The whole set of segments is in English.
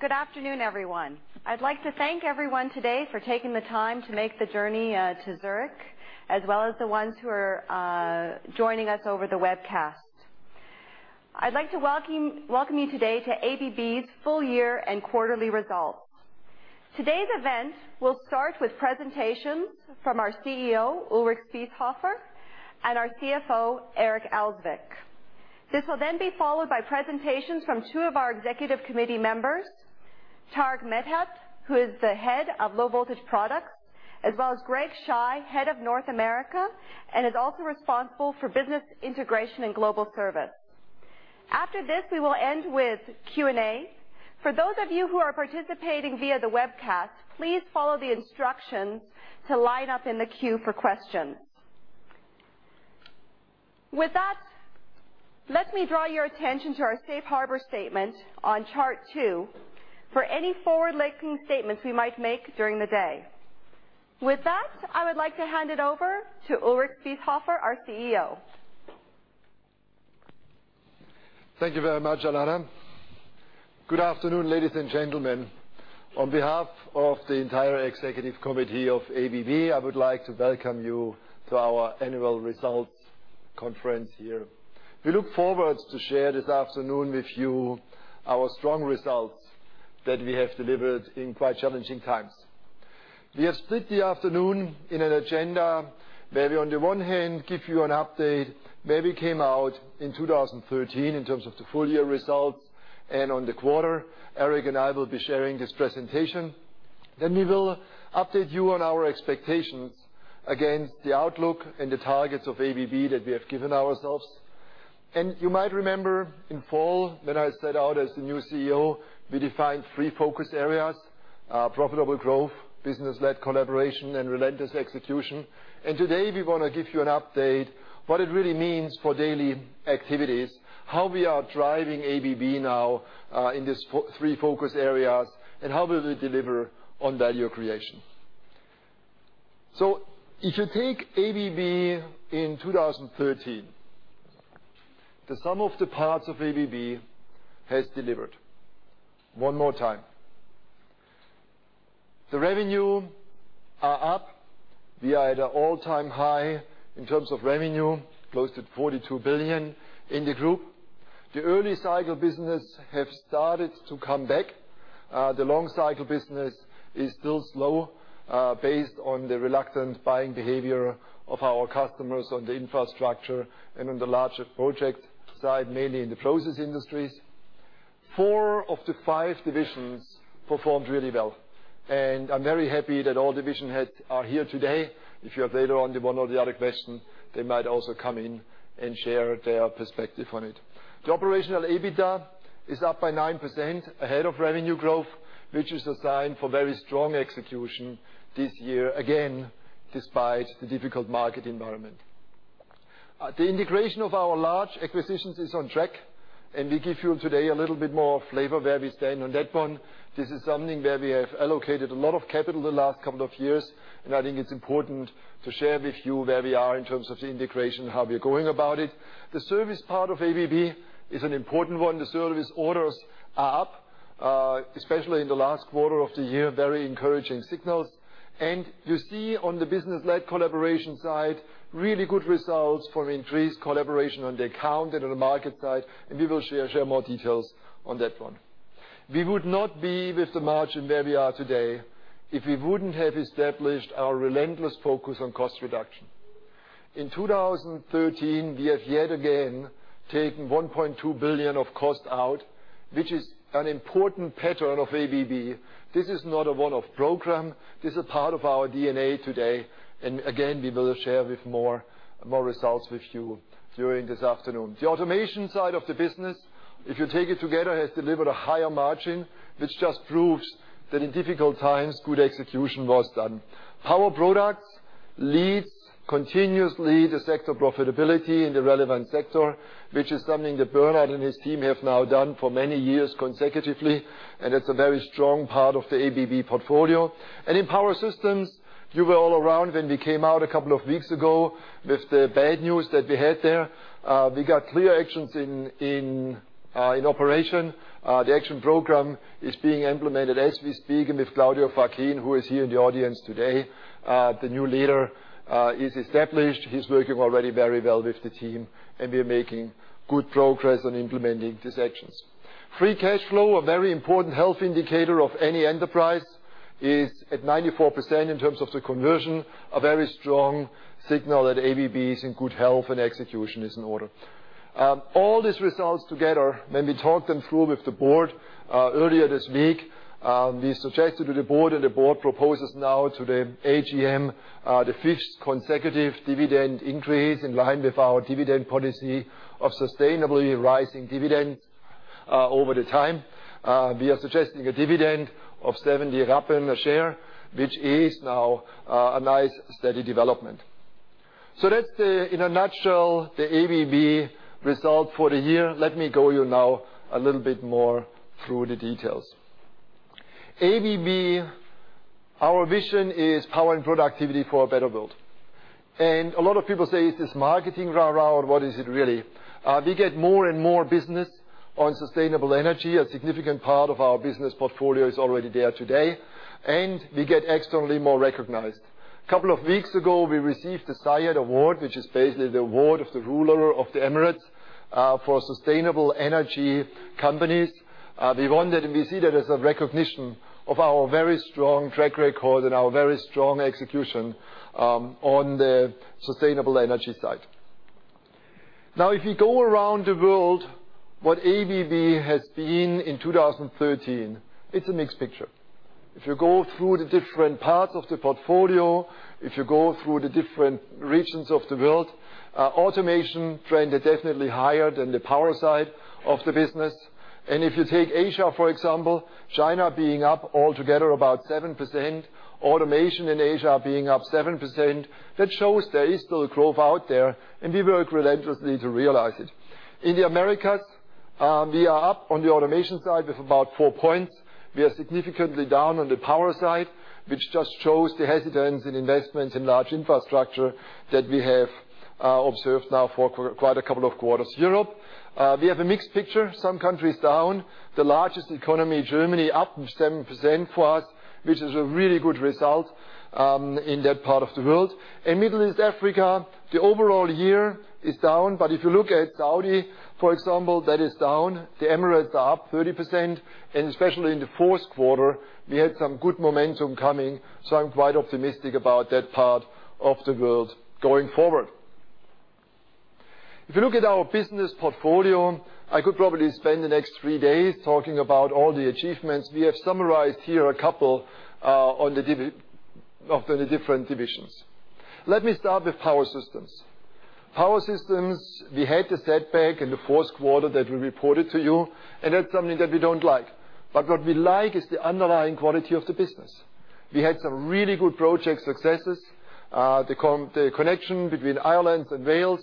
Good afternoon, everyone. I'd like to thank everyone today for taking the time to make the journey to Zurich, as well as the ones who are joining us over the webcast. I'd like to welcome you today to ABB's full year and quarterly results. Today's event will start with presentations from our CEO, Ulrich Spiesshofer, and our CFO, Eric Elzvik. This will be followed by presentations from two of our Executive Committee members, Tarak Mehta, who is the Head of Low Voltage Products, as well as Greg Scheu, Head of North America, and is also responsible for business integration and group service. After this, we will end with Q&A. For those of you who are participating via the webcast, please follow the instructions to line up in the queue for questions. With that, let me draw your attention to our safe harbor statement on chart two for any forward-looking statements we might make during the day. With that, I would like to hand it over to Ulrich Spiesshofer, our CEO. Thank you very much, Alanna. Good afternoon, ladies and gentlemen. On behalf of the entire Executive Committee of ABB, I would like to welcome you to our annual results conference here. We look forward to share this afternoon with you our strong results that we have delivered in quite challenging times. We have split the afternoon in an agenda where we, on the one hand, give you an update, where we came out in 2013 in terms of the full year results and on the quarter. Eric and I will be sharing this presentation. We will update you on our expectations against the outlook and the targets of ABB that we have given ourselves. You might remember in fall, when I set out as the new CEO, we defined three focus areas, profitable growth, business-led collaboration, and relentless execution. Today, we want to give you an update, what it really means for daily activities, how we are driving ABB now in these three focus areas, and how we will deliver on value creation. If you take ABB in 2013, the sum of the parts of ABB has delivered one more time. The revenue are up. We are at an all-time high in terms of revenue, close to $42 billion in the group. The early cycle business have started to come back. The long cycle business is still slow, based on the reluctant buying behavior of our customers on the infrastructure and on the larger project side, mainly in the process industries. Four of the five divisions performed really well, and I'm very happy that all division heads are here today. If you have later on one or the other question, they might also come in and share their perspective on it. The operational EBITDA is up by 9%, ahead of revenue growth, which is a sign for very strong execution this year, again, despite the difficult market environment. The integration of our large acquisitions is on track, and we give you today a little bit more flavor where we stand on that one. This is something where we have allocated a lot of capital the last couple of years, and I think it's important to share with you where we are in terms of the integration, how we are going about it. The service part of ABB is an important one. The service orders are up, especially in the last quarter of the year, very encouraging signals. You see on the business-led collaboration side, really good results from increased collaboration on the account and on the market side, we will share more details on that one. We would not be with the margin where we are today if we wouldn't have established our relentless focus on cost reduction. In 2013, we have yet again taken $1.2 billion of cost out, which is an important pattern of ABB. This is not a one-off program. This is a part of our DNA today. Again, we will share more results with you during this afternoon. The automation side of the business, if you take it together, has delivered a higher margin, which just proves that in difficult times, good execution was done. Power Products leads continuously the sector profitability in the relevant sector, which is something that Bernhard and his team have now done for many years consecutively, it's a very strong part of the ABB portfolio. In Power Systems, you were all around when we came out a couple of weeks ago with the bad news that we had there. We got clear actions in operation. The action program is being implemented as we speak, with Claudio Facchin, who is here in the audience today. The new leader is established. He's working already very well with the team, we are making good progress on implementing these actions. Free cash flow, a very important health indicator of any enterprise, is at 94% in terms of the conversion, a very strong signal that ABB is in good health and execution is in order. All these results together, when we talked them through with the board earlier this week, we suggested to the board, the board proposes now to the AGM, the fifth consecutive dividend increase in line with our dividend policy of sustainably rising dividends over the time. We are suggesting a dividend of 0.70 a share, which is now a nice steady development. That's, in a nutshell, the ABB result for the year. Let me go through the details a little bit more. ABB, our vision is power and productivity for a better world. A lot of people say, "Is this marketing rah-rah, or what is it really?" We get more and more business on sustainable energy. A significant part of our business portfolio is already there today, we get externally more recognized. Couple of weeks ago, we received the Zayed Award, which is basically the award of the ruler of the Emirates, for sustainable energy companies. We won that. We see that as a recognition of our very strong track record and our very strong execution on the sustainable energy side. If you go around the world, what ABB has been in 2013, it's a mixed picture. If you go through the different parts of the portfolio, if you go through the different regions of the world, automation trend are definitely higher than the power side of the business. If you take Asia, for example, China being up altogether about 7%, automation in Asia being up 7%, that shows there is still growth out there. We work relentlessly to realize it. In the Americas, we are up on the automation side with about four points. We are significantly down on the power side, which just shows the hesitance in investments in large infrastructure that we have observed now for quite a couple of quarters. Europe, we have a mixed picture. Some countries down. The largest economy, Germany, up 7% for us, which is a really good result in that part of the world. In Middle East Africa, the overall year is down. If you look at Saudi, for example, that is down. The Emirates are up 30%. Especially in the fourth quarter, we had some good momentum coming. I'm quite optimistic about that part of the world going forward. If you look at our business portfolio, I could probably spend the next three days talking about all the achievements. We have summarized here a couple of the different divisions. Let me start with Power Systems. Power Systems, we had a setback in the fourth quarter that we reported to you. That's something that we don't like. What we like is the underlying quality of the business. We had some really good project successes. The connection between Ireland and Wales,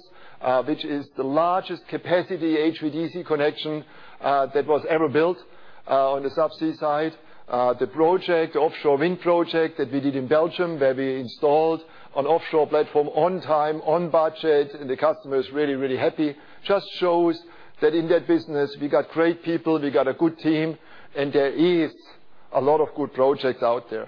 which is the largest capacity HVDC connection that was ever built on the sub-sea side. The offshore wind project that we did in Belgium, where we installed an offshore platform on time, on budget. The customer is really, really happy, just shows that in that business, we got great people, we got a good team. There is a lot of good projects out there.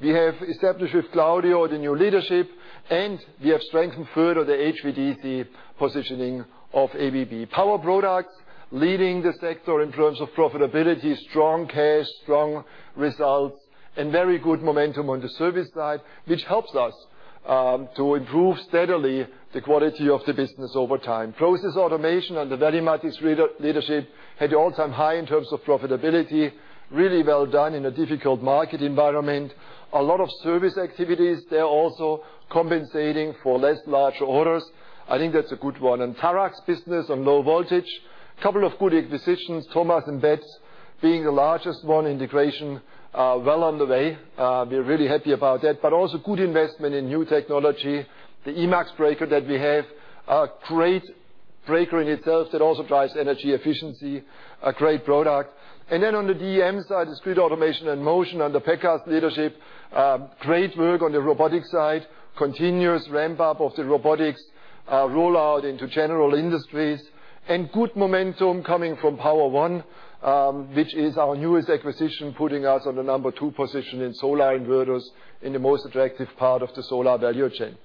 We have established with Claudio the new leadership. We have strengthened further the HVDC positioning of ABB. Power Products leading the sector in terms of profitability, strong cash, strong results. Very good momentum on the service side, which helps us to improve steadily the quality of the business over time. Process Automation, under Veli-Matti's leadership, had all-time high in terms of profitability. Really well done in a difficult market environment. A lot of service activities there also compensating for less larger orders. I think that's a good one. Tarak's business on low voltage, couple of good acquisitions, Thomas & Betts being the largest one, integration well on the way. We are really happy about that. Also good investment in new technology. The Emax breaker that we have, a great breaker in itself that also drives energy efficiency, a great product. On the DM side, Discrete Automation and Motion under Pekka's leadership, great work on the robotics side, continuous ramp-up of the robotics, rollout into general industries, good momentum coming from Power-One, which is our newest acquisition, putting us on the number 2 position in solar inverters in the most attractive part of the solar value chain.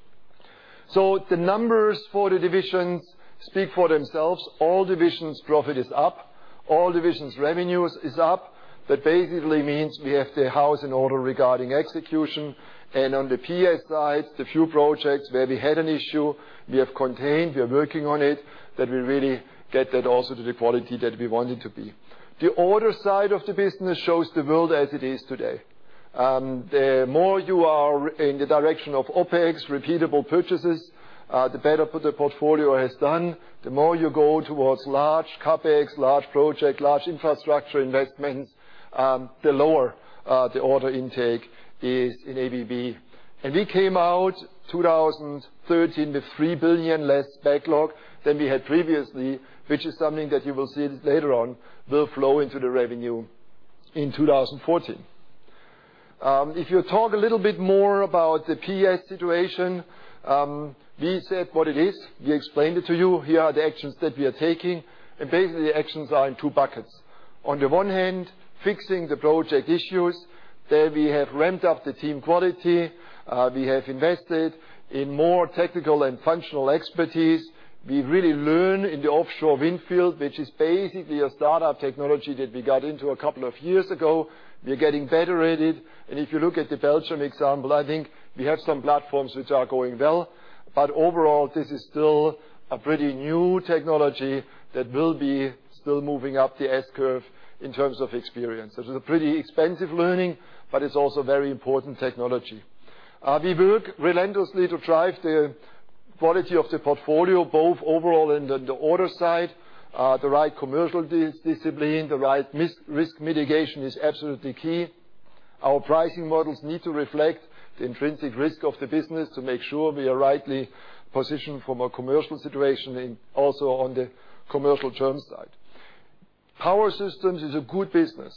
The numbers for the divisions speak for themselves. All divisions' profit is up. All divisions' revenue is up. That basically means we have the house in order regarding execution. On the PS side, the few projects where we had an issue, we have contained, we are working on it, that we really get that also to the quality that we want it to be. The order side of the business shows the world as it is today. The more you are in the direction of OpEx, repeatable purchases, the better the portfolio has done. The more you go towards large CapEx, large project, large infrastructure investments, the lower the order intake is in ABB. We came out 2013 with $3 billion less backlog than we had previously, which is something that you will see later on will flow into the revenue in 2014. If you talk a little bit more about the PS situation, we said what it is. We explained it to you. Here are the actions that we are taking, and basically, the actions are in 2 buckets. On the one hand, fixing the project issues. There we have ramped up the team quality. We have invested in more technical and functional expertise. We really learn in the offshore wind field, which is basically a startup technology that we got into a couple of years ago. We are getting better at it. If you look at the Belgium example, I think we have some platforms which are going well. Overall, this is still a pretty new technology that will be still moving up the S-curve in terms of experience. It is a pretty expensive learning, but it's also very important technology. We work relentlessly to drive the quality of the portfolio, both overall and on the order side. The right commercial discipline, the right risk mitigation is absolutely key. Our pricing models need to reflect the intrinsic risk of the business to make sure we are rightly positioned from a commercial situation and also on the commercial terms side. Power Systems is a good business,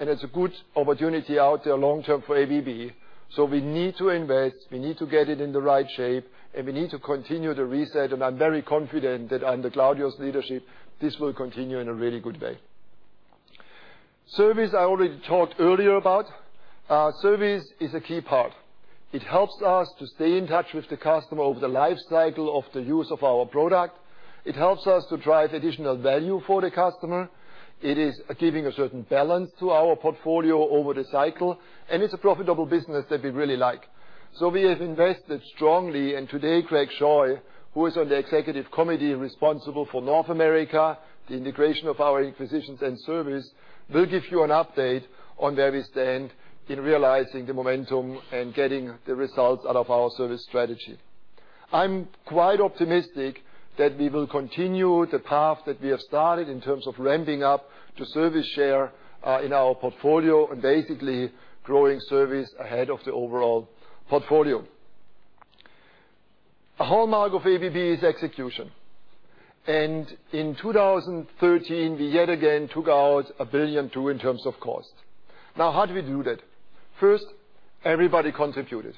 it's a good opportunity out there long-term for ABB. We need to invest, we need to get it in the right shape, we need to continue the reset. I'm very confident that under Claudio's leadership, this will continue in a really good way. Service, I already talked earlier about. Service is a key part. It helps us to stay in touch with the customer over the life cycle of the use of our product. It helps us to drive additional value for the customer. It is giving a certain balance to our portfolio over the cycle, it's a profitable business that we really like. We have invested strongly. Today, Greg Scheu, who is on the Executive Committee responsible for North America, the integration of our acquisitions and service, will give you an update on where we stand in realizing the momentum and getting the results out of our service strategy. I'm quite optimistic that we will continue the path that we have started in terms of ramping up to service share, in our portfolio and basically growing service ahead of the overall portfolio. A hallmark of ABB is execution. In 2013, we yet again took out $1.2 billion in terms of cost. How do we do that? First, everybody contributed.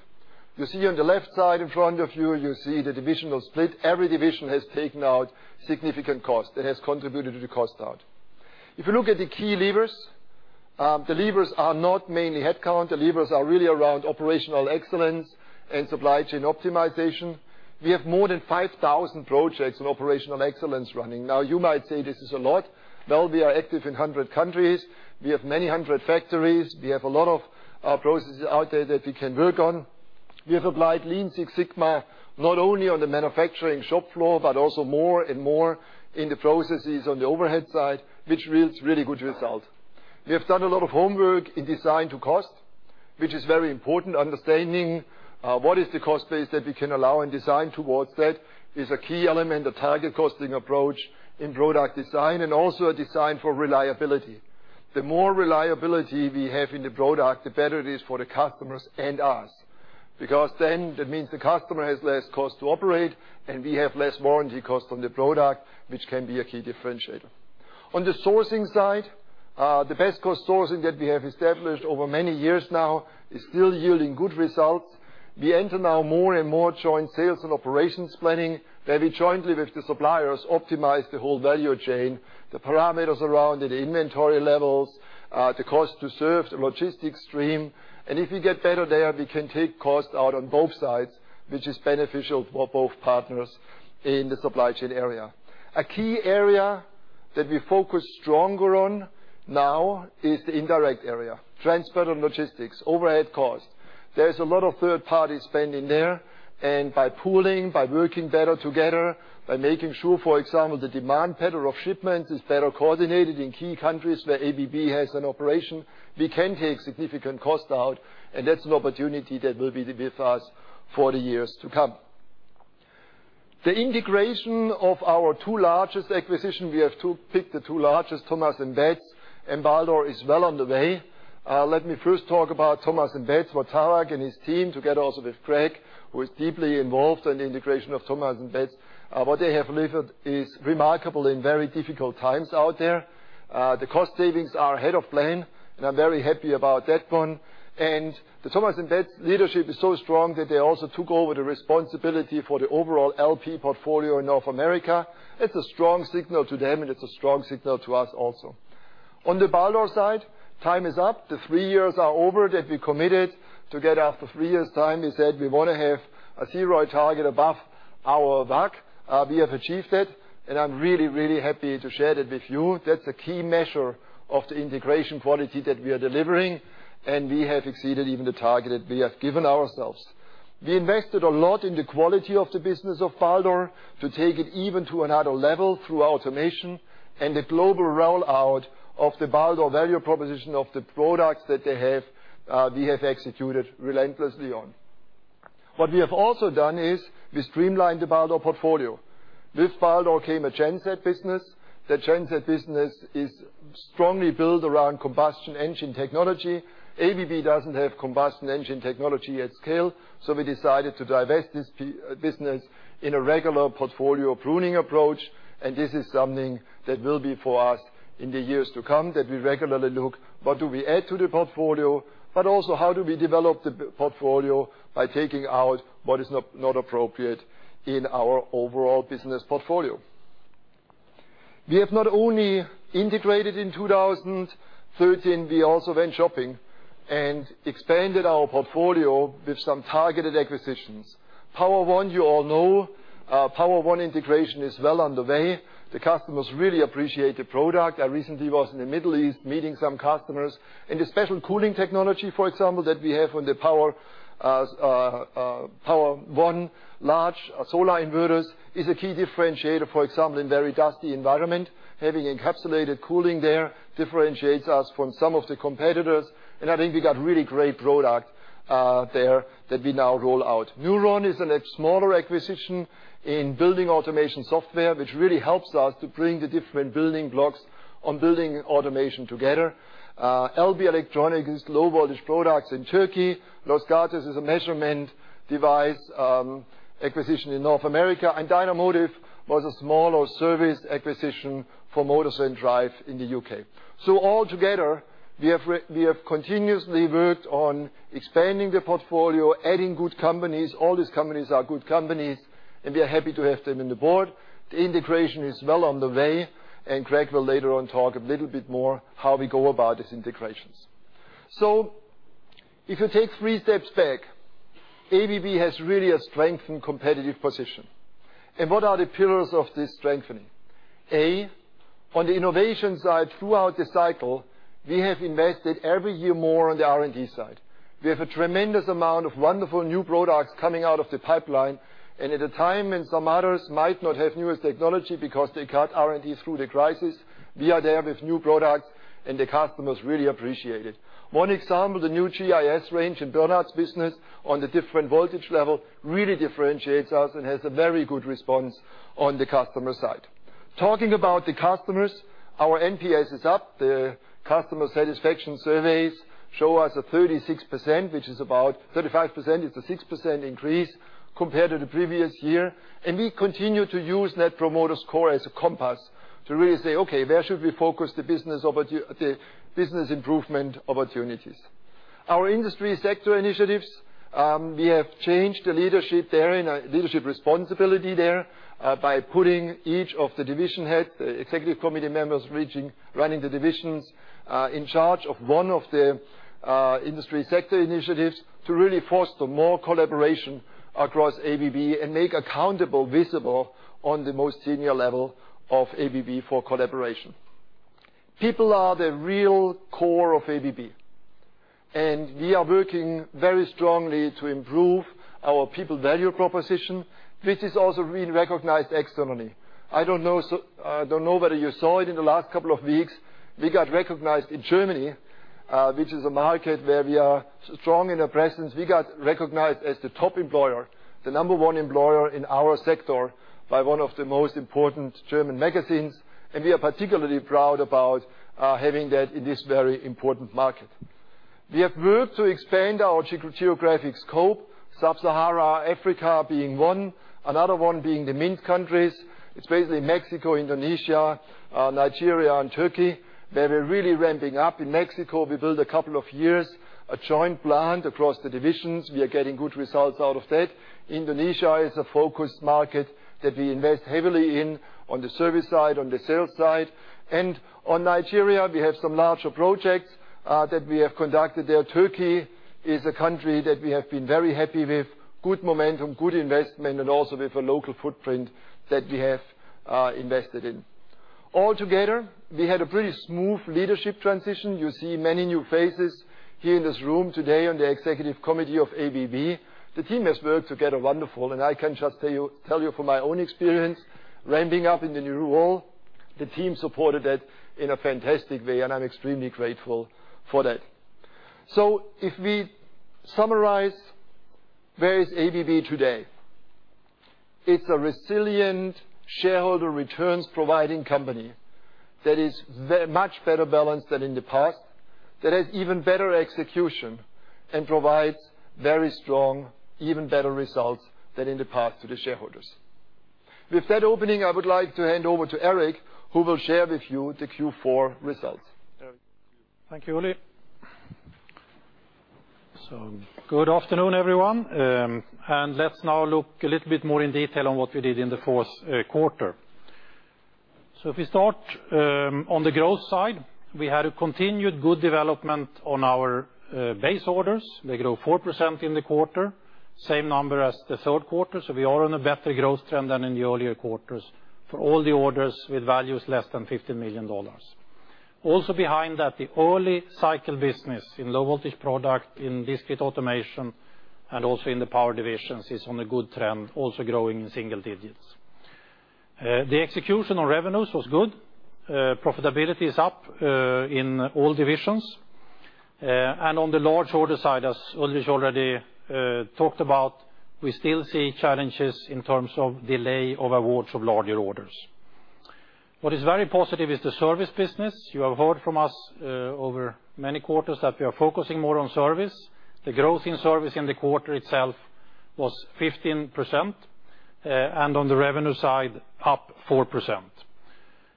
You see on the left side in front of you see the divisional split. Every division has taken out significant cost and has contributed to the cost out. If you look at the key levers, the levers are not mainly headcount. The levers are really around operational excellence and supply chain optimization. We have more than 5,000 projects in operational excellence running. You might say this is a lot. We are active in 100 countries. We have many hundred factories. We have a lot of processes out there that we can work on. We have applied Lean Six Sigma not only on the manufacturing shop floor, but also more and more in the processes on the overhead side, which yields really good results. We have done a lot of homework in design to cost, which is very important. Understanding what is the cost base that we can allow and design towards that is a key element, a target costing approach in product design, and also a design for reliability. The more reliability we have in the product, the better it is for the customers and us, because then that means the customer has less cost to operate, and we have less warranty cost on the product, which can be a key differentiator. On the sourcing side, the best cost sourcing that we have established over many years now is still yielding good results. We enter now more and more joint sales and operations planning, where we jointly with the suppliers optimize the whole value chain, the parameters around it, the inventory levels, the cost to serve, the logistics stream. If we get better there, we can take costs out on both sides, which is beneficial for both partners in the supply chain area. A key area that we focus stronger on now is the indirect area. Transport and logistics, overhead costs. There's a lot of third-party spending there, by pooling, by working better together, by making sure, for example, the demand pattern of shipments is better coordinated in key countries where ABB has an operation, we can take significant cost out, and that's an opportunity that will be with us for the years to come. The integration of our two largest acquisitions. We have picked the two largest, Thomas & Betts and Baldor is well on the way. Let me first talk about Thomas & Betts, where Tarak and his team, together also with Greg, who is deeply involved in the integration of Thomas & Betts. What they have delivered is remarkable in very difficult times out there. The cost savings are ahead of plan, I'm very happy about that one. The Thomas & Betts leadership is so strong that they also took over the responsibility for the overall LP portfolio in North America. It's a strong signal to them, and it's a strong signal to us also. On the Baldor side, time is up. The three years are over that we committed to get after three years time. We said we want to have a CROI target above our WACC. We have achieved that, and I'm really, really happy to share that with you. That's a key measure of the integration quality that we are delivering, and we have exceeded even the target that we have given ourselves. We invested a lot in the quality of the business of Baldor to take it even to another level through automation and the global rollout of the Baldor value proposition of the products that they have, we have executed relentlessly on. What we have also done is we streamlined the Baldor portfolio. With Baldor came a genset business. That genset business is strongly built around combustion engine technology. ABB doesn't have combustion engine technology at scale, so we decided to divest this business in a regular portfolio pruning approach. This is something that will be for us in the years to come, that we regularly look what do we add to the portfolio, but also how do we develop the portfolio by taking out what is not appropriate in our overall business portfolio. We have not only integrated in 2013. We also went shopping and expanded our portfolio with some targeted acquisitions. Power-One you all know. Power-One integration is well on the way. The customers really appreciate the product. I recently was in the Middle East meeting some customers. The special cooling technology, for example, that we have on the Power-One large solar inverters is a key differentiator. For example, in very dusty environment, having encapsulated cooling there differentiates us from some of the competitors. I think we got really great product there that we now roll out. Newron is a smaller acquisition in building automation software, which really helps us to bring the different building blocks on building automation together. ELBİ Elektrik is low-voltage products in Turkey. Los Gatos is a measurement device acquisition in North America. Dynamotive was a smaller service acquisition for motors and drive in the U.K. Altogether, we have continuously worked on expanding the portfolio, adding good companies. All these companies are good companies, and we are happy to have them in the board. The integration is well on the way. Greg will later on talk a little bit more how we go about these integrations. If you take three steps back, ABB has really a strengthened competitive position. What are the pillars of this strengthening? A, on the innovation side, throughout the cycle, we have invested every year more on the R&D side. We have a tremendous amount of wonderful new products coming out of the pipeline, and at a time when some others might not have newest technology because they cut R&D through the crisis, we are there with new products, and the customers really appreciate it. One example, the new GIS range in Bernhard's business on the different voltage level really differentiates us and has a very good response on the customer side. Talking about the customers, our NPS is up. The customer satisfaction surveys show us a 36%, which is about 35%. It's a 6% increase compared to the previous year. We continue to use Net Promoter Score as a compass to really say, "Okay, where should we focus the business improvement opportunities?" Our industry sector initiatives, we have changed the leadership there and leadership responsibility there, by putting each of the division head, the Executive Committee members running the divisions, in charge of one of the industry sector initiatives to really foster more collaboration across ABB and make accountable, visible on the most senior level of ABB for collaboration. People are the real core of ABB, and we are working very strongly to improve our people value proposition, which is also really recognized externally. I don't know whether you saw it in the last couple of weeks. We got recognized in Germany, which is a market where we are strong in our presence. We got recognized as the top employer, the number one employer in our sector by one of the most important German magazines, and we are particularly proud about having that in this very important market. We have worked to expand our geographic scope, Sub-Saharan Africa being one, another one being the MINT countries. It's basically Mexico, Indonesia, Nigeria, and Turkey, where we're really ramping up. In Mexico, we built a couple of years a joint plant across the divisions. We are getting good results out of that. Indonesia is a focus market that we invest heavily in, on the service side, on the sales side. On Nigeria, we have some larger projects that we have conducted there. Turkey is a country that we have been very happy with. Good momentum, good investment, and also with a local footprint that we have invested in. All together, we had a pretty smooth leadership transition. You see many new faces here in this room today on the Executive Committee of ABB. The team has worked together wonderful, and I can just tell you from my own experience, ramping up in the new role, the team supported that in a fantastic way, and I'm extremely grateful for that. If we summarize, where is ABB today? It's a resilient shareholder returns providing company that is much better balanced than in the past, that has even better execution and provides very strong, even better results than in the past to the shareholders. With that opening, I would like to hand over to Eric, who will share with you the Q4 results. Eric. Thank you, Ulrich. Good afternoon, everyone. Let's now look a little bit more in detail on what we did in the fourth quarter. If we start on the growth side, we had a continued good development on our base orders. They grew 4% in the quarter, same number as the third quarter. We are on a better growth trend than in the earlier quarters for all the orders with values less than $50 million. Also behind that, the early cycle business in low-voltage product, in discrete automation, and also in the power divisions, is on a good trend, also growing in single digits. The execution on revenues was good. Profitability is up in all divisions. On the large order side, as Ulrich already talked about, we still see challenges in terms of delay of awards of larger orders. What is very positive is the service business. You have heard from us over many quarters that we are focusing more on service. The growth in service in the quarter itself was 15%, and on the revenue side, up 4%.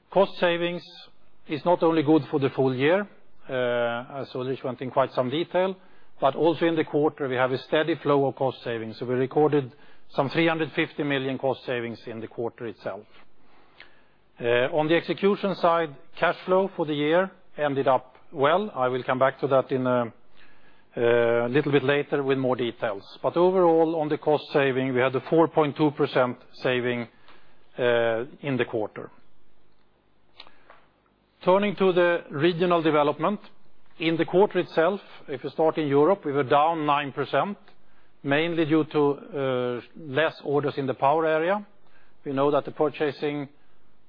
Cost savings is not only good for the full year, as Ulrich went in quite some detail, but also in the quarter, we have a steady flow of cost savings. We recorded some $350 million cost savings in the quarter itself. On the execution side, cash flow for the year ended up well. I will come back to that a little bit later with more details. Overall, on the cost saving, we had a 4.2% saving in the quarter. Turning to the regional development. In the quarter itself, if you start in Europe, we were down 9%, mainly due to less orders in the power area. We know that the purchasing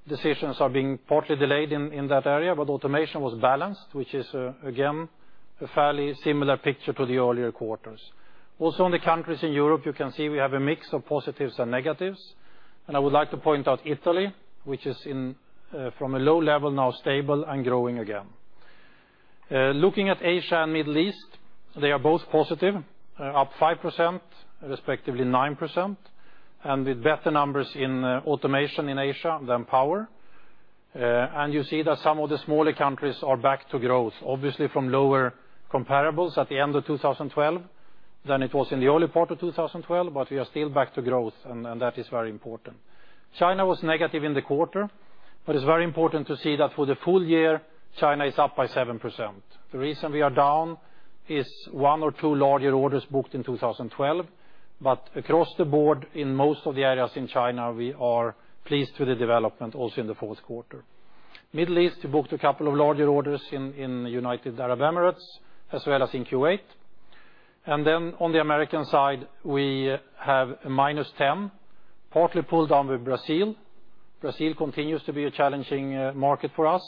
decisions are being partly delayed in that area. Automation was balanced, which is, again, a fairly similar picture to the earlier quarters. Also, in the countries in Europe, you can see we have a mix of positives and negatives, and I would like to point out Italy, which is from a low level now stable and growing again. Looking at Asia and Middle East, they are both positive, up 5%, respectively 9%, and with better numbers in automation in Asia than power. You see that some of the smaller countries are back to growth, obviously from lower comparables at the end of 2012. Then it was in the early part of 2012, but we are still back to growth, and that is very important. China was negative in the quarter, but it's very important to see that for the full year, China is up by 7%. The reason we are down is one or two larger orders booked in 2012. Across the board, in most of the areas in China, we are pleased with the development also in the fourth quarter. Middle East, we booked a couple of larger orders in the United Arab Emirates as well as in Kuwait. On the American side, we have a minus 10, partly pulled down with Brazil. Brazil continues to be a challenging market for us.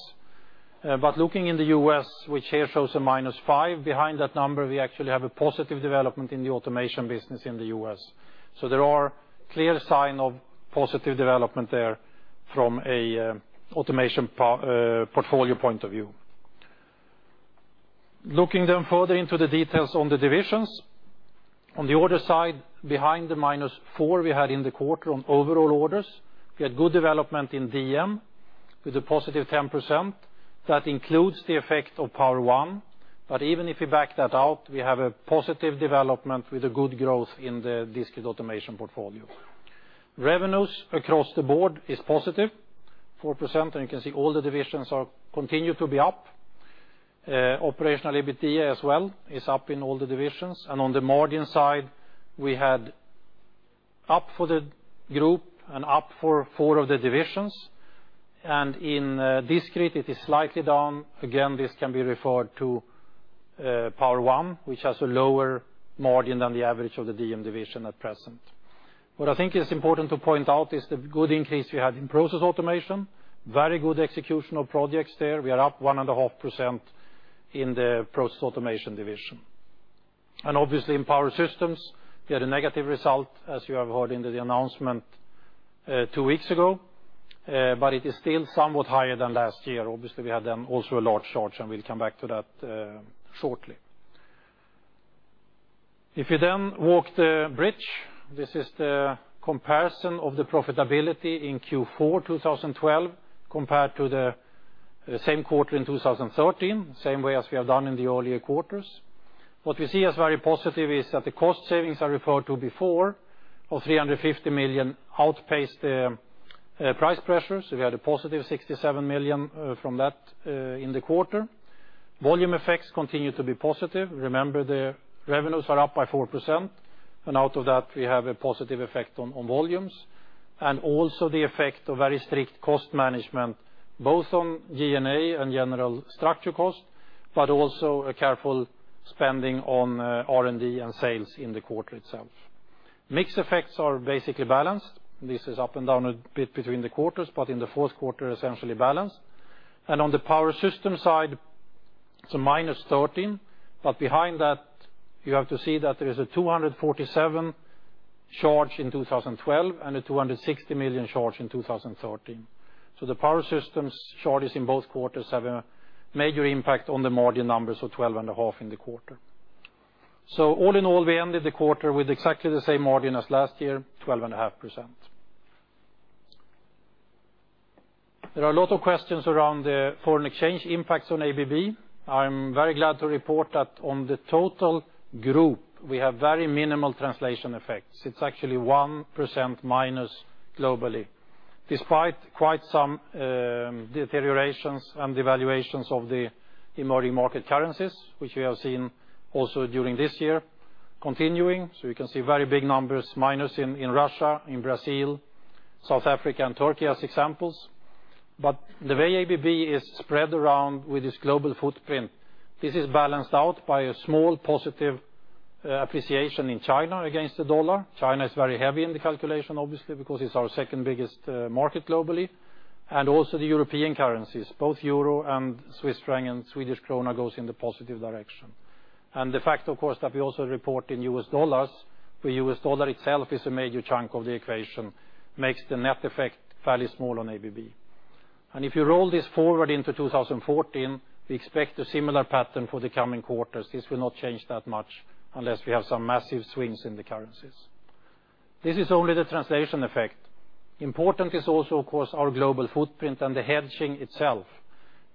Looking in the U.S., which here shows a minus five, behind that number, we actually have a positive development in the automation business in the U.S. There are clear sign of positive development there from a automation portfolio point of view. Looking further into the details on the divisions. On the order side, behind the minus four we had in the quarter on overall orders, we had good development in DM with a positive 10%. That includes the effect of Power-One. Even if we back that out, we have a positive development with a good growth in the discrete automation portfolio. Revenues across the board is positive, 4%, and you can see all the divisions continue to be up. Operational EBITDA as well is up in all the divisions. On the margin side, we had up for the group and up for four of the divisions. In discrete, it is slightly down. Again, this can be referred to Power-One, which has a lower margin than the average of the DM division at present. What I think is important to point out is the good increase we had in Process Automation, very good executional projects there. We are up 1.5% in the Process Automation division. In Power Systems, we had a negative result, as you have heard in the announcement two weeks ago, but it is still somewhat higher than last year. We had then also a large charge. We will come back to that shortly. If you then walk the bridge, this is the comparison of the profitability in Q4 2012 compared to the same quarter in 2013, same way as we have done in the earlier quarters. What we see as very positive is that the cost savings I referred to before of $350 million outpaced the price pressures. We had a positive $67 million from that in the quarter. Volume effects continue to be positive. Remember, the revenues are up by 4%, and out of that, we have a positive effect on volumes. Also the effect of very strict cost management, both on G&A and general structure cost, but also a careful spending on R&D and sales in the quarter itself. Mix effects are basically balanced. This is up and down a bit between the quarters, but in the fourth quarter, essentially balanced. On the Power Systems side, it's a -13, but behind that, you have to see that there is a $247 charge in 2012 and a $260 million charge in 2013. The Power Systems charges in both quarters have a major impact on the margin numbers of 12.5% in the quarter. All in all, we ended the quarter with exactly the same margin as last year, 12.5%. There are a lot of questions around the foreign exchange impacts on ABB. I'm very glad to report that on the total group, we have very minimal translation effects. It's actually -1% globally, despite quite some deteriorations and devaluations of the emerging market currencies, which we have seen also during this year continuing. You can see very big numbers minus in Russia, in Brazil, South Africa, and Turkey as examples. The way ABB is spread around with its global footprint, this is balanced out by a small positive appreciation in China against the U.S. dollar. China is very heavy in the calculation, obviously, because it's our second-biggest market globally. Also the European currencies, both EUR and CHF and SEK goes in the positive direction. The fact, of course, that we also report in U.S. dollars, the U.S. dollar itself is a major chunk of the equation, makes the net effect fairly small on ABB. If you roll this forward into 2014, we expect a similar pattern for the coming quarters. This will not change that much unless we have some massive swings in the currencies. This is only the translation effect. Important is also, of course, our global footprint and the hedging itself.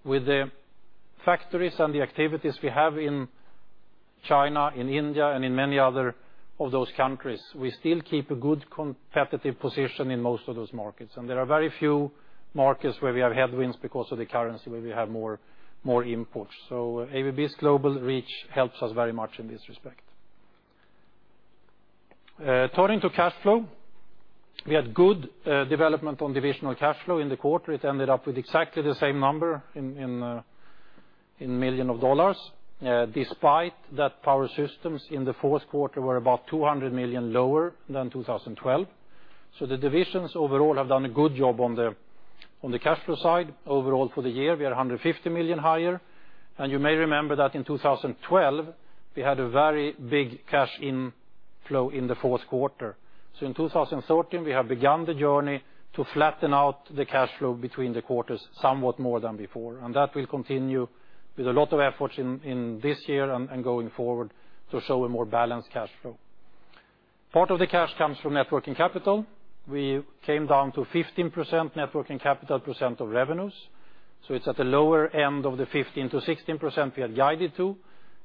With the factories and the activities we have in China, in India, and in many other of those countries, we still keep a good competitive position in most of those markets. There are very few markets where we have headwinds because of the currency where we have more imports. ABB's global reach helps us very much in this respect. Turning to cash flow, we had good development on divisional cash flow in the quarter. It ended up with exactly the same number in million of dollars, despite that Power Systems in the fourth quarter were about $200 million lower than 2012. The divisions overall have done a good job on the cash flow side. Overall for the year, we are $150 million higher. You may remember that in 2012, we had a very big cash inflow in the fourth quarter. In 2013, we have begun the journey to flatten out the cash flow between the quarters somewhat more than before, and that will continue with a lot of efforts in this year and going forward to show a more balanced cash flow. Part of the cash comes from net working capital. We came down to 15% net working capital % of revenues. It's at the lower end of the 15%-16% we had guided to.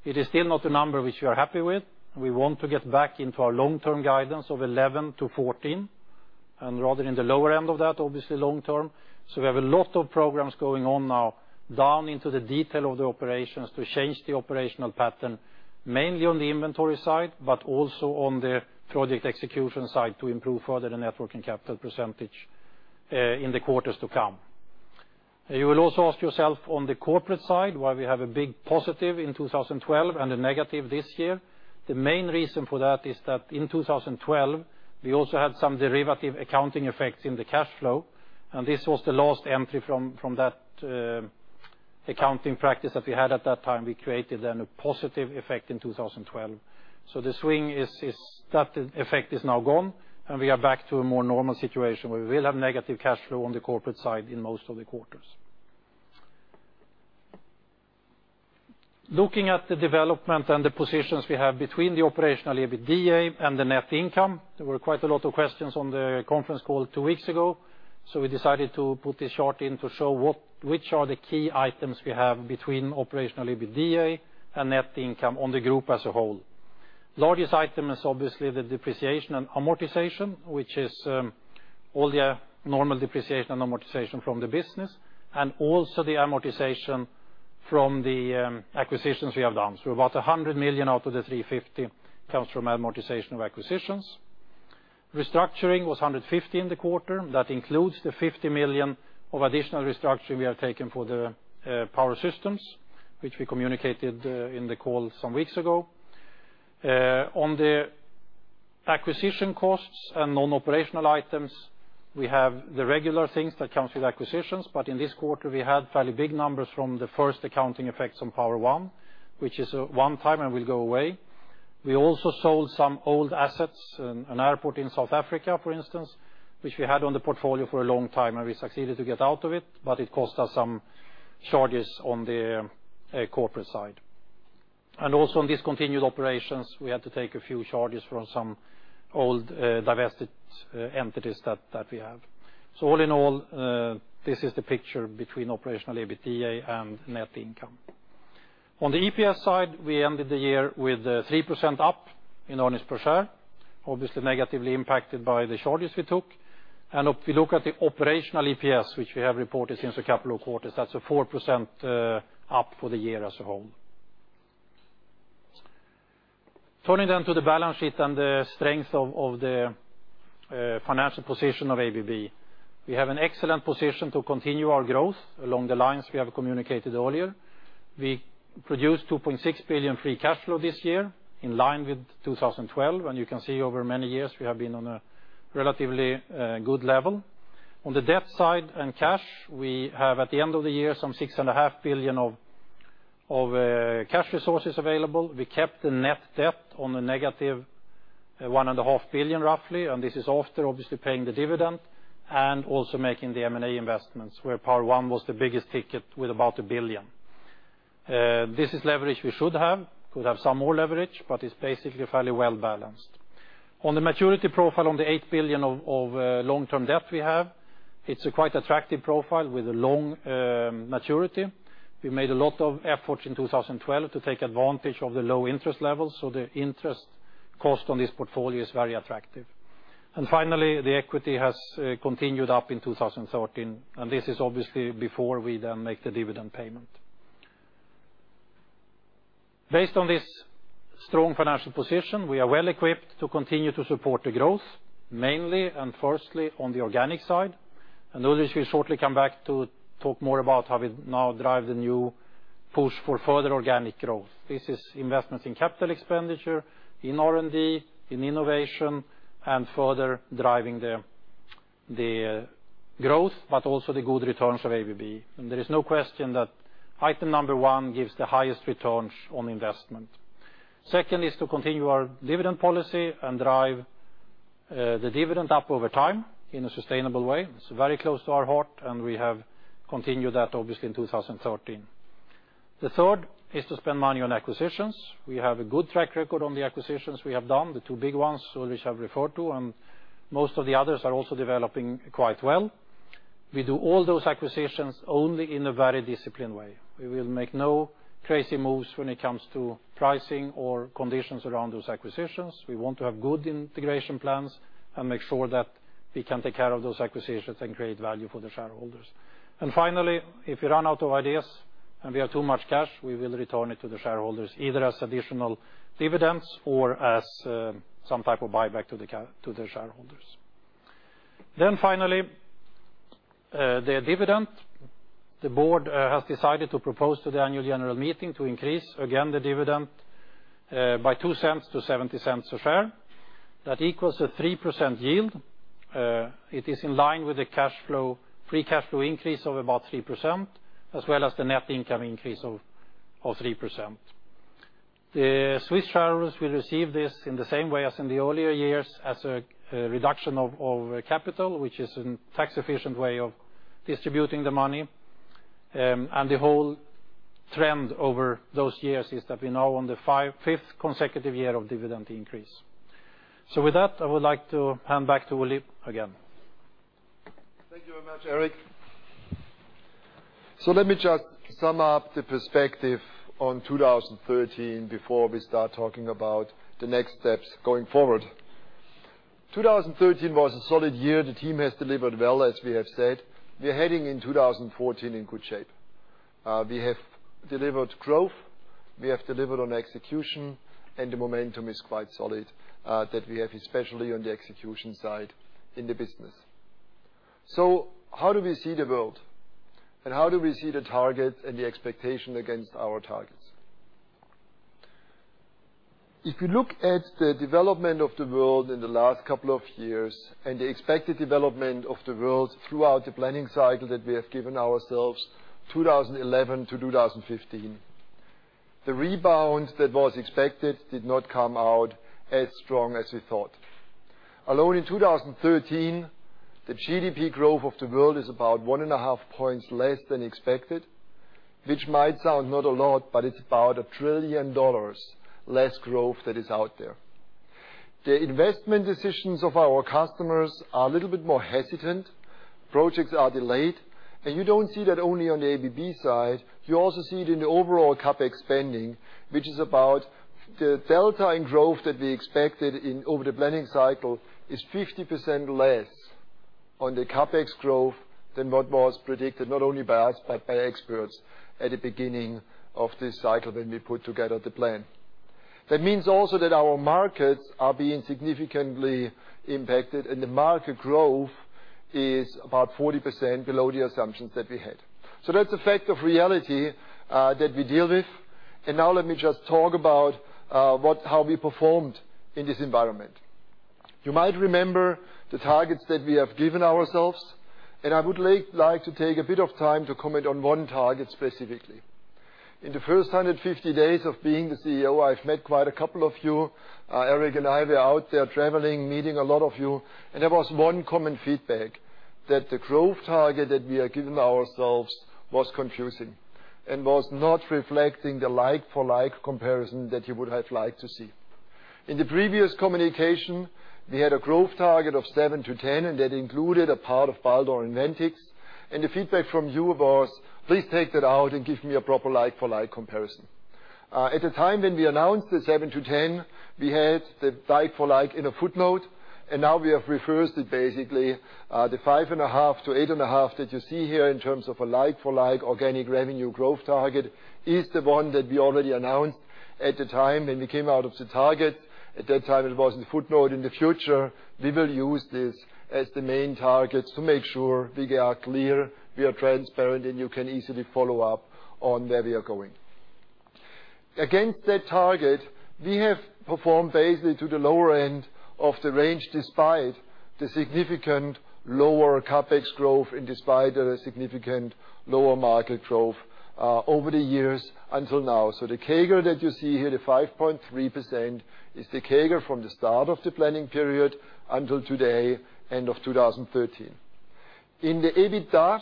It is still not a number which we are happy with. We want to get back into our long-term guidance of 11%-14%, and rather in the lower end of that, obviously, long term. We have a lot of programs going on now down into the detail of the operations to change the operational pattern, mainly on the inventory side, but also on the project execution side to improve further the net working capital % in the quarters to come. You will also ask yourself on the corporate side why we have a big positive in 2012 and a negative this year. The main reason for that is that in 2012, we also had some derivative accounting effects in the cash flow, and this was the last entry from that accounting practice that we had at that time. We created then a positive effect in 2012. That effect is now gone, and we are back to a more normal situation where we will have negative cash flow on the corporate side in most of the quarters. Looking at the development and the positions we have between the operational EBITDA and the net income, there were quite a lot of questions on the conference call two weeks ago, so we decided to put this chart in to show which are the key items we have between operational EBITDA and net income on the group as a whole. Largest item is obviously the depreciation and amortization, which is all the normal depreciation and amortization from the business, and also the amortization from the acquisitions we have done. About $100 million out of the $350 million comes from amortization of acquisitions. Restructuring was $150 million in the quarter. That includes the $50 million of additional restructuring we have taken for the Power Systems, which we communicated in the call some weeks ago. On the acquisition costs and non-operational items, we have the regular things that come with acquisitions, but in this quarter, we had fairly big numbers from the first accounting effects on Power-One, which is one time and will go away. We also sold some old assets, an airport in South Africa, for instance, which we had on the portfolio for a long time, we succeeded to get out of it, but it cost us some charges on the corporate side. Also on discontinued operations, we had to take a few charges from some old divested entities that we have. All in all, this is the picture between operational EBITDA and net income. On the EPS side, we ended the year with 3% up in earnings per share, obviously negatively impacted by the charges we took. If we look at the operational EPS, which we have reported since a couple of quarters, that's a 4% up for the year as a whole. Turning to the balance sheet and the strength of the financial position of ABB. We have an excellent position to continue our growth along the lines we have communicated earlier. We produced $2.6 billion free cash flow this year, in line with 2012, and you can see over many years, we have been on a relatively good level. On the debt side and cash, we have at the end of the year some $6.5 billion of cash resources available. We kept the net debt on a negative $1.5 billion, roughly, and this is after obviously paying the dividend and also making the M&A investments, where Power-One was the biggest ticket with about $1 billion. This is leverage we should have. Could have some more leverage, but it's basically fairly well-balanced. On the maturity profile on the $8 billion of long-term debt we have, it's a quite attractive profile with a long maturity. We made a lot of efforts in 2012 to take advantage of the low interest levels, the interest cost on this portfolio is very attractive. Finally, the equity has continued up in 2013, and this is obviously before we then make the dividend payment. Based on this strong financial position, we are well-equipped to continue to support the growth, mainly and firstly on the organic side. Ulrich will shortly come back to talk more about how we now drive the new push for further organic growth. This is investments in capital expenditure, in R&D, in innovation, and further driving the growth, but also the good returns of ABB. There is no question that item number one gives the highest returns on investment. Second is to continue our dividend policy and drive the dividend up over time in a sustainable way. It's very close to our heart, and we have continued that obviously in 2013. The third is to spend money on acquisitions. We have a good track record on the acquisitions we have done, the two big ones Ulrich have referred to, and most of the others are also developing quite well. We do all those acquisitions only in a very disciplined way. We will make no crazy moves when it comes to pricing or conditions around those acquisitions. We want to have good integration plans and make sure that we can take care of those acquisitions and create value for the shareholders. Finally, if we run out of ideas and we have too much cash, we will return it to the shareholders, either as additional dividends or as some type of buyback to the shareholders. Finally, the dividend. The board has decided to propose to the annual general meeting to increase again the dividend by 0.02 to 0.70 a share. That equals a 3% yield. It is in line with the cash flow, free cash flow increase of about 3%, as well as the net income increase of 3%. The Swiss shareholders will receive this in the same way as in the earlier years as a reduction of capital, which is a tax-efficient way of distributing the money. The whole trend over those years is that we're now on the fifth consecutive year of dividend increase. With that, I would like to hand back to Ulrich again. Thank you very much, Eric. Let me just sum up the perspective on 2013 before we start talking about the next steps going forward. 2013 was a solid year. The team has delivered well, as we have said. We're heading in 2014 in good shape. We have delivered growth, we have delivered on execution, the momentum is quite solid, that we have especially on the execution side in the business. How do we see the world? How do we see the target and the expectation against our targets? If you look at the development of the world in the last couple of years, the expected development of the world throughout the planning cycle that we have given ourselves, 2011 to 2015. The rebound that was expected did not come out as strong as we thought. Alone in 2013, the GDP growth of the world is about one and a half points less than expected, which might sound not a lot, but it's about $1 trillion less growth that is out there. The investment decisions of our customers are a little bit more hesitant. Projects are delayed. You don't see that only on the ABB side, you also see it in the overall CapEx spending, which is about the delta in growth that we expected over the planning cycle is 50% less on the CapEx growth than what was predicted, not only by us, but by experts at the beginning of this cycle when we put together the plan. That means also that our markets are being significantly impacted, the market growth is about 40% below the assumptions that we had. That's a fact of reality that we deal with. Now let me just talk about how we performed in this environment. You might remember the targets that we have given ourselves, I would like to take a bit of time to comment on one target specifically. In the first 150 days of being the CEO, I've met quite a couple of you. Eric and I were out there traveling, meeting a lot of you, there was one common feedback, that the growth target that we had given ourselves was confusing and was not reflecting the like-for-like comparison that you would have liked to see. In the previous communication, we had a growth target of seven to 10, that included a part of Baldor and Ventyx. The feedback from you was, "Please take that out and give me a proper like-for-like comparison." At the time when we announced the 7%-10%, we had the like-for-like in a footnote, and now we have reversed it basically. The 5.5%-8.5% that you see here in terms of a like-for-like organic revenue growth target is the one that we already announced at the time when we came out of the target. At that time, it was in the footnote. In the future, we will use this as the main target to make sure we are clear, we are transparent, and you can easily follow up on where we are going. Against that target, we have performed basically to the lower end of the range, despite the significant lower CapEx growth and despite the significant lower market growth over the years until now. The CAGR that you see here, the 5.3%, is the CAGR from the start of the planning period until today, end of 2013. In the EBITDA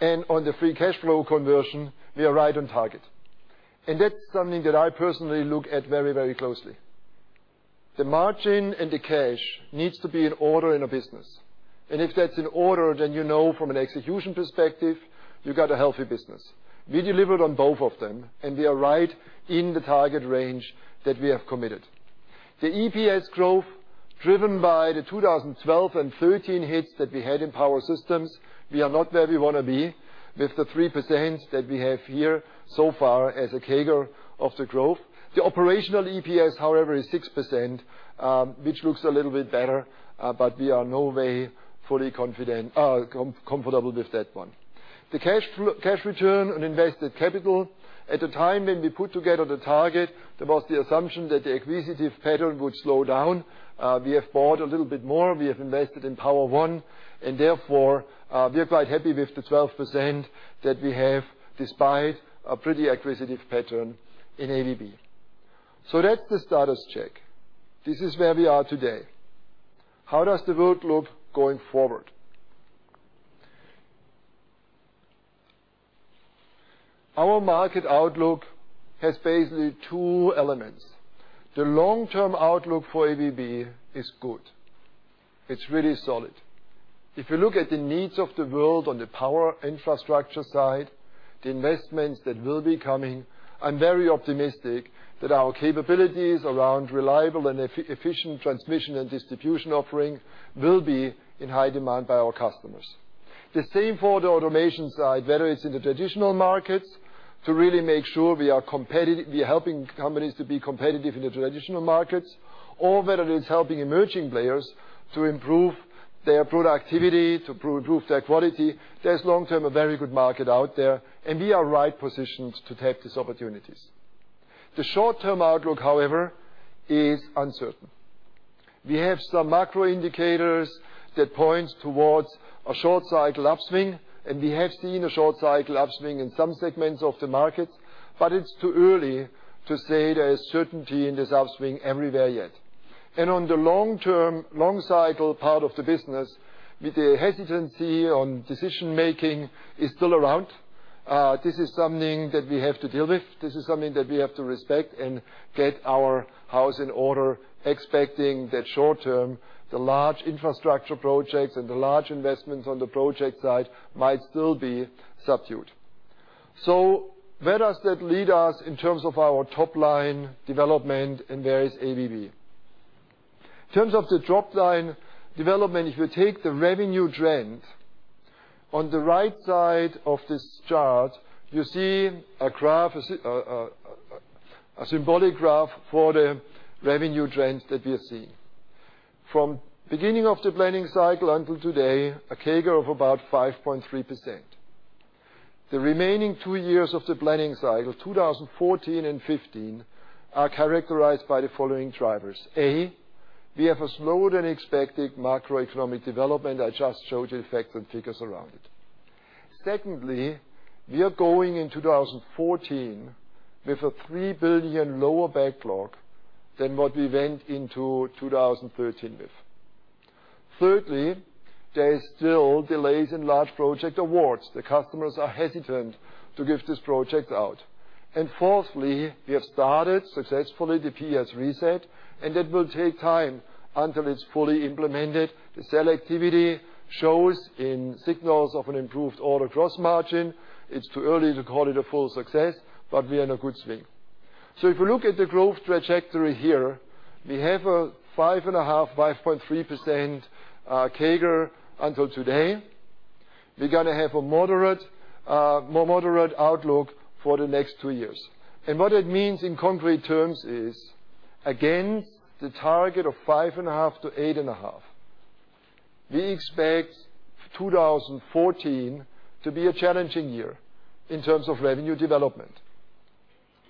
and on the free cash flow conversion, we are right on target. That's something that I personally look at very closely. The margin and the cash needs to be in order in a business. If that's in order, then you know from an execution perspective, you've got a healthy business. We delivered on both of them, and we are right in the target range that we have committed. The EPS growth, driven by the 2012 and 2013 hits that we had in Power Systems, we are not where we want to be with the 3% that we have here so far as a CAGR of the growth. The operational EPS, however, is 6%, which looks a little bit better, but we are in no way fully comfortable with that one. The cash return on invested capital. At the time when we put together the target, there was the assumption that the acquisitive pattern would slow down. We have bought a little bit more. We have invested in Power-One, and therefore, we are quite happy with the 12% that we have, despite a pretty acquisitive pattern in ABB. That's the status check. This is where we are today. How does the world look going forward? Our market outlook has basically two elements. The long-term outlook for ABB is good. It's really solid. If you look at the needs of the world on the power infrastructure side, the investments that will be coming, I'm very optimistic that our capabilities around reliable and efficient transmission and distribution offering will be in high demand by our customers. The same for the automation side, whether it's in the traditional markets to really make sure we are helping companies to be competitive in the traditional markets, or whether it's helping emerging players to improve their productivity, to improve their quality. There's long-term a very good market out there, and we are right positioned to take these opportunities. The short-term outlook, however, is uncertain. We have some macro indicators that point towards a short-cycle upswing. We have seen a short-cycle upswing in some segments of the market, it's too early to say there's certainty in this upswing everywhere yet. On the long-term, long-cycle part of the business, the hesitancy on decision-making is still around. This is something that we have to deal with. This is something that we have to respect and get our house in order, expecting that short term, the large infrastructure projects and the large investments on the project side might still be subdued. Where does that lead us in terms of our top-line development in various ABB? In terms of the top-line development, if you take the revenue trend, on the right side of this chart, you see a symbolic graph for the revenue trends that we are seeing. From beginning of the planning cycle until today, a CAGR of about 5.3%. The remaining two years of the planning cycle, 2014 and 2015, are characterized by the following drivers. A, we have a slower-than-expected macroeconomic development. I just showed you facts and figures around it. Secondly, we are going into 2014 with a 3 billion lower backlog than what we went into 2013 with. Thirdly, there are still delays in large project awards. The customers are hesitant to give these projects out. Fourthly, we have started successfully the PS reset, that will take time until it's fully implemented. The sell activity shows in signals of an improved order gross margin. It's too early to call it a full success, we are in a good swing. If we look at the growth trajectory here, we have a 5.5%, 5.3% CAGR until today. We're going to have a more moderate outlook for the next two years. What it means in concrete terms is, against the target of 5.5%-8.5%, we expect 2014 to be a challenging year in terms of revenue development.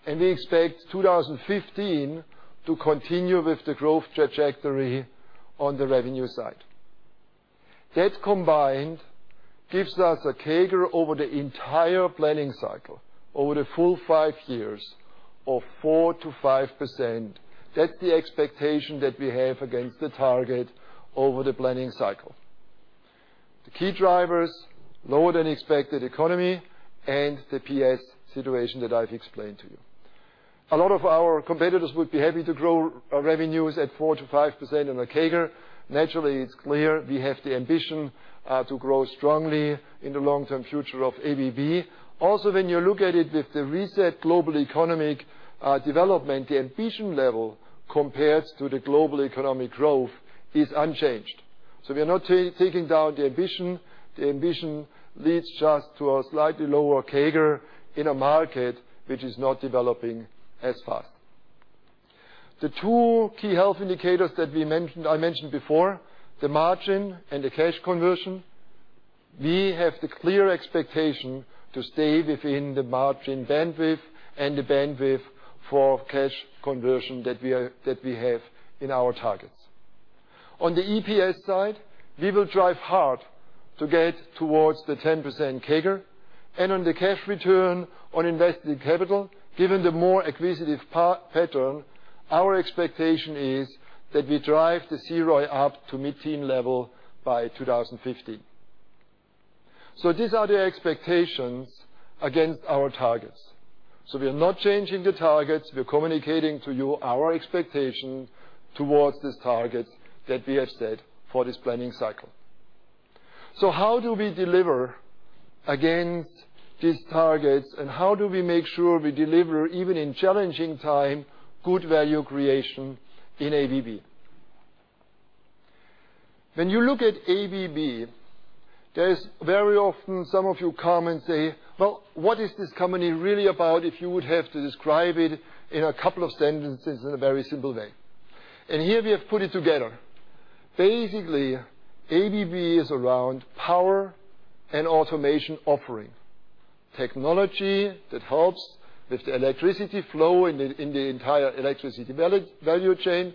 We expect 2015 to continue with the growth trajectory on the revenue side. That combined gives us a CAGR over the entire planning cycle, over the full five years, of 4%-5%. That's the expectation that we have against the target over the planning cycle. The key drivers, lower-than-expected economy and the PS situation that I've explained to you. A lot of our competitors would be happy to grow our revenues at 4%-5% on a CAGR. Naturally, it's clear we have the ambition to grow strongly in the long-term future of ABB. Also, when you look at it with the reset global economic development, the ambition level compared to the global economic growth is unchanged. We are not taking down the ambition. The ambition leads just to a slightly lower CAGR in a market which is not developing as fast. The two key health indicators that I mentioned before, the margin and the cash conversion, we have the clear expectation to stay within the margin bandwidth and the bandwidth for cash conversion that we have in our targets. On the EPS side, we will drive hard to get towards the 10% CAGR, on the cash return on invested capital, given the more acquisitive pattern, our expectation is that we drive the CROI up to mid-teen level by 2015. These are the expectations against our targets. We are not changing the targets. We're communicating to you our expectation towards this target that we have set for this planning cycle. How do we deliver against these targets, and how do we make sure we deliver, even in challenging time, good value creation in ABB? When you look at ABB, there is very often some of you come and say, "Well, what is this company really about if you would have to describe it in a couple of sentences in a very simple way?" Here we have put it together. Basically, ABB is around Power and Automation offering. Technology that helps with the electricity flow in the entire electricity value chain.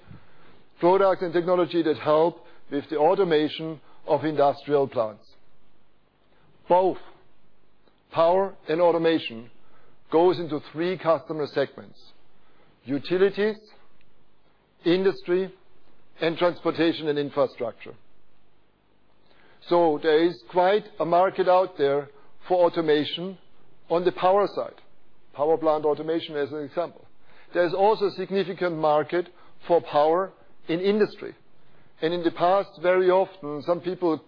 Products and technology that help with the automation of industrial plants. Both Power and Automation goes into three customer segments, Utilities, Industry, and Transportation and Infrastructure. There is quite a market out there for automation on the power side. Power plant automation, as an example. There's also a significant market for Power in Industry. In the past, very often, some people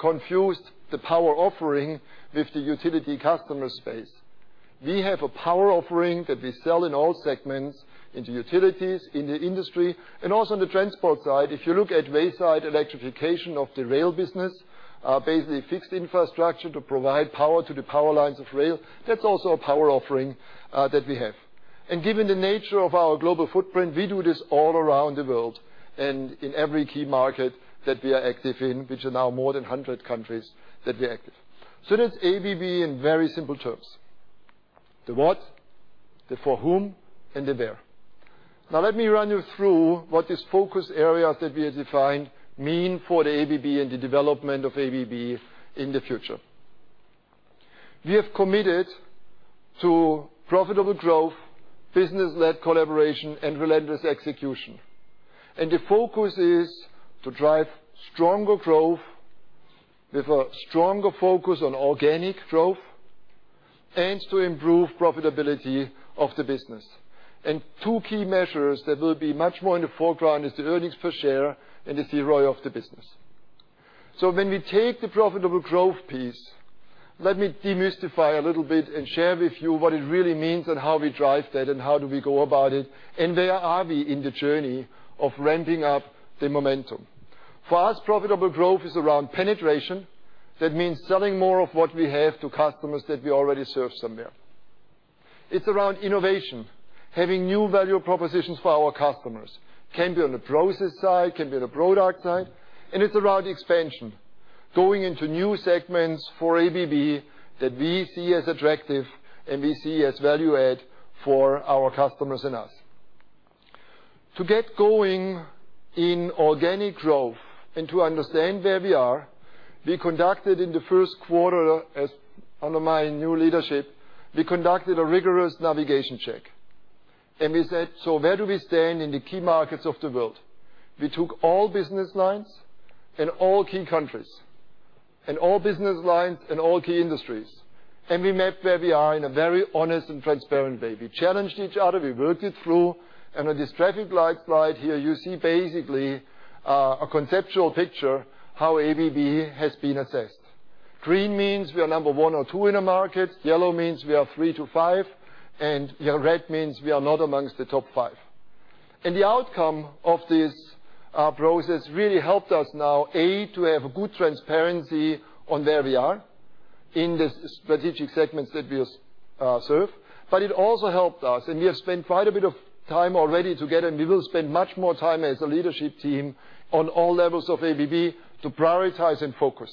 confused the Power offering with the Utility customer space. We have a Power offering that we sell in all segments, into Utilities, in the Industry, and also on the transport side. If you look at wayside electrification of the rail business, basically fixed infrastructure to provide Power to the Power lines of rail, that's also a Power offering that we have. Given the nature of our global footprint, we do this all around the world and in every key market that we are active in, which are now more than 100 countries that we're active. That's ABB in very simple terms. The what, the for whom, and the where. Let me run you through what these focus areas that we have defined mean for the ABB and the development of ABB in the future. We have committed to Profitable Growth, Business-Led Collaboration, and Relentless Execution. The focus is to drive stronger growth with a stronger focus on organic growth, and to improve profitability of the business. Two key measures that will be much more in the foreground is the earnings per share and it's the ROI of the business. When we take the Profitable Growth piece, let me demystify a little bit and share with you what it really means and how we drive that and how do we go about it. Where are we in the journey of ramping up the momentum. For us, Profitable Growth is around penetration. That means selling more of what we have to customers that we already serve somewhere. It's around innovation, having new value propositions for our customers. Can be on the process side, can be on the product side, and it's around expansion, going into new segments for ABB that we see as attractive and we see as value add for our customers and us. To get going in organic growth and to understand where we are, we conducted in the first quarter, as under my new leadership, we conducted a rigorous navigation check, and we said, "Where do we stand in the key markets of the world?" We took all business lines and all key countries, and all business lines and all key industries, and we mapped where we are in a very honest and transparent way. We challenged each other, we worked it through, on this traffic light slide here, you see basically, a conceptual picture how ABB has been assessed. Green means we are number 1 or 2 in a market. Yellow means we are 3 to 5, and red means we are not amongst the top five. The outcome of this process really helped us now, A, to have a good transparency on where we are in the strategic segments that we serve. It also helped us, and we have spent quite a bit of time already together, and we will spend much more time as a leadership team on all levels of ABB to prioritize and focus.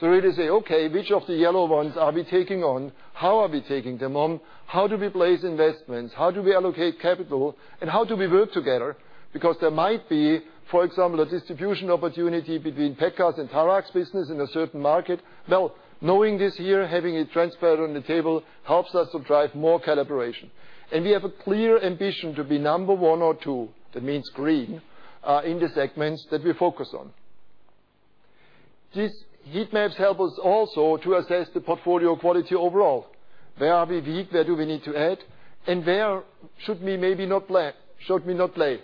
To really say, "Okay, which of the yellow ones are we taking on? How are we taking them on? How do we place investments? How do we allocate capital, and how do we work together?" Because there might be, for example, a distribution opportunity between Pekka's and Tarak's business in a certain market. Knowing this here, having it transparent on the table helps us to drive more collaboration. We have a clear ambition to be number 1 or 2, that means green, in the segments that we focus on. These heat maps help us also to assess the portfolio quality overall. Where are we weak, where do we need to add, and where should we maybe not play, should we not play?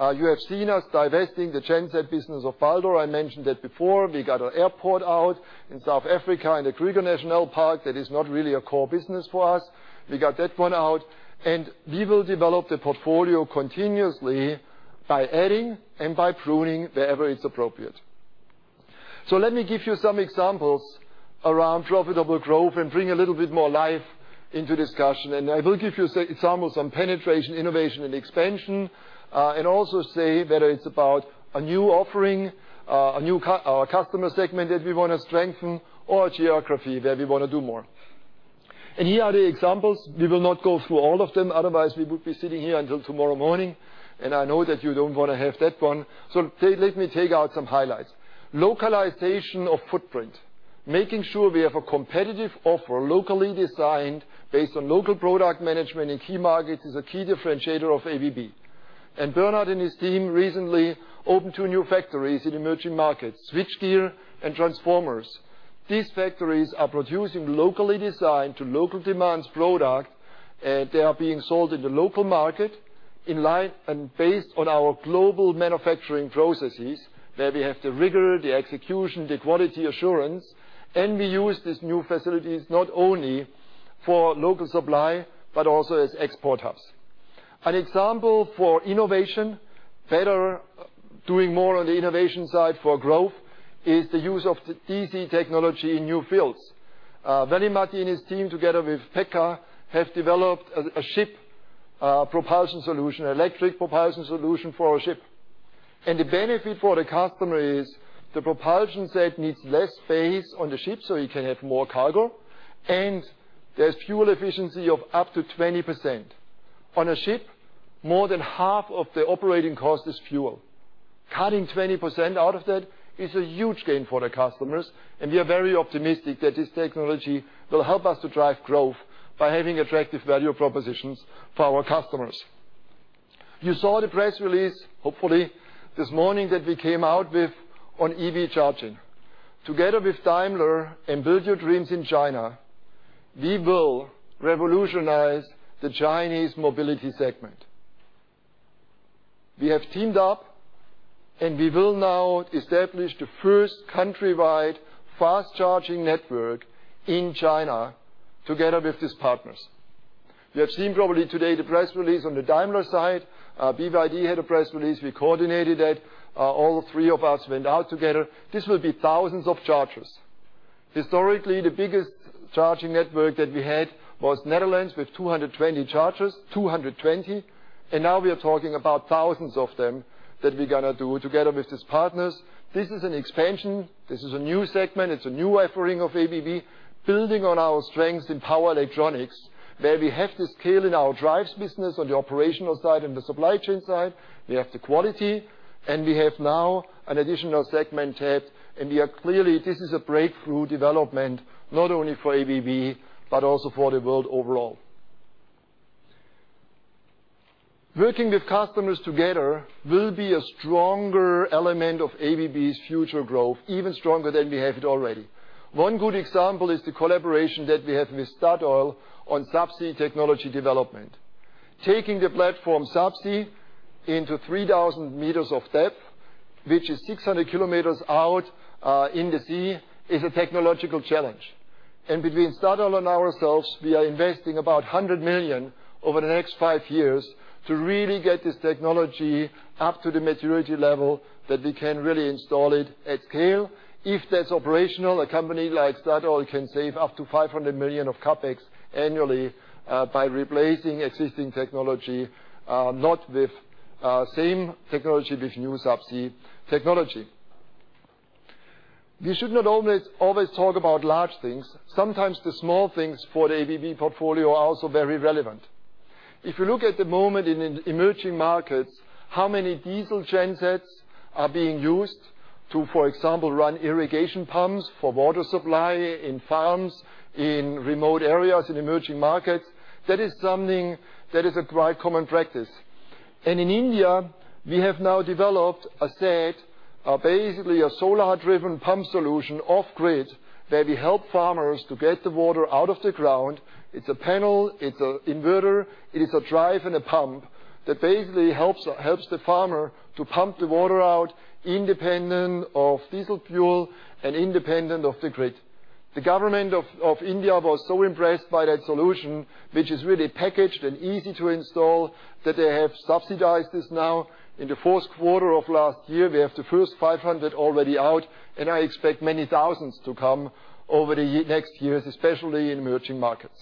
You have seen us divesting the genset business of Baldor. I mentioned that before. We got an airport out in South Africa, in the Kruger National Park. That is not really a core business for us. We got that one out, we will develop the portfolio continuously by adding and by pruning wherever it's appropriate. Let me give you some examples around profitable growth and bring a little bit more life into discussion. I will give you some examples on penetration, innovation, and expansion. Also say whether it's about a new offering, a new customer segment that we want to strengthen or a geography where we want to do more. Here are the examples. We will not go through all of them. Otherwise, we would be sitting here until tomorrow morning. I know that you don't want to have that one. Let me take out some highlights. Localization of footprint. Making sure we have a competitive offer locally designed based on local product management in key markets is a key differentiator of ABB. Bernhard and his team recently opened two new factories in emerging markets, switchgear and transformers. These factories are producing locally designed to local demands product, they are being sold in the local market in light and based on our global manufacturing processes, where we have the rigor, the execution, the quality assurance, we use these new facilities not only for local supply, but also as export hubs. An example for innovation, better doing more on the innovation side for growth is the use of DC technology in new fields. Veli-Matti and his team, together with Pekka, have developed a ship propulsion solution, electric propulsion solution for a ship. The benefit for the customer is the propulsion set needs less space on the ship so you can have more cargo, and there's fuel efficiency of up to 20%. On a ship, more than half of the operating cost is fuel. Cutting 20% out of that is a huge gain for the customers. We are very optimistic that this technology will help us to drive growth by having attractive value propositions for our customers. You saw the press release, hopefully, this morning that we came out with on EV charging. Together with Daimler and BYD in China, we will revolutionize the Chinese mobility segment. We have teamed up. We will now establish the first countrywide fast-charging network in China together with these partners. You have seen probably today the press release on the Daimler side. BYD had a press release. We coordinated that. All three of us went out together. This will be thousands of chargers. Historically, the biggest charging network that we had was Netherlands with 220 chargers. Now we are talking about thousands of them that we're going to do together with these partners. This is an expansion. This is a new segment. It's a new offering of ABB building on our strengths in power electronics, where we have the scale in our drives business on the operational side and the supply chain side. We have the quality. We have now an additional segment tapped. We are clearly this is a breakthrough development, not only for ABB but also for the world overall. Working with customers together will be a stronger element of ABB's future growth, even stronger than we have it already. One good example is the collaboration that we have with Statoil on subsea technology development. Taking the platform subsea into 3,000 meters of depth, which is 600 kilometers out in the sea, is a technological challenge. Between Statoil and ourselves, we are investing about $100 million over the next five years to really get this technology up to the maturity level that we can really install it at scale. If that's operational, a company like Statoil can save up to $500 million of CapEx annually by replacing existing technology, not with same technology, with new subsea technology. We should not always talk about large things. Sometimes the small things for the ABB portfolio are also very relevant. If you look at the moment in emerging markets, how many diesel gen sets are being used to, for example, run irrigation pumps for water supply in farms, in remote areas, in emerging markets. That is something that is a quite common practice. In India, we have now developed a set, basically a solar-driven pump solution off-grid, where we help farmers to get the water out of the ground. It's a panel, it's a inverter, it is a drive and a pump that basically helps the farmer to pump the water out independent of diesel fuel and independent of the grid. The government of India was so impressed by that solution, which is really packaged and easy to install, that they have subsidized this now. In the fourth quarter of last year, we have the first 500 already out. I expect many thousands to come over the next years, especially in emerging markets.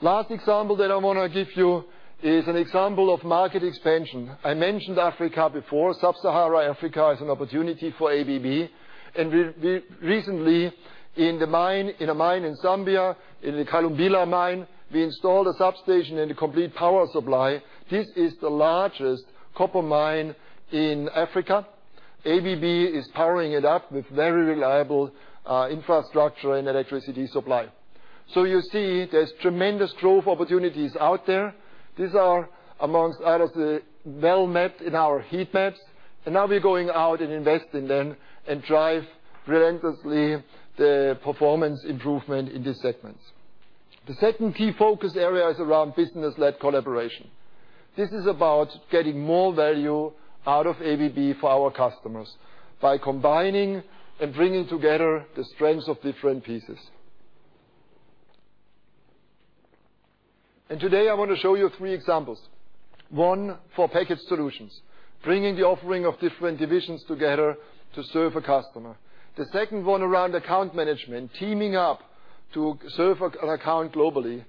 Last example that I want to give you is an example of market expansion. I mentioned Africa before. Sub-Saharan Africa is an opportunity for ABB, and we recently in a mine in Zambia, in the Kalumbila mine, we installed a substation and a complete power supply. This is the largest copper mine in Africa. ABB is powering it up with very reliable infrastructure and electricity supply. You see, there's tremendous growth opportunities out there. These are amongst others, well-mapped in our heat maps, and now we're going out and investing them and drive relentlessly the performance improvement in these segments. The second key focus area is around business-led collaboration. This is about getting more value out of ABB for our customers by combining and bringing together the strengths of different pieces. Today I want to show you three examples. One for packaged solutions, bringing the offering of different divisions together to serve a customer. The second one around account management, teaming up to serve an account globally.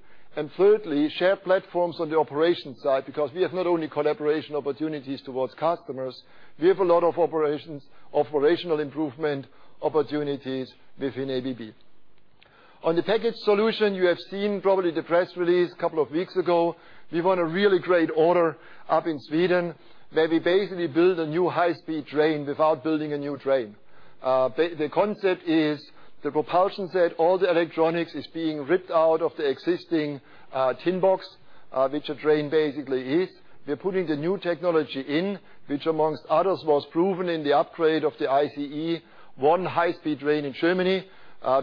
Thirdly, shared platforms on the operations side, because we have not only collaboration opportunities towards customers, we have a lot of operational improvement opportunities within ABB. On the packaged solution, you have seen probably the press release a couple of weeks ago. We won a really great order up in Sweden, where we basically build a new high-speed train without building a new train. The concept is the propulsion set, all the electronics is being ripped out of the existing tin box, which a train basically is. We're putting the new technology in, which amongst others, was proven in the upgrade of the ICE 1 high-speed train in Germany.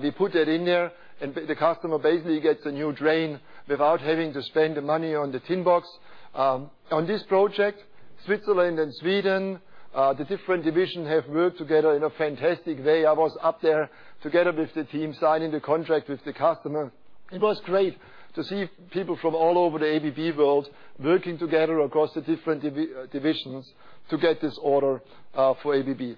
We put that in there, and the customer basically gets a new train without having to spend the money on the tin box. On this project, Switzerland and Sweden, the different division have worked together in a fantastic way. I was up there together with the team, signing the contract with the customer. It was great to see people from all over the ABB world working together across the different divisions to get this order for ABB.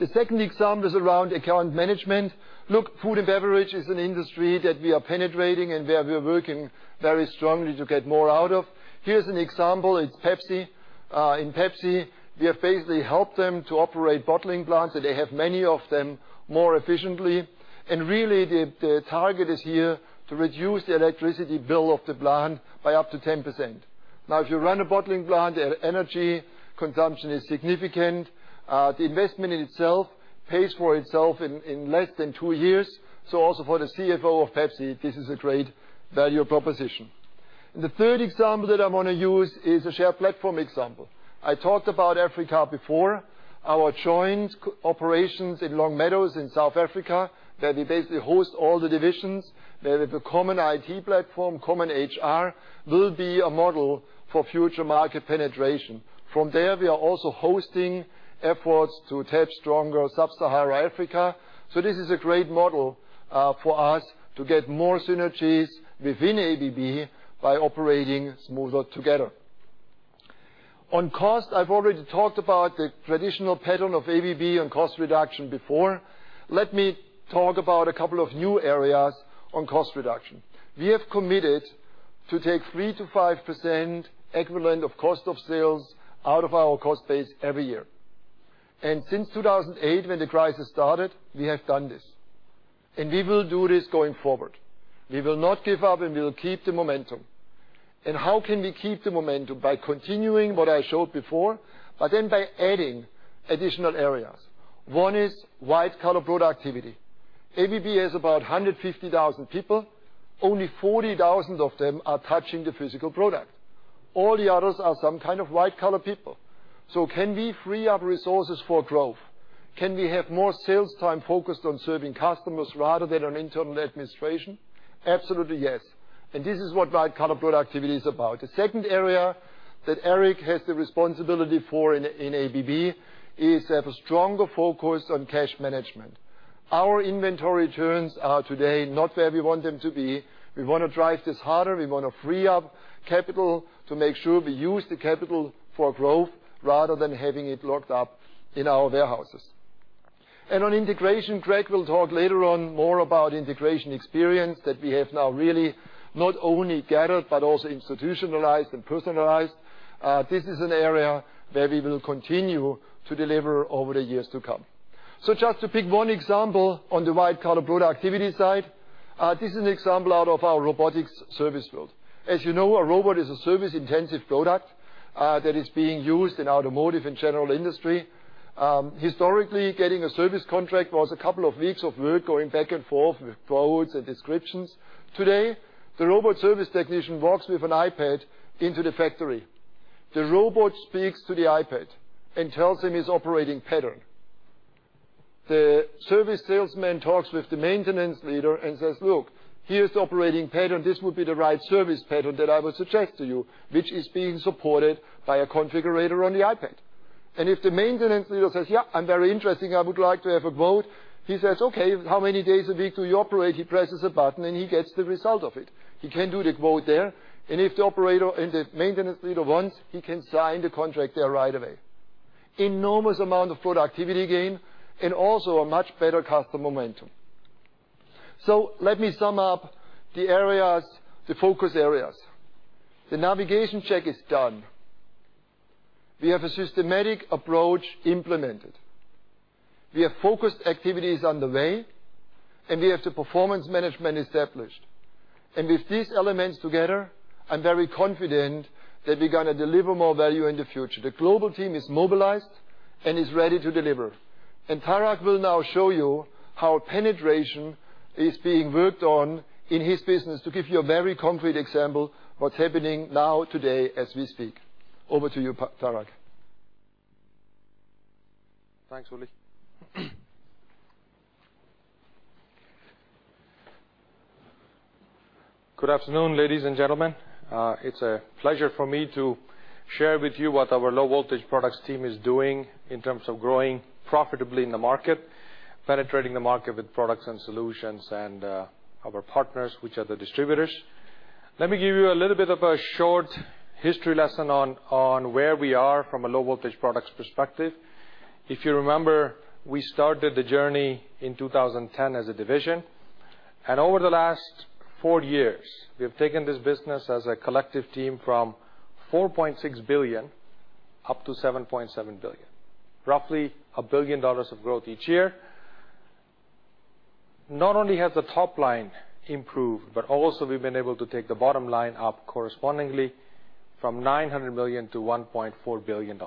The second example is around account management. Look, food and beverage is an industry that we are penetrating and where we are working very strongly to get more out of. Here's an example. It's PepsiCo. In PepsiCo, we have basically helped them to operate bottling plants, and they have many of them, more efficiently. Really, the target is here to reduce the electricity bill of the plant by up to 10%. If you run a bottling plant, energy consumption is significant. The investment in itself pays for itself in less than two years. Also for the CFO of PepsiCo, this is a great value proposition. The third example that I want to use is a shared platform example. I talked about Africa before. Our joint operations in Longmeadow in South Africa, where we basically host all the divisions, where we have a common IT platform, common HR, will be a model for future market penetration. From there, we are also hosting efforts to tap stronger Sub-Saharan Africa. This is a great model for us to get more synergies within ABB by operating smoother together. On cost, I've already talked about the traditional pattern of ABB on cost reduction before. Let me talk about a couple of new areas on cost reduction. We have committed to take 3%-5% equivalent of cost of sales out of our cost base every year. Since 2008, when the crisis started, we have done this. We will do this going forward. We will not give up. We will keep the momentum. How can we keep the momentum? By continuing what I showed before, by adding additional areas. One is white-collar productivity. ABB has about 150,000 people. Only 40,000 of them are touching the physical product. All the others are some kind of white-collar people. Can we free up resources for growth? Can we have more sales time focused on serving customers rather than on internal administration? Absolutely, yes. This is what white-collar productivity is about. The second area that Eric has the responsibility for in ABB is have a stronger focus on cash management. Our inventory turns are today not where we want them to be. We want to drive this harder. We want to free up capital to make sure we use the capital for growth rather than having it locked up in our warehouses. On integration, Greg will talk later on more about integration experience that we have now really not only gathered, but also institutionalized and personalized. This is an area where we will continue to deliver over the years to come. Just to pick one example on the white-collar productivity side. This is an example out of our robotics service world. As you know, a robot is a service-intensive product that is being used in automotive and general industry. Historically, getting a service contract was a couple of weeks of work going back and forth with quotes and descriptions. Today, the robot service technician walks with an iPad into the factory. The robot speaks to the iPad and tells him his operating pattern. The service salesman talks with the maintenance leader and says, "Look, here is the operating pattern. This would be the right service pattern that I would suggest to you," which is being supported by a configurator on the iPad. If the maintenance leader says, "Yeah, I'm very interested. I would like to have a quote." He says, "Okay, how many days a week do you operate?" He presses a button. He gets the result of it. He can do the quote there. If the maintenance leader wants, he can sign the contract there right away. Enormous amount of productivity gain, and also a much better customer momentum. Let me sum up the focus areas. The navigation check is done. We have a systematic approach implemented. We have focused activities underway. We have the performance management established. With these elements together, I'm very confident that we're going to deliver more value in the future. The global team is mobilized and is ready to deliver. Tarak will now show you how penetration is being worked on in his business to give you a very concrete example what's happening now today as we speak. Over to you, Tarak. Thanks, Uli. Good afternoon, ladies and gentlemen. It is a pleasure for me to share with you what our Low Voltage Products team is doing in terms of growing profitably in the market, penetrating the market with products and solutions, and our partners, which are the distributors. Let me give you a little bit of a short history lesson on where we are from a Low Voltage Products perspective. If you remember, we started the journey in 2010 as a division. Over the last four years, we have taken this business as a collective team from $4.6 billion up to $7.7 billion. Roughly $1 billion of growth each year. Not only has the top line improved, but also we've been able to take the bottom line up correspondingly from $900 million to $1.4 billion.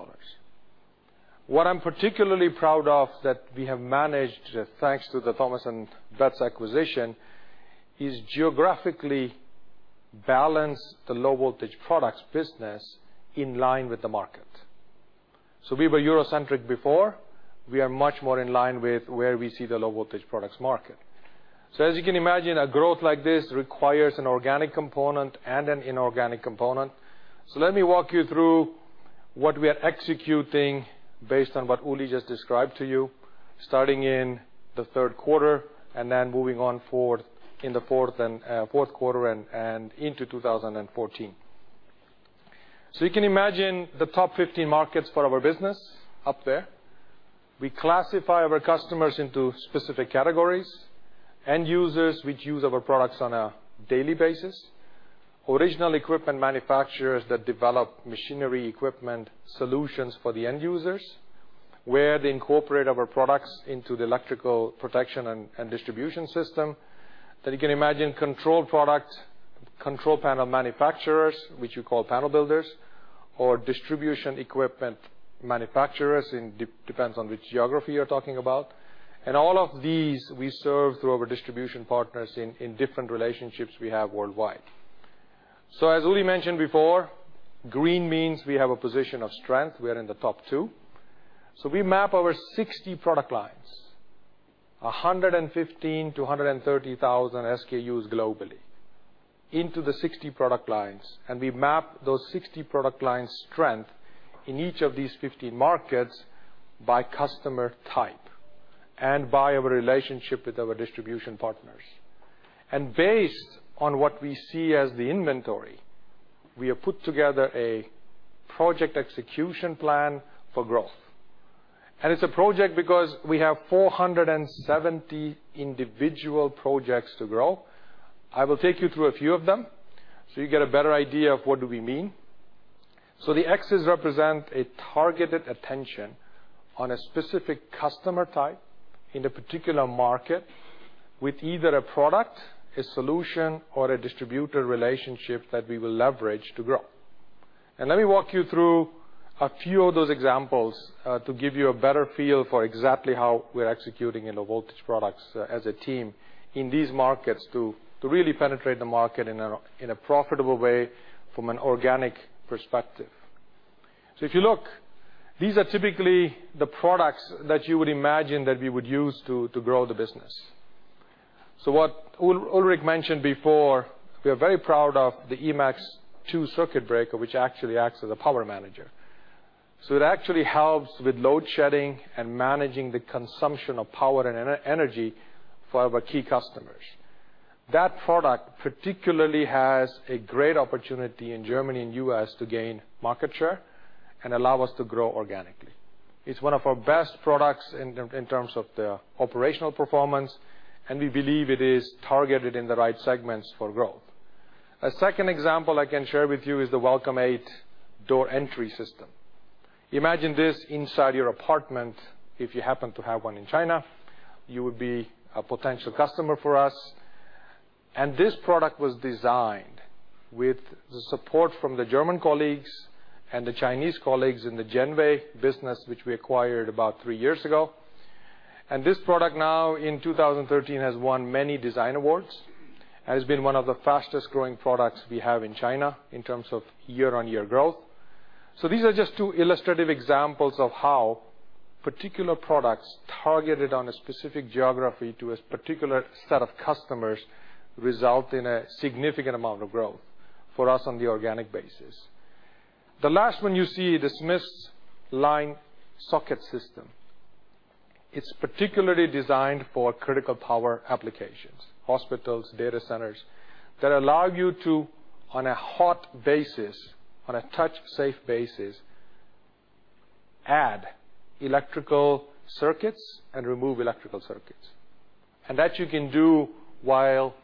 What I'm particularly proud of that we have managed, thanks to the Thomas & Betts acquisition, is geographically balance the Low Voltage Products business in line with the market. We were Eurocentric before. We are much more in line with where we see the Low Voltage Products market. As you can imagine, a growth like this requires an organic component and an inorganic component. Let me walk you through what we are executing based on what Uli just described to you, starting in the third quarter and then moving on in the fourth quarter and into 2014. You can imagine the top 50 markets for our business up there. We classify our customers into specific categories. End users, which use our products on a daily basis. Original equipment manufacturers that develop machinery equipment solutions for the end users, where they incorporate our products into the electrical protection and distribution system. You can imagine control product, control panel manufacturers, which you call panel builders, or distribution equipment manufacturers. It depends on which geography you're talking about. All of these we serve through our distribution partners in different relationships we have worldwide. As Uli mentioned before, green means we have a position of strength. We are in the top two. We map our 60 product lines, 115,000 to 130,000 SKUs globally into the 60 product lines. We map those 60 product lines' strength in each of these 50 markets by customer type and by our relationship with our distribution partners. Based on what we see as the inventory, we have put together a project execution plan for growth. It's a project because we have 470 individual projects to grow. I will take you through a few of them so you get a better idea of what do we mean. The X's represent a targeted attention on a specific customer type in a particular market with either a product, a solution, or a distributor relationship that we will leverage to grow. Let me walk you through a few of those examples to give you a better feel for exactly how we're executing in the Low Voltage Products as a team in these markets to really penetrate the market in a profitable way from an organic perspective. If you look, these are typically the products that you would imagine that we would use to grow the business. What Ulrich mentioned before, we are very proud of the Emax 2 circuit breaker, which actually acts as a power manager. It actually helps with load shedding and managing the consumption of power and energy for our key customers. That product particularly has a great opportunity in Germany and U.S. to gain market share and allow us to grow organically. It's one of our best products in terms of the operational performance, and we believe it is targeted in the right segments for growth. A second example I can share with you is the Welcome8 door entry system. Imagine this inside your apartment if you happen to have one in China. You would be a potential customer for us. This product was designed with the support from the German colleagues and the Chinese colleagues in the JENWAY business, which we acquired about three years ago. This product now in 2013 has won many design awards, has been one of the fastest-growing products we have in China in terms of year-over-year growth. These are just two illustrative examples of how particular products targeted on a specific geography to a particular set of customers result in a significant amount of growth for us on the organic basis. The last one you see, the Smissline socket system. It's particularly designed for critical power applications, hospitals, data centers, that allow you to, on a hot basis, on a touch safe basis, add electrical circuits and remove electrical circuits. That you can do while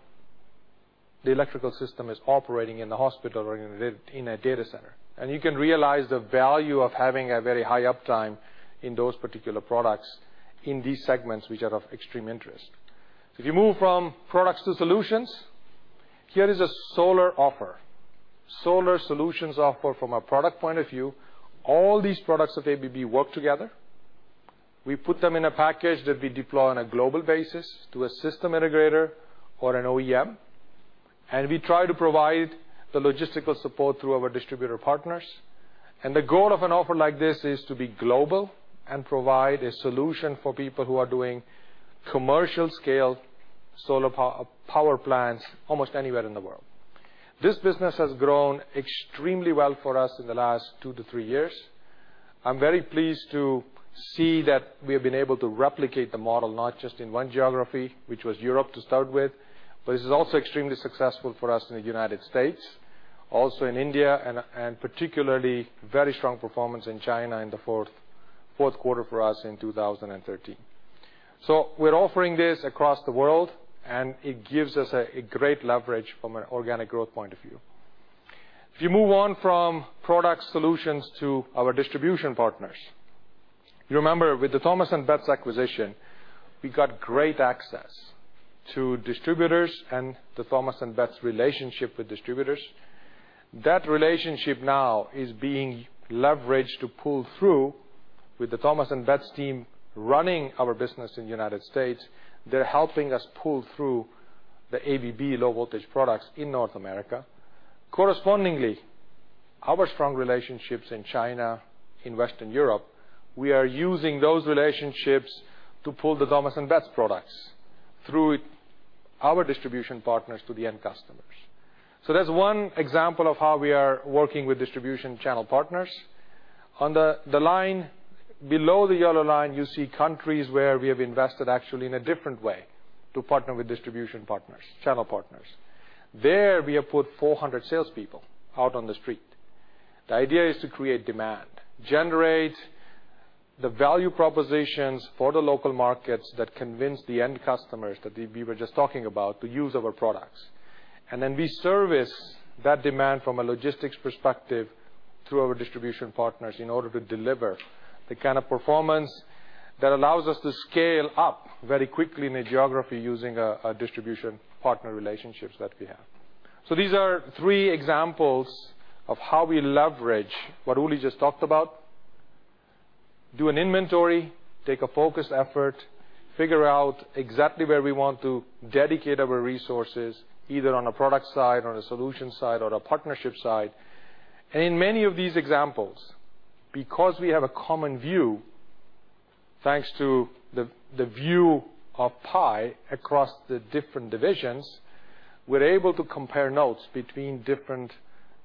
the electrical system is operating in the hospital or in a data center. You can realize the value of having a very high uptime in those particular products in these segments, which are of extreme interest. If you move from products to solutions, here is a solar offer. Solar solutions offer from a product point of view. All these products of ABB work together. We put them in a package that we deploy on a global basis to a system integrator or an OEM, we try to provide the logistical support through our distributor partners. The goal of an offer like this is to be global and provide a solution for people who are doing commercial scale solar power plants almost anywhere in the world. This business has grown extremely well for us in the last two to three years. I'm very pleased to see that we have been able to replicate the model not just in one geography, which was Europe to start with, but it's also extremely successful for us in the U.S., also in India, and particularly very strong performance in China in the fourth quarter for us in 2013. We're offering this across the world, it gives us a great leverage from an organic growth point of view. If you move on from product solutions to our distribution partners. You remember with the Thomas & Betts acquisition, we got great access to distributors and the Thomas & Betts relationship with distributors. That relationship now is being leveraged to pull through with the Thomas & Betts team running our business in U.S. They're helping us pull through the ABB low voltage products in North America. Correspondingly, our strong relationships in China, in Western Europe, we are using those relationships to pull the Thomas & Betts products through our distribution partners to the end customers. That's 1 example of how we are working with distribution channel partners. On the line below the yellow line, you see countries where we have invested actually in a different way to partner with distribution partners, channel partners. There we have put 400 salespeople out on the street. The idea is to create demand, generate the value propositions for the local markets that convince the end customers that we were just talking about to use our products. Then we service that demand from a logistics perspective through our distribution partners in order to deliver the kind of performance that allows us to scale up very quickly in a geography using a distribution partner relationships that we have. These are 3 examples of how we leverage what Uli just talked about. Do an inventory, take a focused effort, figure out exactly where we want to dedicate our resources, either on a product side, on a solution side, or a partnership side. In many of these examples, because we have a common view, thanks to the view of PI across the different divisions, we're able to compare notes between different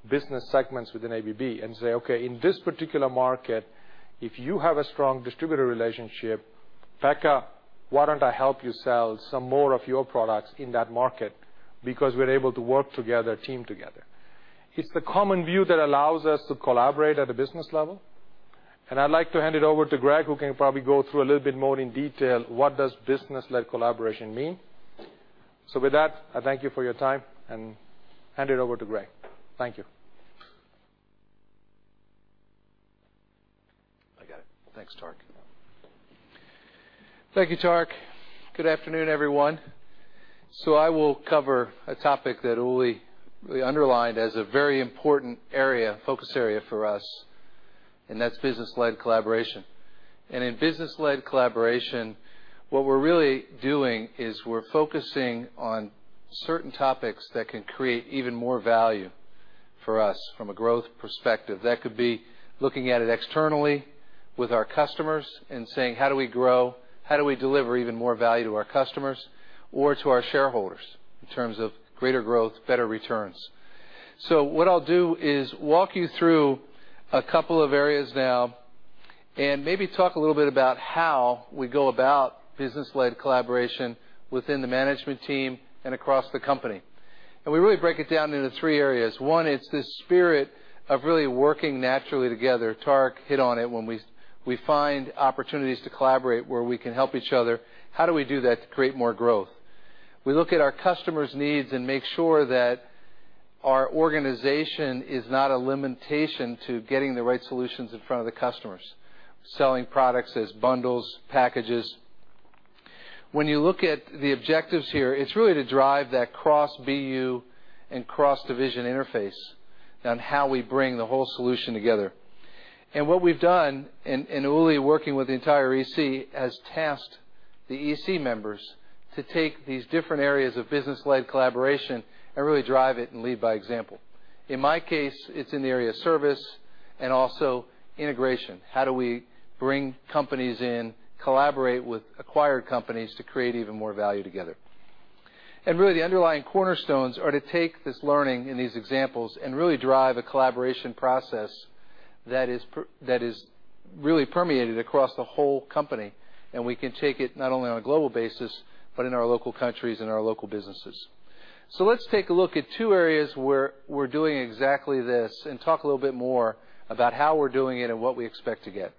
business segments within ABB and say, "Okay, in this particular market, if you have a strong distributor relationship, Pekka, why don't I help you sell some more of your products in that market because we're able to work together, team together?" It's the common view that allows us to collaborate at a business level. I'd like to hand it over to Greg, who can probably go through a little bit more in detail what does business-led collaboration mean. With that, I thank you for your time and hand it over to Greg. Thank you. I got it. Thanks, Tarak. Thank you, Tarak. Good afternoon, everyone. I will cover a topic that Ulrich really underlined as a very important focus area for us, and that's business-led collaboration. In business-led collaboration, what we're really doing is we're focusing on certain topics that can create even more value for us from a growth perspective. That could be looking at it externally with our customers and saying, how do we grow? How do we deliver even more value to our customers or to our shareholders in terms of greater growth, better returns? What I'll do is walk you through a couple of areas now and maybe talk a little bit about how we go about business-led collaboration within the management team and across the company. We really break it down into 3 areas. One, it's this spirit of really working naturally together. Tarak hit on it. When we find opportunities to collaborate where we can help each other, how do we do that to create more growth? We look at our customers' needs and make sure that our organization is not a limitation to getting the right solutions in front of the customers, selling products as bundles, packages. When you look at the objectives here, it's really to drive that cross-BU and cross-division interface on how we bring the whole solution together. What we've done, and Ulrich working with the entire EC, has tasked the EC members to take these different areas of business-led collaboration and really drive it and lead by example. In my case, it's in the area of service and also integration. How do we bring companies in, collaborate with acquired companies to create even more value together? Really, the underlying cornerstones are to take this learning and these examples and really drive a collaboration process that is really permeated across the whole company. We can take it not only on a global basis, but in our local countries and our local businesses. Let's take a look at two areas where we're doing exactly this and talk a little bit more about how we're doing it and what we expect to get.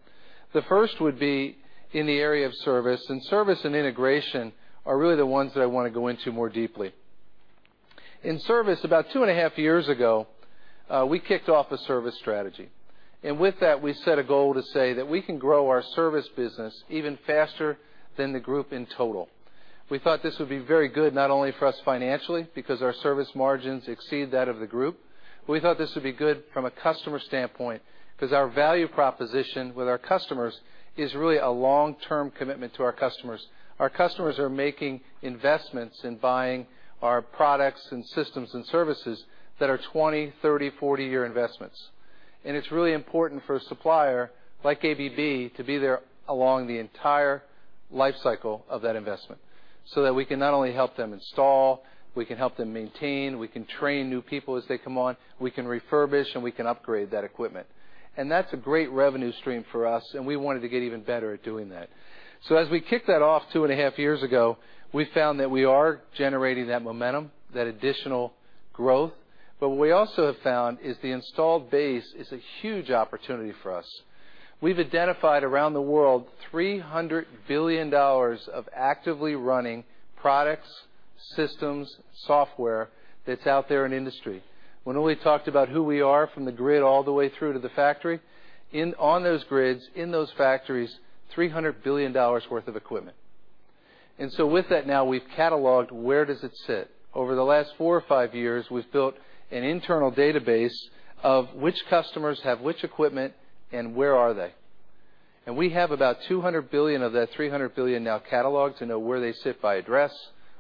The first would be in the area of service, and service and integration are really the ones that I want to go into more deeply. In service, about two and a half years ago, we kicked off a service strategy. With that, we set a goal to say that we can grow our service business even faster than the group in total. We thought this would be very good, not only for us financially, because our service margins exceed that of the group. We thought this would be good from a customer standpoint, because our value proposition with our customers is really a long-term commitment to our customers. Our customers are making investments in buying our products and systems and services that are 20, 30, 40-year investments. It's really important for a supplier like ABB to be there along the entire life cycle of that investment so that we can not only help them install, we can help them maintain, we can train new people as they come on, we can refurbish, and we can upgrade that equipment. That's a great revenue stream for us, and we wanted to get even better at doing that. As we kicked that off two and a half years ago, we found that we are generating that momentum, that additional growth. What we also have found is the installed base is a huge opportunity for us. We've identified around the world $300 billion of actively running products, systems, software that's out there in industry. When Ulrich talked about who we are from the grid all the way through to the factory, on those grids, in those factories, $300 billion worth of equipment. With that now, we've cataloged where does it sit. Over the last four or five years, we've built an internal database of which customers have which equipment and where are they. We have about $200 billion of that $300 billion now cataloged to know where they sit by address,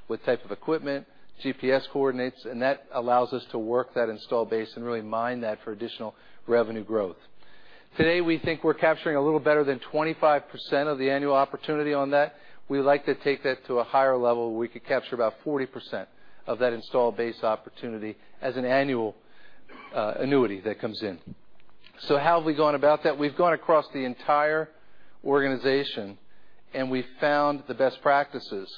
what type of equipment, GPS coordinates, and that allows us to work that install base and really mine that for additional revenue growth. Today, we think we're capturing a little better than 25% of the annual opportunity on that. We would like to take that to a higher level, where we could capture about 40% of that installed base opportunity as an annual annuity that comes in. How have we gone about that? We've gone across the entire organization, and we've found the best practices,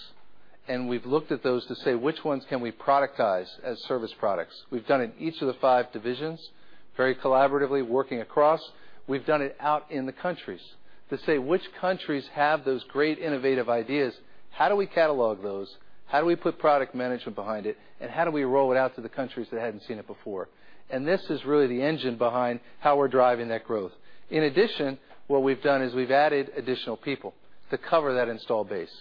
and we've looked at those to say which ones can we productize as service products. We've done it in each of the five divisions, very collaboratively working across. We've done it out in the countries to say which countries have those great innovative ideas. How do we catalog those? How do we put product management behind it? How do we roll it out to the countries that hadn't seen it before? This is really the engine behind how we're driving that growth. In addition, what we've done is we've added additional people to cover that installed base.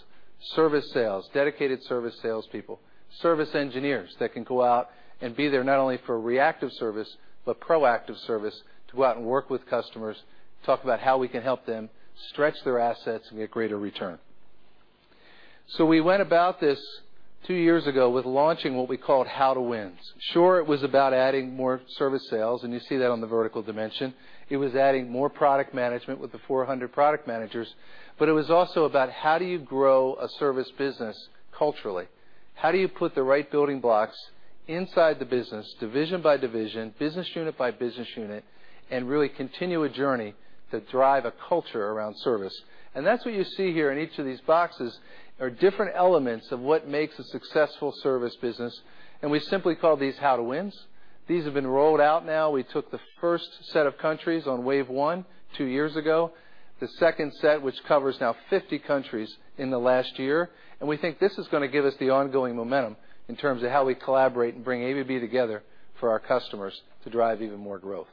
Service sales, dedicated service salespeople, service engineers that can go out and be there not only for reactive service but proactive service to go out and work with customers, talk about how we can help them stretch their assets and get greater return. We went about this two years ago with launching what we called How To Wins. Sure, it was about adding more service sales, and you see that on the vertical dimension. It was adding more product management with the 400 product managers, but it was also about how do you grow a service business culturally? How do you put the right building blocks inside the business, division by division, business unit by business unit, and really continue a journey to drive a culture around service? That's what you see here in each of these boxes are different elements of what makes a successful service business, and we simply call these How To Wins. These have been rolled out now. We took the first set of countries on wave 1 two years ago, the second set, which covers now 50 countries in the last year. We think this is going to give us the ongoing momentum in terms of how we collaborate and bring ABB together for our customers to drive even more growth.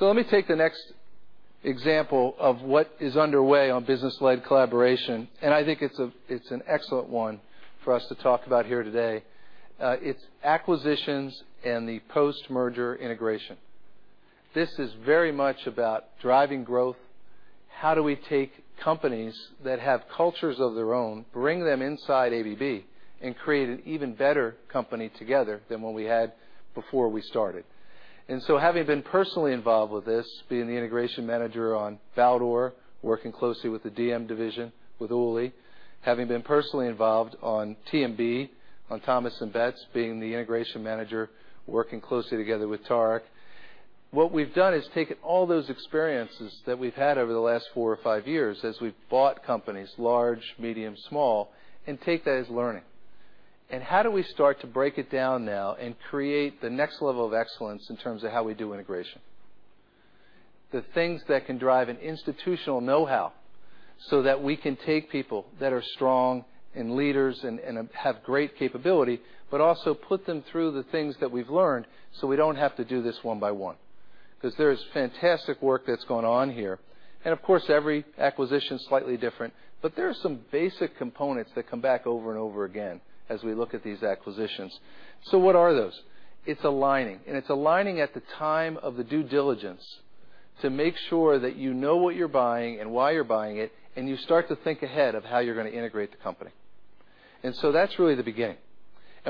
Let me take the next example of what is underway on business-led collaboration, and I think it's an excellent one for us to talk about here today. It's acquisitions and the post-merger integration. This is very much about driving growth. How do we take companies that have cultures of their own, bring them inside ABB, and create an even better company together than what we had before we started? Having been personally involved with this, being the integration manager on Baldor, working closely with the DM division with Uli. Having been personally involved on TMB, on Thomas & Betts, being the integration manager, working closely together with Tarak. What we've done is taken all those experiences that we've had over the last four or five years as we've bought companies, large, medium, small, and take that as learning. How do we start to break it down now and create the next level of excellence in terms of how we do integration? The things that can drive an institutional knowhow so that we can take people that are strong, leaders, and have great capability, but also put them through the things that we've learned so we don't have to do this one by one. There is fantastic work that's gone on here. Of course, every acquisition's slightly different, but there are some basic components that come back over and over again as we look at these acquisitions. What are those? It's aligning, and it's aligning at the time of the due diligence to make sure that you know what you're buying and why you're buying it, and you start to think ahead of how you're going to integrate the company. That's really the beginning.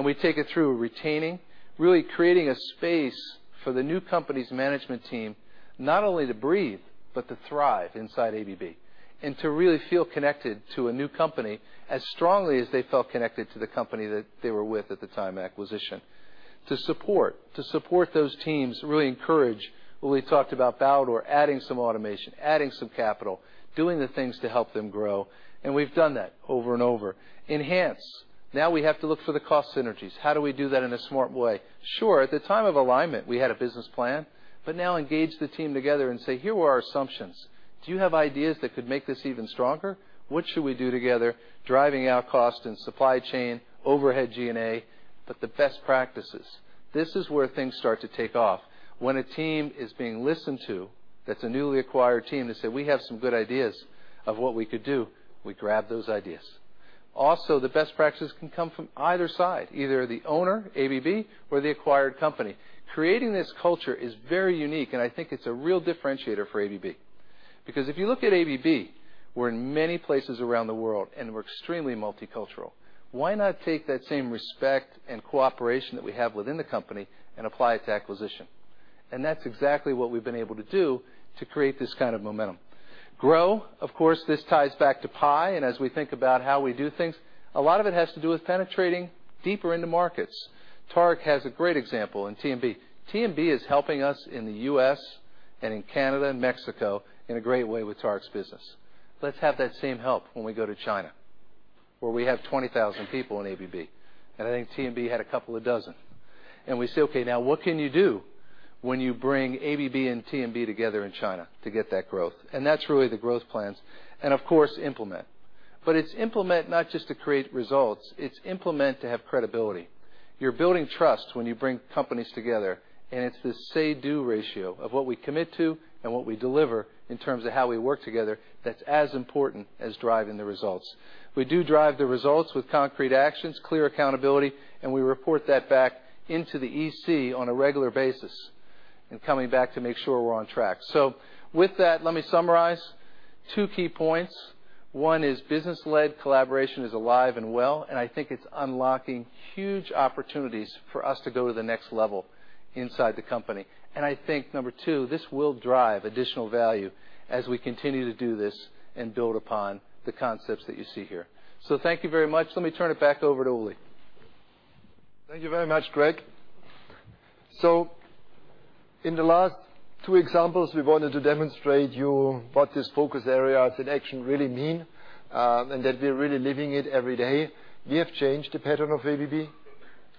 We take it through retaining, really creating a space for the new company's management team, not only to breathe, but to thrive inside ABB. To really feel connected to a new company as strongly as they felt connected to the company that they were with at the time of acquisition. To support those teams, really encourage. When we talked about Baldor, adding some automation, adding some capital, doing the things to help them grow, and we've done that over and over. Enhance. Now we have to look for the cost synergies. How do we do that in a smart way? Sure, at the time of alignment, we had a business plan, but now engage the team together and say, "Here are our assumptions. Do you have ideas that could make this even stronger? What should we do together?" Driving out cost and supply chain, overhead G&A, the best practices. This is where things start to take off. When a team is being listened to, that's a newly acquired team that say, "We have some good ideas of what we could do," we grab those ideas. Also, the best practices can come from either side, either the owner, ABB, or the acquired company. Creating this culture is very unique, and I think it's a real differentiator for ABB. If you look at ABB, we're in many places around the world, and we're extremely multicultural. Why not take that same respect and cooperation that we have within the company and apply it to acquisition? That's exactly what we've been able to do to create this kind of momentum. Grow. Of course, this ties back to PI. As we think about how we do things, a lot of it has to do with penetrating deeper into markets. Tarak has a great example in Thomas & Betts. Thomas & Betts is helping us in the U.S. and in Canada and Mexico in a great way with Tarak's business. Let's have that same help when we go to China, where we have 20,000 people in ABB. I think Thomas & Betts had a couple of dozen. We say, "Okay, now what can you do when you bring ABB and Thomas & Betts together in China to get that growth?" That's really the growth plans. Of course, implement. It's implement not just to create results. It's implement to have credibility. You're building trust when you bring companies together. It's this say-do ratio of what we commit to and what we deliver in terms of how we work together that's as important as driving the results. We do drive the results with concrete actions, clear accountability. We report that back into the EC on a regular basis and coming back to make sure we're on track. With that, let me summarize two key points. One is business-led collaboration is alive and well, and I think it's unlocking huge opportunities for us to go to the next level inside the company. I think, number two, this will drive additional value as we continue to do this and build upon the concepts that you see here. Thank you very much. Let me turn it back over to Uli. Thank you very much, Greg. In the last two examples, we wanted to demonstrate you what this focus area as an action really mean, and that we are really living it every day. We have changed the pattern of ABB.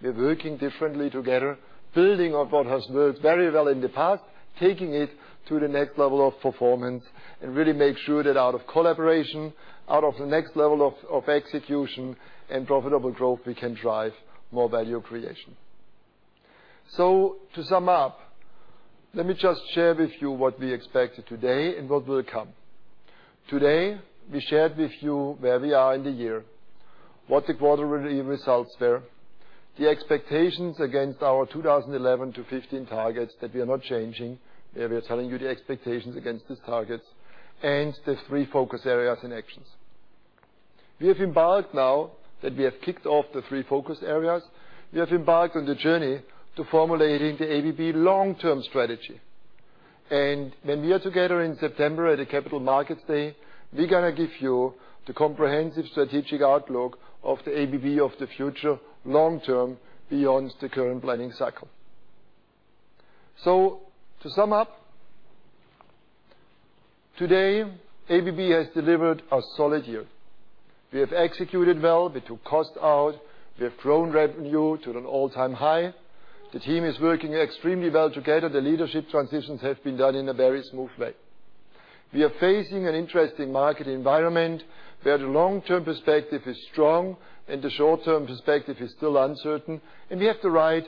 We are working differently together, building on what has worked very well in the past, taking it to the next level of performance and really make sure that out of collaboration, out of the next level of execution and profitable growth, we can drive more value creation. To sum up, let me just share with you what we expected today and what will come. Today, we shared with you where we are in the year, what the quarter results were, the expectations against our 2011 to 2015 targets that we are not changing. Where we are telling you the expectations against these targets and the three focus areas and actions. We have embarked now that we have kicked off the three focus areas. We have embarked on the journey to formulating the ABB long-term strategy. When we are together in September at the Capital Markets Day, we're going to give you the comprehensive strategic outlook of the ABB of the future long term beyond the current planning cycle. To sum up, today, ABB has delivered a solid year. We have executed well. We took cost out. We have grown revenue to an all-time high. The team is working extremely well together. The leadership transitions have been done in a very smooth way. We are facing an interesting market environment where the long-term perspective is strong and the short-term perspective is still uncertain. We have the right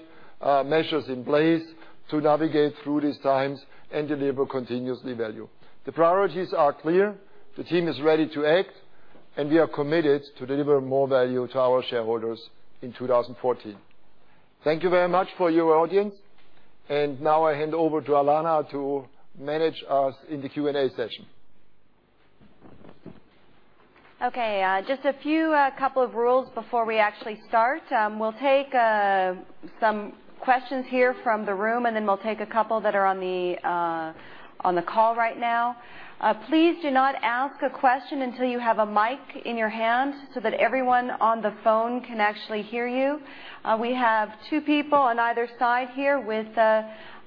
measures in place to navigate through these times and deliver continuously value. The priorities are clear. The team is ready to act. We are committed to deliver more value to our shareholders in 2014. Thank you very much for your audience. Now I hand over to Inba to manage us in the Q&A session. Just a couple of rules before we actually start. We'll take some questions here from the room, and then we'll take a couple that are on the call right now. Please do not ask a question until you have a mic in your hand, so that everyone on the phone can actually hear you. We have two people on either side here with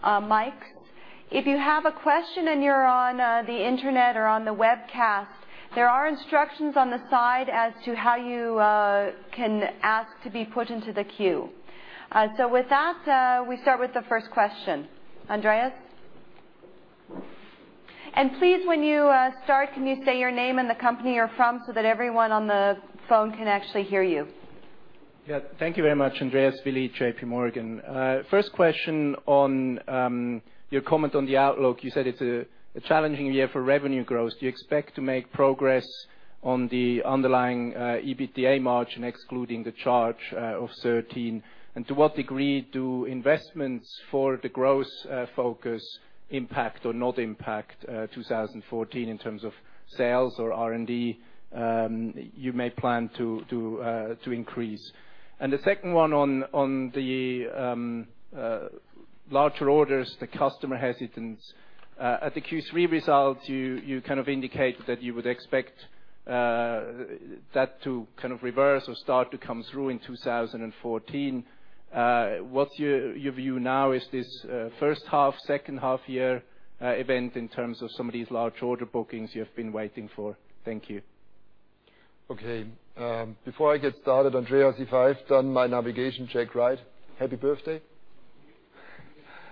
mics. If you have a question and you're on the internet or on the webcast, there are instructions on the side as to how you can ask to be put into the queue. With that, we start with the first question. Andreas. Please, when you start, can you say your name and the company you're from so that everyone on the phone can actually hear you. Thank you very much, Andreas Willi, J.P. Morgan. First question on your comment on the outlook. You said it's a challenging year for revenue growth. Do you expect to make progress on the underlying EBITDA margin, excluding the charge of 13? To what degree do investments for the growth focus impact or not impact 2014 in terms of sales or R&D you may plan to increase? The second one on the larger orders, the customer hesitance. At the Q3 results, you indicated that you would expect that to reverse or start to come through in 2014. What's your view now? Is this first half, second half year event in terms of some of these large order bookings you have been waiting for? Thank you. Okay. Before I get started, Andreas, if I've done my navigation check right, happy birthday.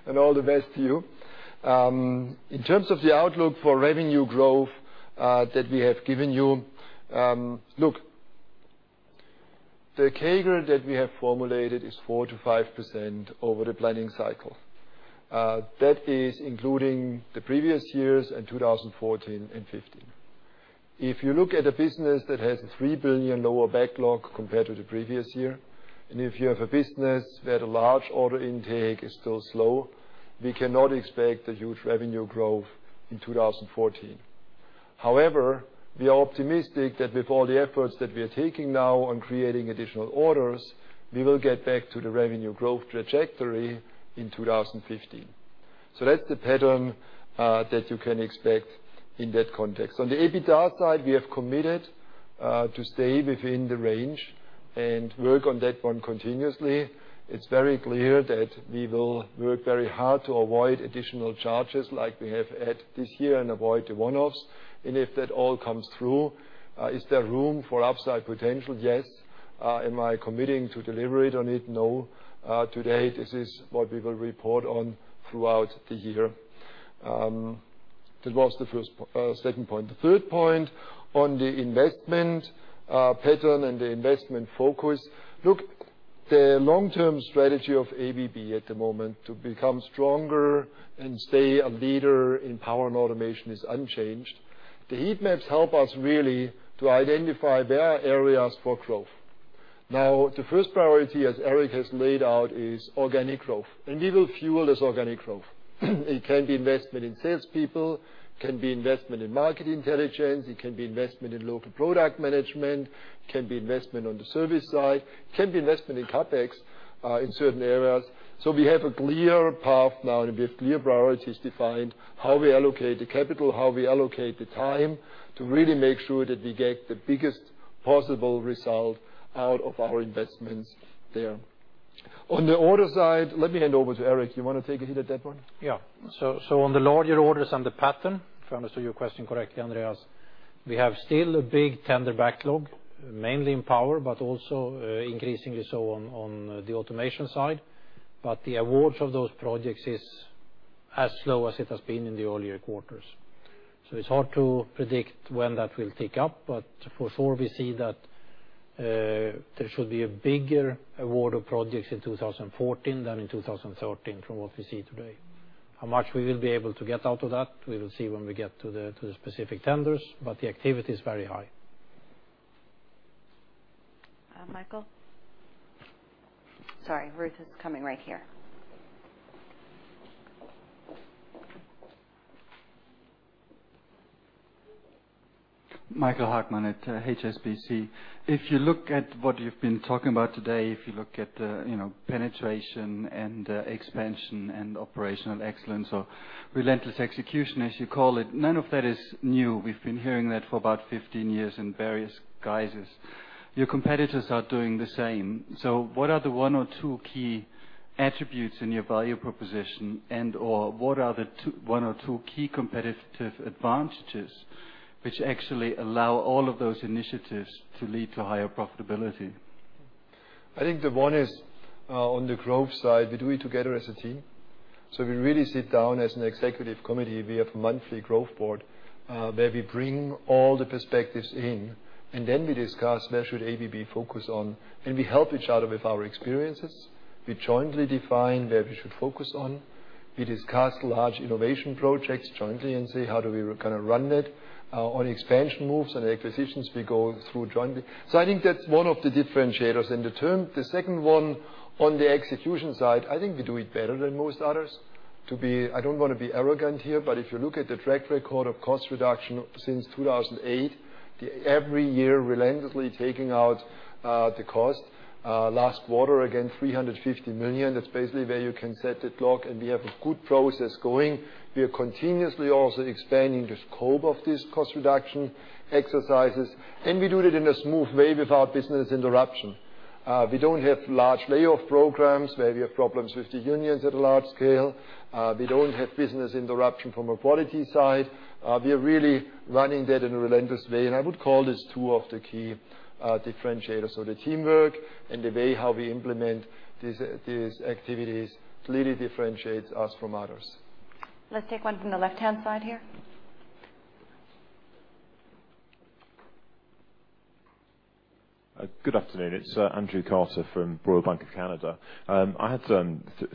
All the best to you. In terms of the outlook for revenue growth that we have given you. Look, the CAGR that we have formulated is 4%-5% over the planning cycle. That is including the previous years and 2014 and 2015. If you look at a business that has a $3 billion lower backlog compared to the previous year, and if you have a business where the large order intake is still slow, we cannot expect a huge revenue growth in 2014. However, we are optimistic that with all the efforts that we are taking now on creating additional orders, we will get back to the revenue growth trajectory in 2015. That's the pattern that you can expect in that context. On the EBITDA side, we have committed to stay within the range and work on that one continuously. It's very clear that we will work very hard to avoid additional charges like we have had this year and avoid the one-offs. If that all comes through, is there room for upside potential? Yes. Am I committing to deliver it on it? No. To date, this is what we will report on throughout the year. That was the second point. The third point on the investment pattern and the investment focus. Look, the long-term strategy of ABB at the moment to become stronger and stay a leader in power and automation is unchanged. The heat maps help us really to identify where are areas for growth. Now, the first priority, as Eric has laid out, is organic growth. We will fuel this organic growth. It can be investment in salespeople, it can be investment in market intelligence, it can be investment in local product management, it can be investment on the service side, it can be investment in CapEx in certain areas. We have a clear path now, and we have clear priorities defined, how we allocate the capital, how we allocate the time to really make sure that we get the biggest possible result out of our investments there. On the order side, let me hand over to Eric. You want to take a hit at that one? Yeah. On the larger orders and the pattern, if I understood your question correctly, Andreas, we have still a big tender backlog, mainly in Power, but also increasingly so on the Automation side. The awards of those projects is as slow as it has been in the earlier quarters. It's hard to predict when that will pick up, but for sure, we see that there should be a bigger award of projects in 2014 than in 2013 from what we see today. How much we will be able to get out of that, we will see when we get to the specific tenders, but the activity is very high. Michael. Sorry, Ruth is coming right here. Michael Hagmann at HSBC. If you look at what you've been talking about today, if you look at the penetration and expansion and operational excellence or relentless execution, as you call it, none of that is new. We've been hearing that for about 15 years in various guises. Your competitors are doing the same. What are the one or two key attributes in your value proposition and/or what are the one or two key competitive advantages which actually allow all of those initiatives to lead to higher profitability? I think the one is on the growth side, we do it together as a team. We really sit down as an Executive Committee. We have a monthly growth board where we bring all the perspectives in. We discuss where should ABB focus on. We help each other with our experiences. We jointly define where we should focus on. We discuss large innovation projects jointly. We say how do we run that. On expansion moves and acquisitions, we go through jointly. I think that's one of the differentiators in the term. The second one, on the execution side, I think we do it better than most others. I don't want to be arrogant here, but if you look at the track record of cost reduction since 2008, every year relentlessly taking out the cost. Last quarter, again, $350 million. That's basically where you can set the clock. We have a good process going. We are continuously also expanding the scope of these cost reduction exercises. We do it in a smooth way without business interruption. We don't have large layoff programs where we have problems with the unions at a large scale. We don't have business interruption from a quality side. We are really running that in a relentless way. I would call this two of the key differentiators. The teamwork and the way how we implement these activities clearly differentiates us from others. Let's take one from the left-hand side here. Good afternoon. It's Andrew Carter from Royal Bank of Canada. I had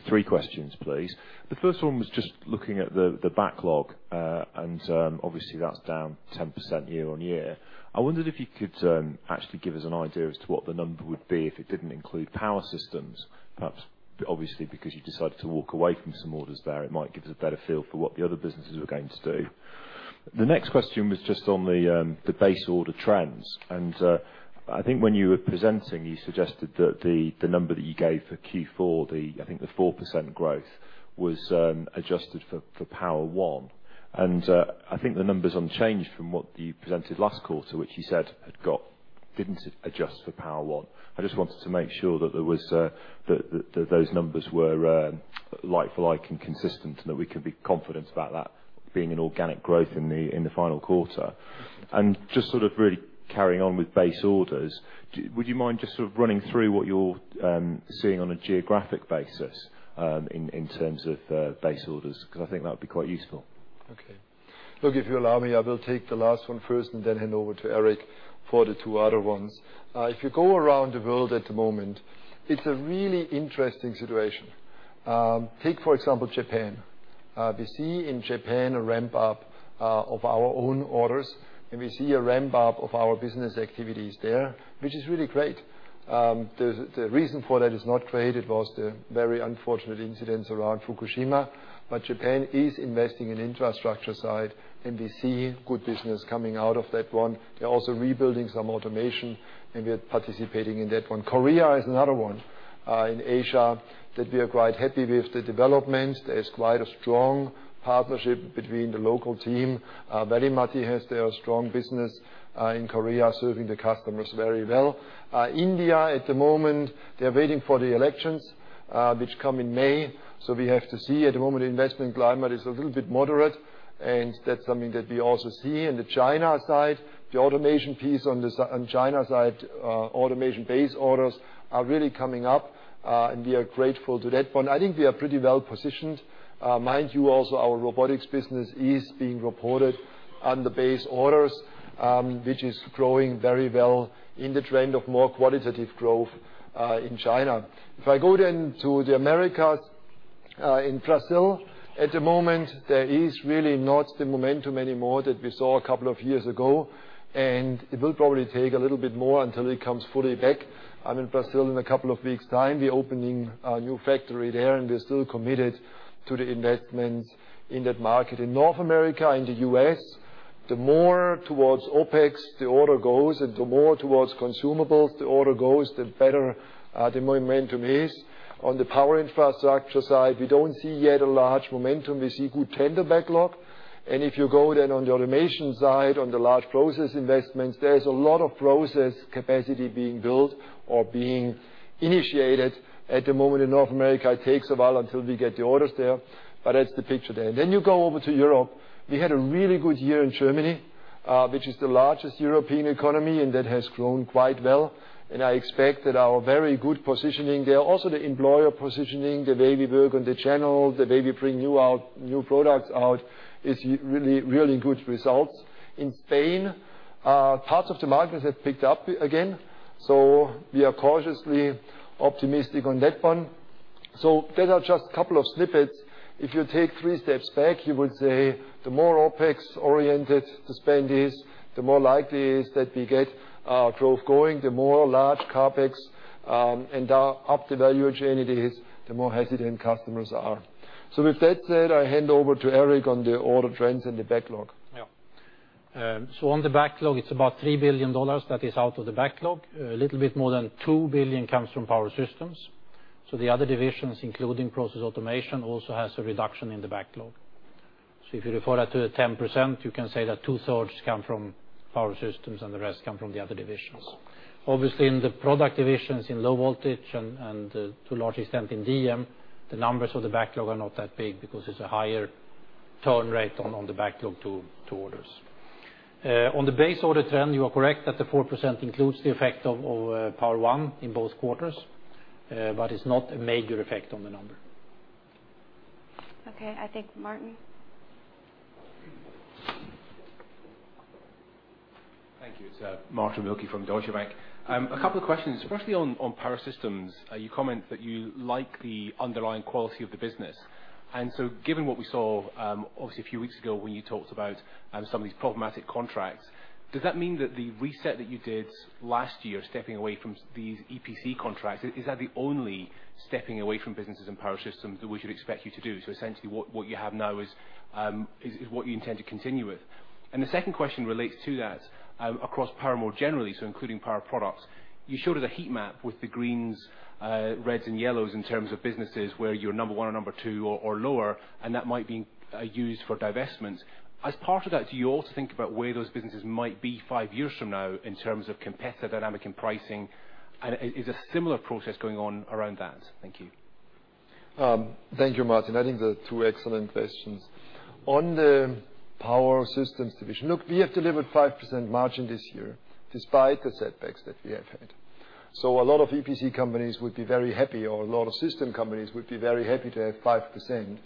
three questions, please. The first one was just looking at the backlog. Obviously, that's down 10% year-over-year. I wondered if you could actually give us an idea as to what the number would be if it didn't include Power Systems. Perhaps, obviously, because you decided to walk away from some orders there, it might give us a better feel for what the other businesses are going to do. The next question was just on the base order trends. I think when you were presenting, you suggested that the number that you gave for Q4, I think the 4% growth was adjusted for Power-One. I think the number's unchanged from what you presented last quarter, which you said didn't adjust for Power-One. I just wanted to make sure that those numbers were like for like and consistent, that we could be confident about that being an organic growth in the final quarter. Just sort of really carrying on with base orders, would you mind just sort of running through what you're seeing on a geographic basis in terms of base orders? I think that would be quite useful. Okay. Look, if you allow me, I will take the last one first and then hand over to Eric for the two other ones. If you go around the world at the moment, it's a really interesting situation. Take, for example, Japan. We see in Japan a ramp-up of our own orders, we see a ramp-up of our business activities there, which is really great. The reason for that is not trade. It was the very unfortunate incidents around Fukushima, Japan is investing in infrastructure side, and we see good business coming out of that one. We are participating in that one. Korea is another one in Asia that we are quite happy with the developments. There's quite a strong partnership between the local team. Veli-Matti has their strong business in Korea, serving the customers very well. India, at the moment, they're waiting for the elections, which come in May. We have to see. At the moment, investment climate is a little bit moderate, that's something that we also see. In the China side, the automation piece on China side, automation base orders are really coming up, we are grateful to that one. I think we are pretty well-positioned. Mind you also, our robotics business is being reported on the base orders, which is growing very well in the trend of more qualitative growth in China. If I go then to the Americas, in Brazil, at the moment, there is really not the momentum anymore that we saw a couple of years ago, it will probably take a little bit more until it comes fully back. I'm in Brazil in a couple of weeks' time. We're opening a new factory there, we're still committed to the investments in that market. In North America, in the U.S., the more towards OpEx the order goes, the more towards consumables the order goes, the better the momentum is. On the power infrastructure side, we don't see yet a large momentum. We see good tender backlog. If you go then on the automation side, on the large process investments, there's a lot of process capacity being built or being initiated at the moment in North America. It takes a while until we get the orders there, that's the picture there. You go over to Europe. We had a really good year in Germany, which is the largest European economy, that has grown quite well, and I expect that our very good positioning there. The employer positioning, the way we work on the channel, the way we bring new products out is really good results. In Spain, parts of the markets have picked up again. We are cautiously optimistic on that one. Those are just a couple of snippets. If you take three steps back, you would say the more OpEx-oriented the spend is, the more likely it is that we get growth going. The more large CapEx and up the value chain it is, the more hesitant customers are. With that said, I hand over to Eric on the order trends and the backlog. On the backlog, it's about CHF 3 billion that is out of the backlog. A little bit more than 2 billion comes from Power Systems. The other divisions, including Process Automation, also has a reduction in the backlog. If you refer that to the 10%, you can say that two-thirds come from Power Systems and the rest come from the other divisions. Obviously, in the product divisions in Low Voltage and to a large extent in DM, the numbers of the backlog are not that big because it's a higher turn rate on the backlog to orders. On the base order trend, you are correct that the 4% includes the effect of Power-One in both quarters, but it's not a major effect on the number. I think Martin. Thank you. It's Martin Wilkie from Deutsche Bank. A couple of questions, firstly on Power Systems. You comment that you like the underlying quality of the business. Given what we saw, obviously a few weeks ago, when you talked about some of these problematic contracts, does that mean that the reset that you did last year, stepping away from these EPC contracts, is that the only stepping away from businesses in Power Systems that we should expect you to do? Essentially what you have now is what you intend to continue with? The second question relates to that across Power more generally, including Power Products. You showed us a heat map with the greens, reds, and yellows in terms of businesses where you're number one or number two or lower, and that might be used for divestments. As part of that, do you also think about where those businesses might be five years from now in terms of competitive dynamic and pricing? Is a similar process going on around that? Thank you. Thank you, Martin Wilkie. I think they're two excellent questions. On the Power Systems division. We have delivered 5% margin this year despite the setbacks that we have had. A lot of EPC companies would be very happy, or a lot of system companies would be very happy to have 5%.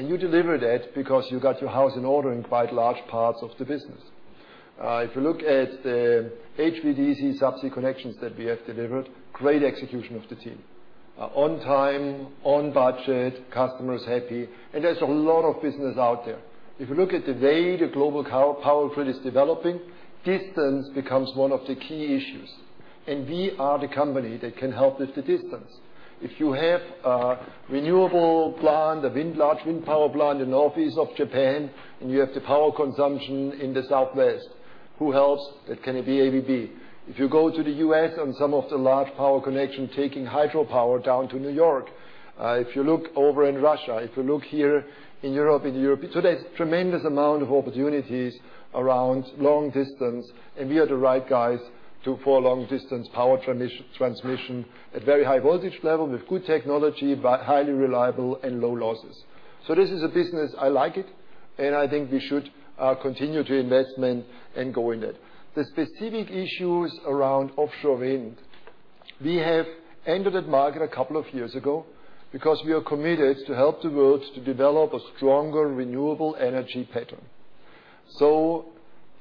You deliver that because you got your house in order in quite large parts of the business. If you look at the HVDC subsea connections that we have delivered, great execution of the team. On time, on budget, customers happy, and there's a lot of business out there. If you look at the way the global power grid is developing, distance becomes one of the key issues. We are the company that can help with the distance. If you have a renewable plant, a large wind power plant in northeast of Japan, and you have the power consumption in the southwest. Who helps? That can be ABB. If you go to the U.S. on some of the large power connection, taking hydropower down to New York. If you look over in Russia, if you look here in Europe. There's tremendous amount of opportunities around long distance, and we are the right guys for long-distance power transmission at very high voltage level with good technology, highly reliable, and low losses. This is a business, I like it, and I think we should continue to investment and go in that. The specific issues around offshore wind, we have entered that market a couple of years ago because we are committed to help the world to develop a stronger renewable energy pattern.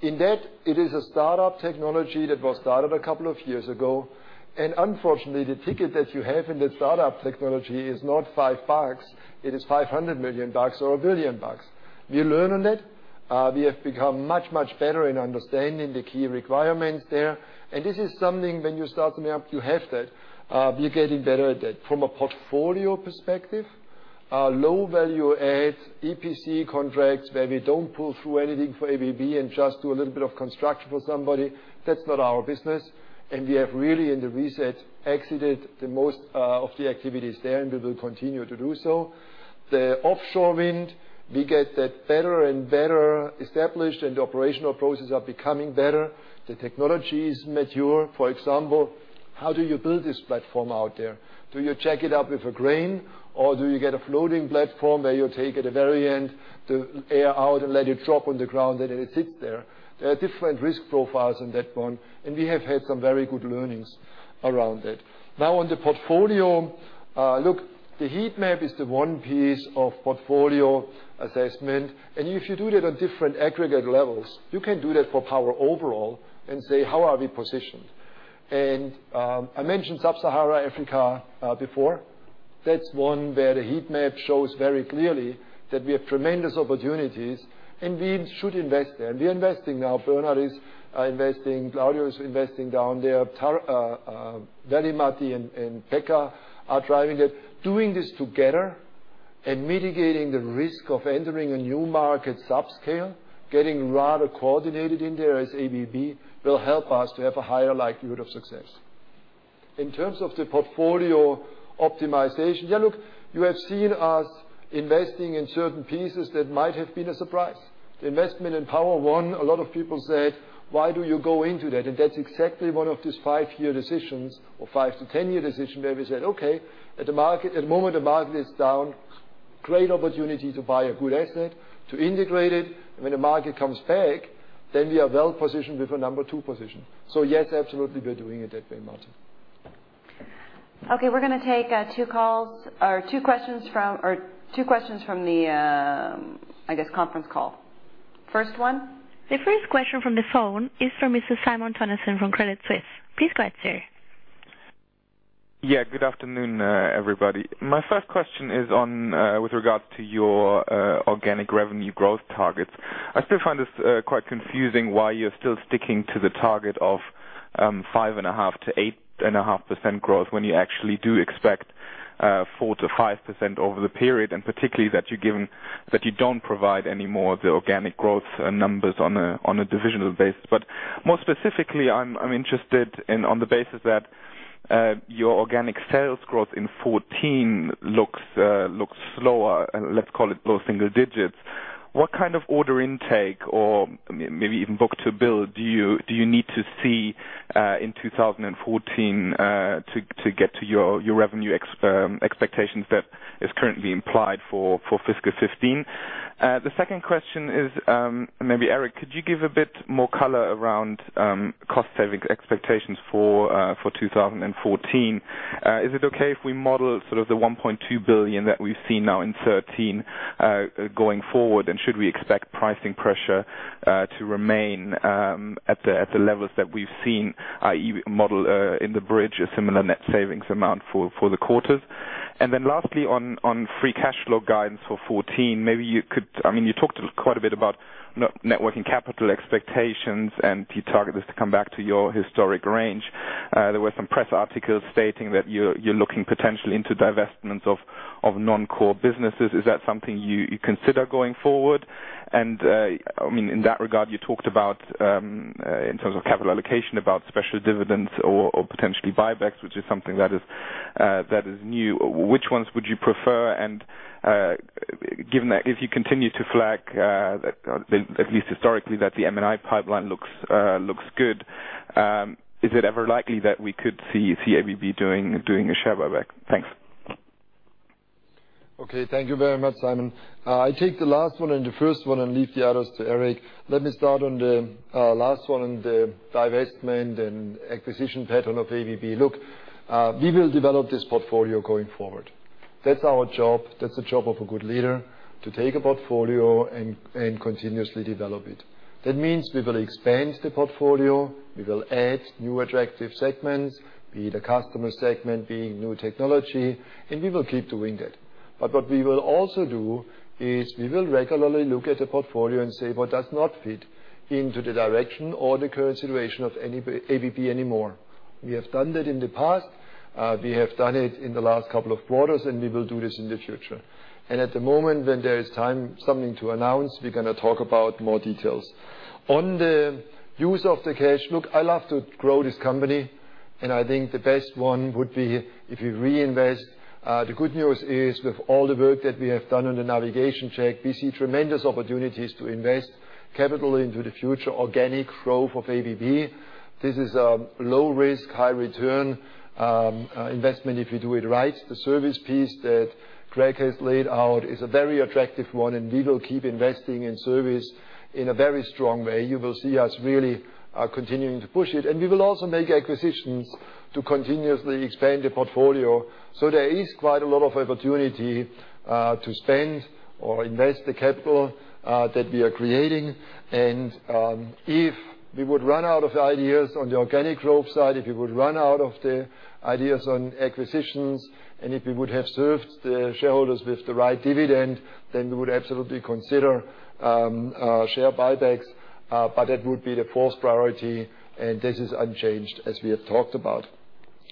In that, it is a startup technology that was started a couple of years ago. Unfortunately, the ticket that you have in the startup technology is not $5, it is $500 million or $1 billion. We learn on it. We have become much, much better in understanding the key requirements there. This is something when you start something up, you have that. We're getting better at that. From a portfolio perspective, low value add EPC contracts where we don't pull through anything for ABB and just do a little bit of construction for somebody, that's not our business. We have really in the reset exited the most of the activities there, and we will continue to do so. The offshore wind, we get that better and better established, and the operational processes are becoming better. The technology is mature. For example, how do you build this platform out there? Do you jack it up with a crane, or do you get a floating platform where you take at the very end the air out and let it drop on the ground and it sits there? There are different risk profiles on that one, and we have had some very good learnings around it. Now on the portfolio. Look, the heat map is the one piece of portfolio assessment, if you do that on different aggregate levels, you can do that for Power overall and say, "How are we positioned?" I mentioned sub-Saharan Africa before. That's one where the heat map shows very clearly that we have tremendous opportunities, we should invest there. We're investing now. Bernard is investing, Claudio is investing down there. Veli-Matti and Pekka are driving it. Doing this together and mitigating the risk of entering a new market subscale, getting rather coordinated in there as ABB will help us to have a higher likelihood of success. In terms of the portfolio optimization. Yeah, look, you have seen us investing in certain pieces that might have been a surprise. The investment in Power-One, a lot of people said, "Why do you go into that?" That's exactly one of these five-year decisions or five to 10-year decision where we said, "Okay, at the moment the market is down. Great opportunity to buy a good asset, to integrate it. When the market comes back, then we are well positioned with a number 2 position." Yes, absolutely, we're doing it that way, Martin. Okay, we're going to take two questions from the conference call. First one. The first question from the phone is from Mr. Simon Tonachel from Credit Suisse. Please go ahead, sir. Good afternoon, everybody. My first question is with regard to your organic revenue growth targets. I still find this quite confusing why you're still sticking to the target of 5.5%-8.5% growth when you actually do expect 4%-5% over the period. Particularly, you don't provide any more of the organic growth numbers on a divisional basis. More specifically, I'm interested in on the basis that your organic sales growth in 2014 looks slower, and let's call it low single digits. What kind of order intake or maybe even book to bill do you need to see, in 2014, to get to your revenue expectations that is currently implied for fiscal 2015? The second question is, maybe Eric, could you give a bit more color around cost saving expectations for 2014? Is it okay if we model the $1.2 billion that we see now in 2013 going forward? Should we expect pricing pressure to remain at the levels that we've seen, i.e., model in the bridge, a similar net savings amount for the quarters? Lastly, on free cash flow guidance for 2014, you talked quite a bit about net working capital expectations and key targets to come back to your historic range. There were some press articles stating that you're looking potentially into divestments of non-core businesses. Is that something you consider going forward? In that regard, you talked about, in terms of capital allocation, about special dividends or potentially buybacks, which is something that is new. Which ones would you prefer? Given that if you continue to flag, at least historically, that the M&A pipeline looks good, is it ever likely that we could see ABB doing a share buyback? Thanks. Okay, thank you very much, Simon. I take the last one and the first one and leave the others to Eric. Let me start on the last one, on the divestment and acquisition pattern of ABB. Look, we will develop this portfolio going forward. That's our job. That's the job of a good leader, to take a portfolio and continuously develop it. That means we will expand the portfolio, we will add new attractive segments, be it a customer segment, be it new technology, and we will keep doing that. What we will also do is we will regularly look at the portfolio and say what does not fit into the direction or the current situation of ABB anymore. We have done that in the past, we have done it in the last couple of quarters, and we will do this in the future. At the moment when there is something to announce, we are going to talk about more details. On the use of the cash. Look, I love to grow this company, and I think the best one would be if we reinvest. The good news is with all the work that we have done on the navigation check, we see tremendous opportunities to invest capital into the future organic growth of ABB. This is a low risk, high return investment if you do it right. The service piece that Greg Scheu has laid out is a very attractive one, and we will keep investing in service in a very strong way. You will see us really continuing to push it. We will also make acquisitions to continuously expand the portfolio. There is quite a lot of opportunity to spend or invest the capital that we are creating. If we would run out of ideas on the organic growth side, if we would run out of the ideas on acquisitions, and if we would have served the shareholders with the right dividend, then we would absolutely consider share buybacks. But that would be the fourth priority, and this is unchanged as we have talked about.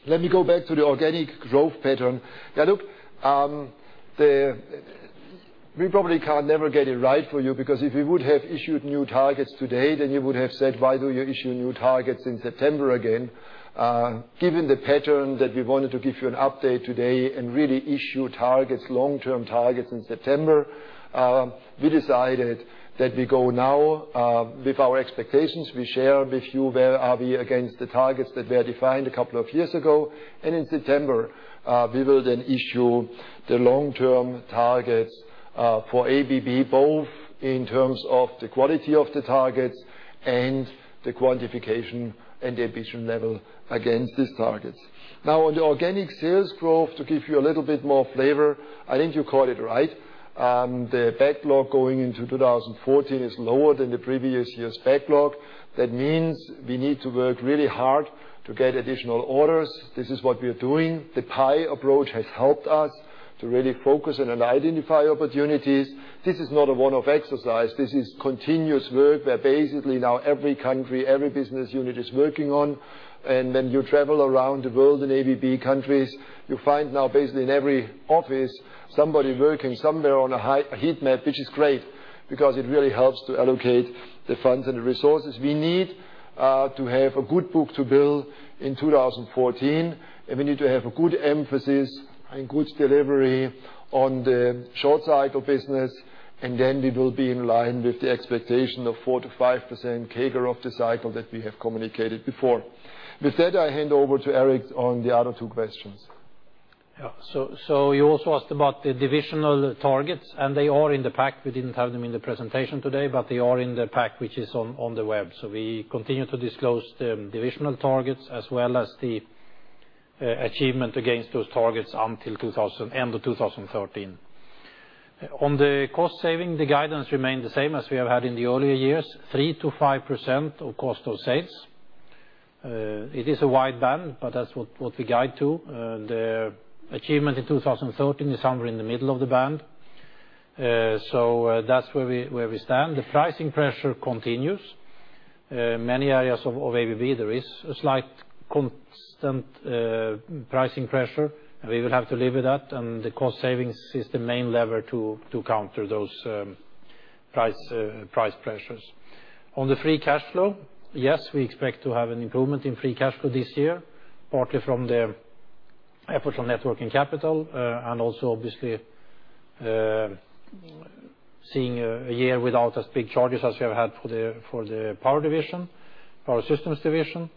Let me go back to the organic growth pattern. Look, we probably can't ever get it right for you, because if we would have issued new targets today, then you would have said, "Why do you issue new targets in September again?" Given the pattern that we wanted to give you an update today and really issue targets, long-term targets in September, we decided that we go now with our expectations. We share with you where are we against the targets that were defined a couple of years ago. In September, we will then issue the long-term targets for ABB, both in terms of the quality of the targets and the quantification and the ambition level against these targets. On the organic sales growth, to give you a little bit more flavor, I think you called it right. The backlog going into 2014 is lower than the previous year's backlog. That means we need to work really hard to get additional orders. This is what we are doing. The pie approach has helped us to really focus and identify opportunities. This is not a one-off exercise. This is continuous work where basically now every country, every business unit is working on. When you travel around the world in ABB countries, you find now basically in every office, somebody working somewhere on a heat map, which is great because it really helps to allocate the funds and the resources we need to have a good book to build in 2014. We need to have a good emphasis and good delivery on the short cycle business, and then we will be in line with the expectation of 4%-5% CAGR of the cycle that we have communicated before. With that, I hand over to Eric Elzvik on the other two questions. You also asked about the divisional targets, and they are in the pack. We did not have them in the presentation today, but they are in the pack, which is on the web. We continue to disclose the divisional targets as well as the achievement against those targets until end of 2013. On the cost saving, the guidance remained the same as we have had in the earlier years, 3%-5% of cost of sales. It is a wide band, but that is what we guide to. The achievement in 2013 is somewhere in the middle of the band. That is where we stand. The pricing pressure continues. Many areas of ABB, there is a slight constant pricing pressure, and we will have to live with that, and the cost savings is the main lever to counter those price pressures. On the free cash flow, yes, we expect to have an improvement in free cash flow this year, partly from the efforts on networking capital and also obviously, seeing a year without as big charges as we have had for the Power Systems division.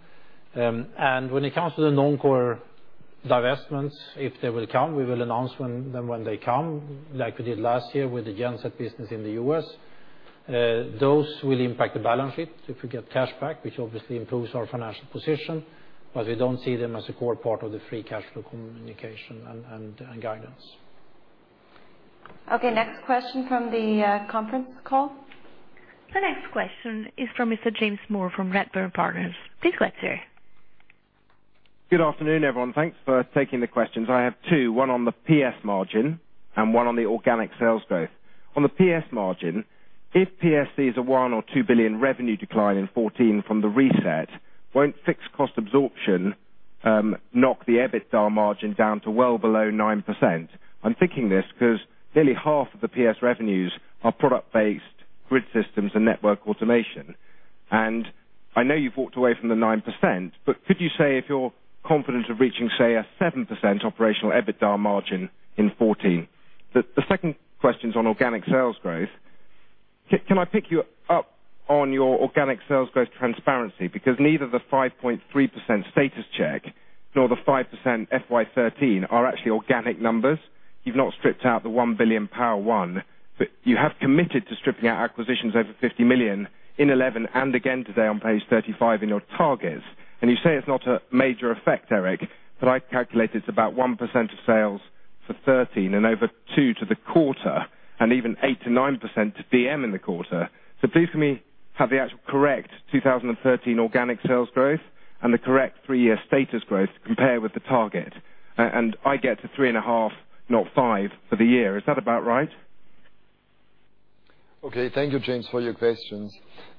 And when it comes to the non-core Divestments, if they will come, we will announce them when they come, like we did last year with the genset business in the U.S. Those will impact the balance sheet if we get cash back, which obviously improves our financial position, but we do not see them as a core part of the free cash flow communication and guidance. Next question from the conference call. The next question is from Mr. James Moore from Redburn. Please go ahead, sir. Good afternoon, everyone. Thanks for taking the questions. I have two, one on the PS margin and one on the organic sales growth. On the PS margin, if PSC is a $1 billion or $2 billion revenue decline in 2014 from the reset, won't fixed cost absorption knock the EBITDA margin down to well below 9%? I'm thinking this because nearly half of the PS revenues are product-based grid systems and network automation. I know you've walked away from the 9%, but could you say if you're confident of reaching, say, a 7% operational EBITDA margin in 2014? The second question's on organic sales growth. Can I pick you up on your organic sales growth transparency, because neither the 5.3% status check nor the 5% FY 2013 are actually organic numbers. You've not stripped out the $1 billion Power-One, but you have committed to stripping out acquisitions over $50 million in 2011 and again today on page 35 in your targets. You say it's not a major effect, Eric, but I calculated it's about 1% of sales for 2013 and over 2% to the quarter, and even 8%-9% to DM in the quarter. Please, for me, have the actual correct 2013 organic sales growth and the correct three-year status growth to compare with the target. I get to 3.5%, not 5% for the year. Is that about right? Okay. Thank you, James, for your questions.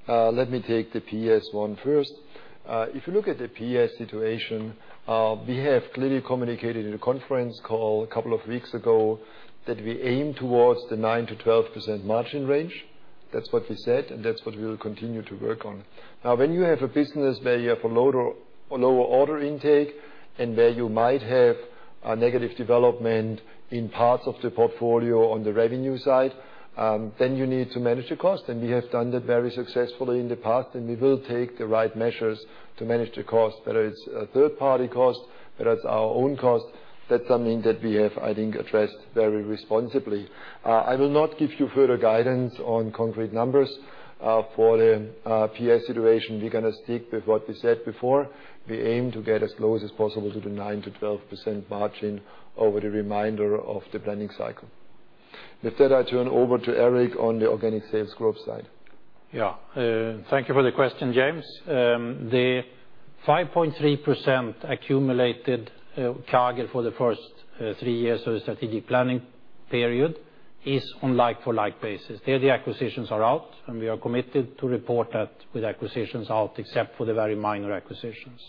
Let me take the PS one first. If you look at the PS situation, we have clearly communicated in a conference call a couple of weeks ago that we aim towards the 9%-12% margin range. That's what we said, and that's what we will continue to work on. Now, when you have a business where you have a lower order intake and where you might have a negative development in parts of the portfolio on the revenue side, then you need to manage the cost, and we have done that very successfully in the past, and we will take the right measures to manage the cost, whether it's a third-party cost, whether it's our own cost. That's something that we have, I think, addressed very responsibly. I will not give you further guidance on concrete numbers for the PS situation. We're going to stick with what we said before. We aim to get as close as possible to the 9%-12% margin over the remainder of the planning cycle. With that, I turn over to Eric on the organic sales growth side. Yeah. Thank you for the question, James. The 5.3% accumulated target for the first three years of the strategic planning period is on like-for-like basis. There, the acquisitions are out, and we are committed to report that with acquisitions out, except for the very minor acquisitions.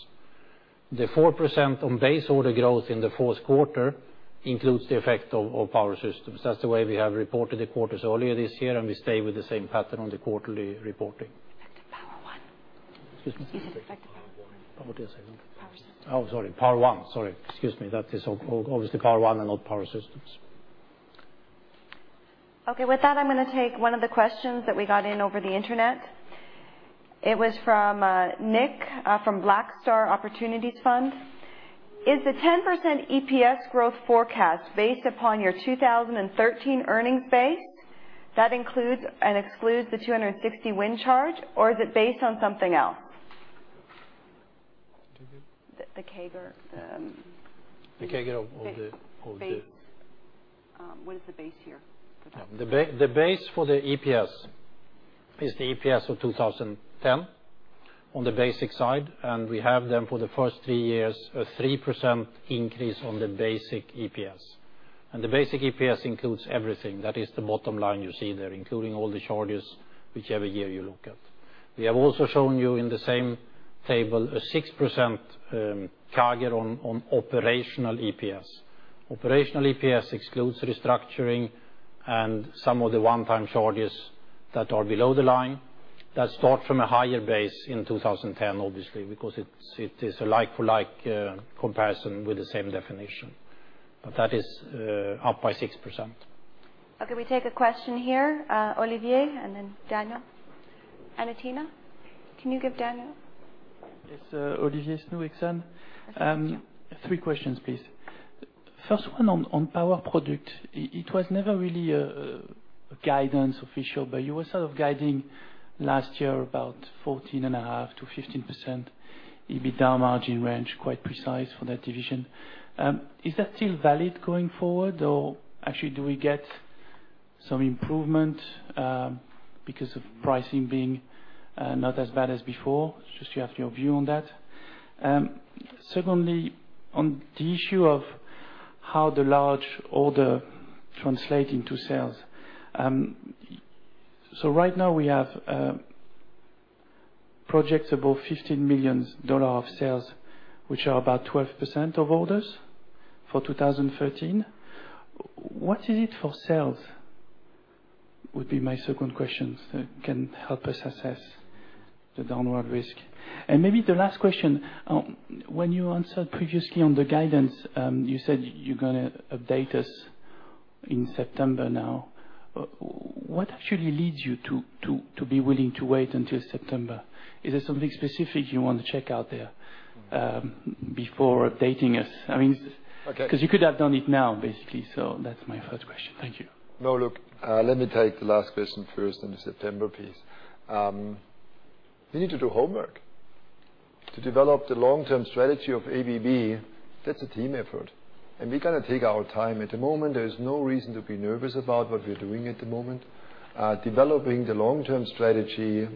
The 4% on base order growth in the fourth quarter includes the effect of our Power Systems. That's the way we have reported the quarters earlier this year, and we stay with the same pattern on the quarterly reporting. Effect of Power-One. Excuse me? Excuse me, effect of Power-One. Power-One. Power Systems. Oh, sorry. Power-One, sorry. Excuse me. That is obviously Power-One and not Power Systems. Okay. With that, I'm going to take one of the questions that we got in over the Internet. It was from Nick from Blackstar Opportunities Fund. Is the 10% EPS growth forecast based upon your 2013 earnings base that includes and excludes the $260 wind charge, or is it based on something else? The ticket? The CAGR. The CAGR of the- Base. What is the base year for that one? The base for the EPS is the EPS of 2010 on the basic side. We have them for the first three years, a 3% increase on the basic EPS. The basic EPS includes everything. That is the bottom line you see there, including all the charges, whichever year you look at. We have also shown you in the same table a 6% CAGR on operational EPS. Operational EPS excludes restructuring and some of the one-time charges that are below the line. That start from a higher base in 2010, obviously, because it is a like-for-like comparison with the same definition, but that is up by 6%. Okay, we take a question here. Olivier, and then Daniel. Anatina, can you give Daniel? Yes. Olivier Snoeck. Three questions, please. First one on Power Products. It was never really a guidance official, but you were sort of guiding last year about 14.5%-15% EBITDA margin range, quite precise for that division. Is that still valid going forward, or actually do we get some improvement because of pricing being not as bad as before? It is just to have your view on that. Secondly, on the issue of how the large order translate into sales. So right now we have projects above $15 million of sales, which are about 12% of orders for 2013. What is it for sales? Would be my second question, so it can help us assess the downward risk. Maybe the last question, when you answered previously on the guidance, you said you are going to update us in September now. What actually leads you to be willing to wait until September? Is there something specific you want to check out there before updating us? Okay. You could have done it now, basically. That's my first question. Thank you. No, look, let me take the last question first on the September piece. We need to do homework to develop the long-term strategy of ABB. That's a team effort. We're going to take our time. At the moment, there is no reason to be nervous about what we're doing at the moment. Developing the long-term strategy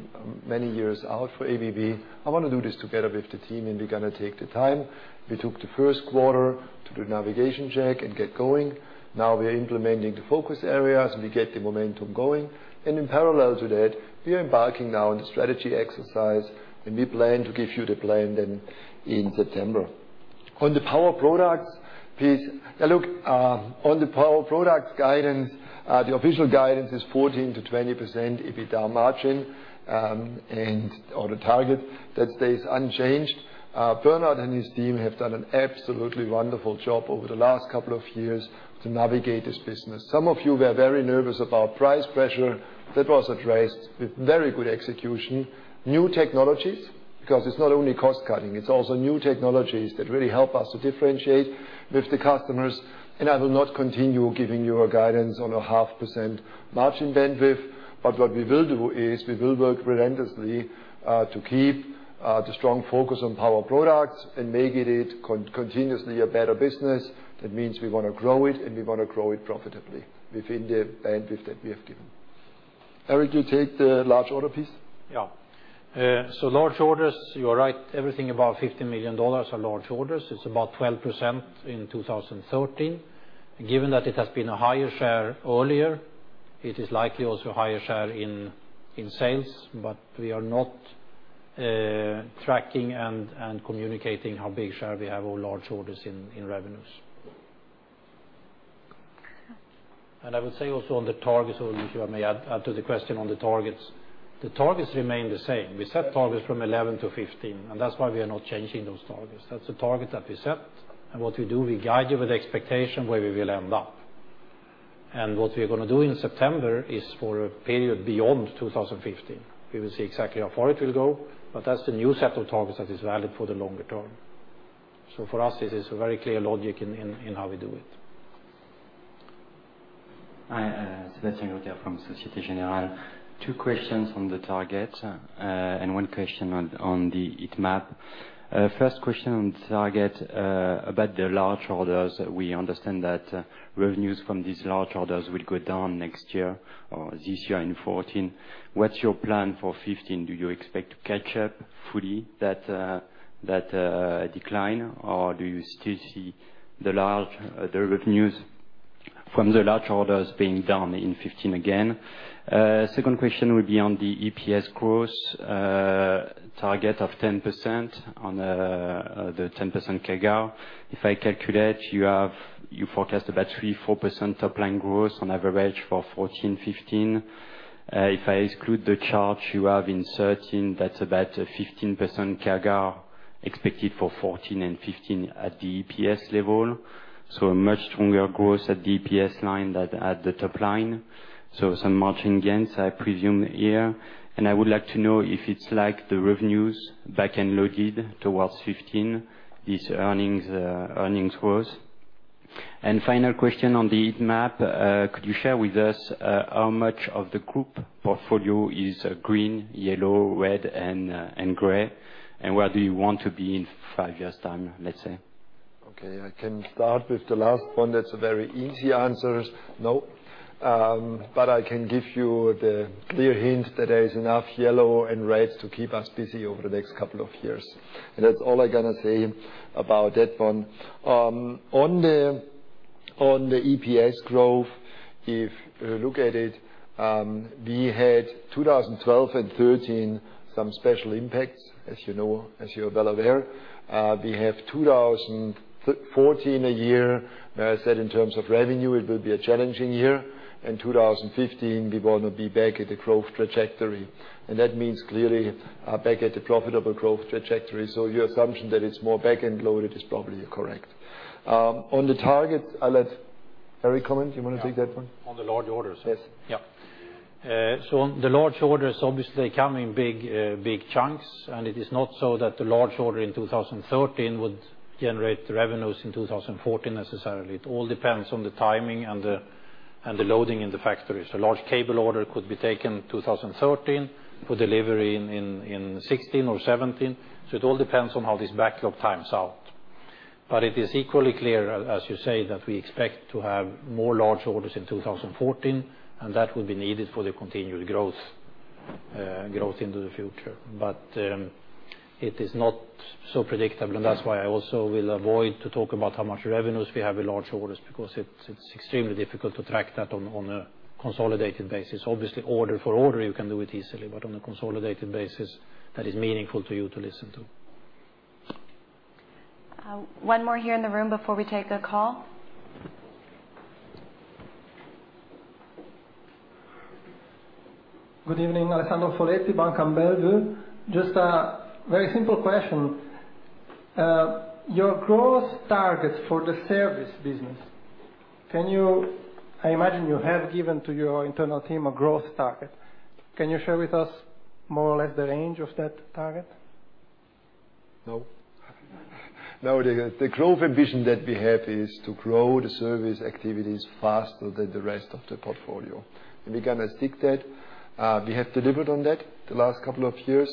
many years out for ABB, I want to do this together with the team, and we're going to take the time. We took the first quarter to do navigation check and get going. Now we are implementing the focus areas, and we get the momentum going. In parallel to that, we are embarking now on the strategy exercise, and we plan to give you the plan then in September. On the Power Products piece. Look, on the Power Products guidance, the official guidance is 14%-20% EBITDA margin, and on the target, that stays unchanged. Bernhard and his team have done an absolutely wonderful job over the last couple of years to navigate this business. Some of you were very nervous about price pressure. That was addressed with very good execution. New technologies, because it's not only cost cutting, it's also new technologies that really help us to differentiate with the customers, and I will not continue giving you a guidance on a 0.5% margin bandwidth. What we will do is we will work relentlessly to keep the strong focus on Power Products and making it continuously a better business. That means we want to grow it, and we want to grow it profitably within the bandwidth that we have given. Eric, you take the large order piece? Yeah. Large orders, you are right, everything above $50 million are large orders. It's about 12% in 2013. Given that it has been a higher share earlier, it is likely also higher share in sales. We are not tracking and communicating how big share we have of large orders in revenues. I would say also on the targets, or if you may add to the question on the targets. The targets remain the same. We set targets from 2011-2015, and that's why we are not changing those targets. That's the target that we set, and what we do, we guide you with expectation where we will end up. What we are going to do in September is for a period beyond 2015. We will see exactly how far it will go, That's the new set of targets that is valid for the longer term. For us, it is a very clear logic in how we do it. Hi, Sebastian Good evening. Alessandro Falletti, Bank of America. Just a very simple question. Your growth targets for the service business, I imagine you have given to your internal team a growth target. Can you share with us more or less the range of that target? No. The growth ambition that we have is to grow the service activities faster than the rest of the portfolio, We're going to stick to that. We have delivered on that the last couple of years.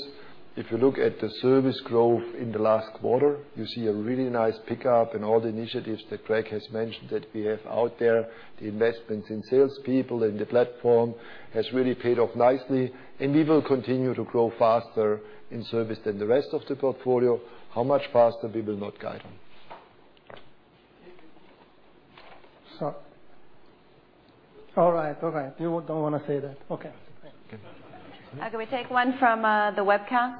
If you look at the service growth in the last quarter, you see a really nice pickup All the initiatives that Greg has mentioned that we have out there, the investments in salespeople, in the platform, has really paid off nicely. We will continue to grow faster in service than the rest of the portfolio. How much faster, we will not guide on. All right. You don't want to say that. Okay. Great. Can we take one from the webcast?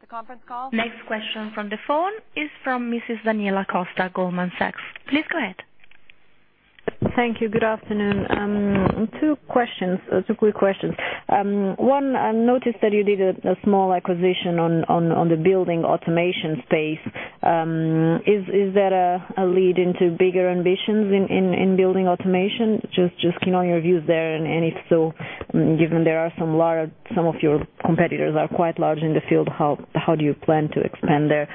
The conference call. Next question from the phone is from Daniela Costa, Goldman Sachs. Please go ahead. Thank you. Good afternoon. Two quick questions. One, I noticed that you did a small acquisition on the building automation space. Is that a lead into bigger ambitions in building automation? Just your views there, and if so, given some of your competitors are quite large in the field, how do you plan to expand there?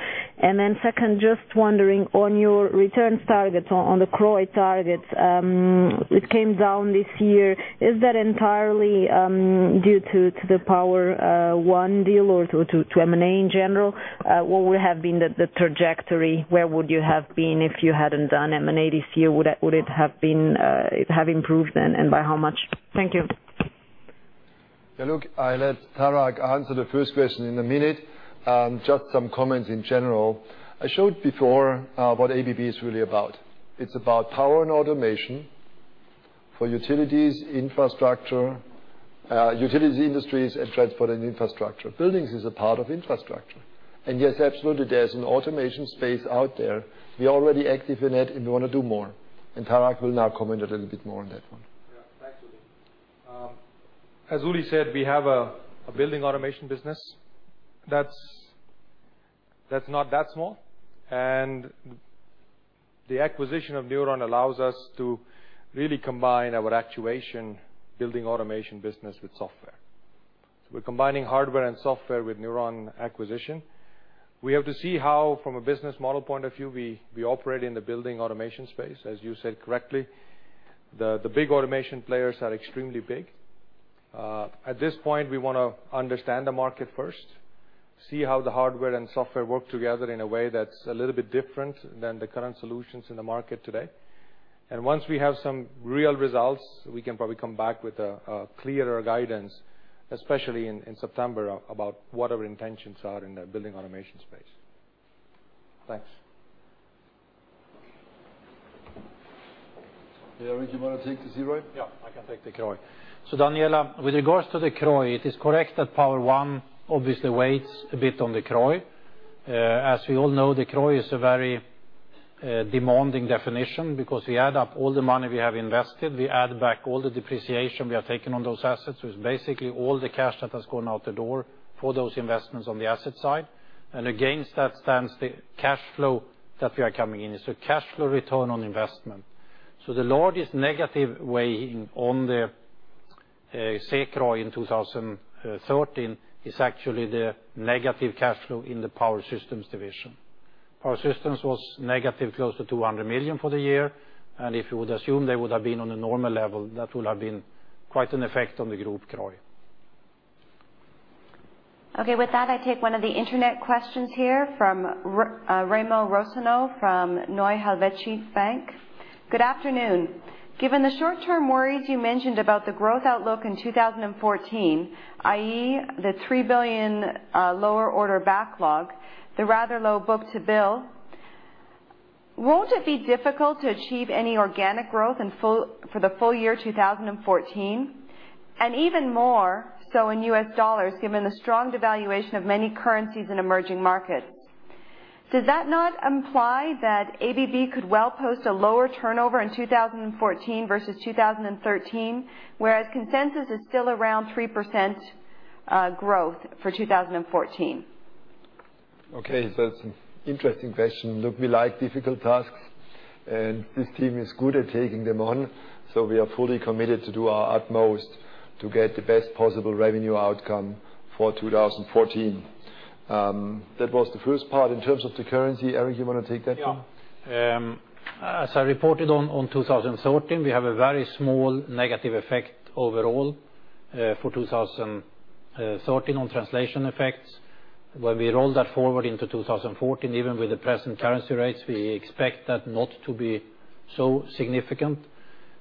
Second, just wondering on your returns targets, on the CROI targets, it came down this year. Is that entirely due to the Power-One deal or to M&A in general? What would have been the trajectory? Where would you have been if you hadn't done M&A this year? Would it have improved, and by how much? Thank you. Yeah, look, I'll let Tarak answer the first question in a minute. Just some comments in general. I showed before what ABB is really about. It's about power and automation for utility industries and transport and infrastructure. Buildings is a part of infrastructure. Yes, absolutely, there's an automation space out there. We're already active in it, and we want to do more, and Tarak will now comment a little bit more on that one. Yeah. Thanks, Uli. As Uli said, we have a building automation business that's not that small. The acquisition of Newron allows us to really combine our actuation building automation business with software. We're combining hardware and software with Newron acquisition. We have to see how, from a business model point of view, we operate in the building automation space. As you said correctly, the big automation players are extremely big. At this point, we want to understand the market first, see how the hardware and software work together in a way that's a little bit different than the current solutions in the market today. Once we have some real results, we can probably come back with a clearer guidance, especially in September, about what our intentions are in the building automation space. Thanks. Yeah, Eric, you want to take the CROI? Yeah, I can take the CROI. Daniela, with regards to the CROI, it is correct that Power-One obviously weighs a bit on the CROI. As we all know, the CROI is a very demanding definition because we add up all the money we have invested. We add back all the depreciation we have taken on those assets, so it's basically all the cash that has gone out the door for those investments on the asset side. Against that stands the cash flow that we are coming in. It's a cash flow return on investment. The largest negative weighing on the CROI in 2013 is actually the negative cash flow in the Power Systems division. Power Systems was negative close to $200 million for the year. If you would assume they would have been on a normal level, that would have been quite an effect on the group CROI. Okay. With that, I take one of the internet questions here from Raymond Rossino of Neue Helvetische Bank. Good afternoon. Given the short-term worries you mentioned about the growth outlook in 2014, i.e., the $3 billion lower order backlog, the rather low book-to-bill, won't it be difficult to achieve any organic growth for the full year 2014? Even more so in US dollars, given the strong devaluation of many currencies in emerging markets. Does that not imply that ABB could well post a lower turnover in 2014 versus 2013, whereas consensus is still around 3% growth for 2014? Okay, that's an interesting question. Look, we like difficult tasks, and this team is good at taking them on. We are fully committed to do our utmost to get the best possible revenue outcome for 2014. That was the first part. In terms of the currency, Eric, you want to take that one? Yeah. As I reported on 2013, we have a very small negative effect overall for 2013 on translation effects. When we roll that forward into 2014, even with the present currency rates, we expect that not to be so significant.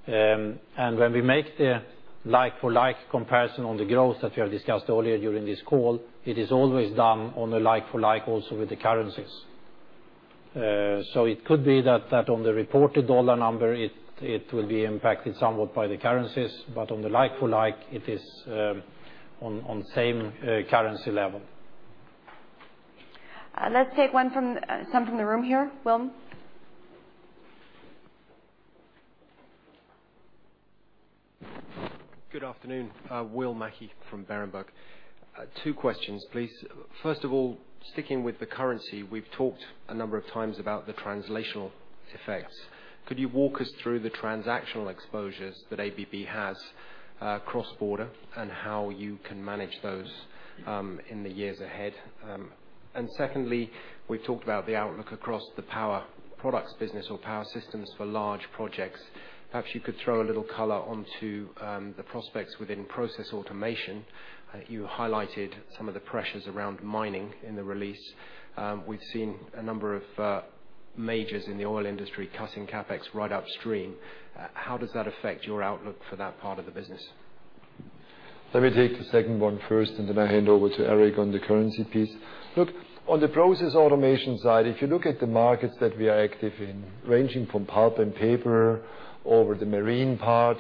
When we make the like-for-like comparison on the growth that we have discussed earlier during this call, it is always done on a like-for-like also with the currencies. It could be that on the reported dollar number, it will be impacted somewhat by the currencies, but on the like-for-like, it is on same currency level. Let's take some from the room here. Will? Good afternoon. Will Mackie from Berenberg. Two questions, please. First of all, sticking with the currency, we've talked a number of times about the translational effects. Could you walk us through the transactional exposures that ABB has cross-border, and how you can manage those in the years ahead? Secondly, we've talked about the outlook across the Power Products business or Power Systems for large projects. Perhaps you could throw a little color onto the prospects within Process Automation. You highlighted some of the pressures around mining in the release. We've seen a number of majors in the oil industry cutting CapEx right upstream. How does that affect your outlook for that part of the business? Let me take the second one first, then I hand over to Eric on the currency piece. Look, on the Process Automation side, if you look at the markets that we are active in, ranging from pulp and paper over the marine part,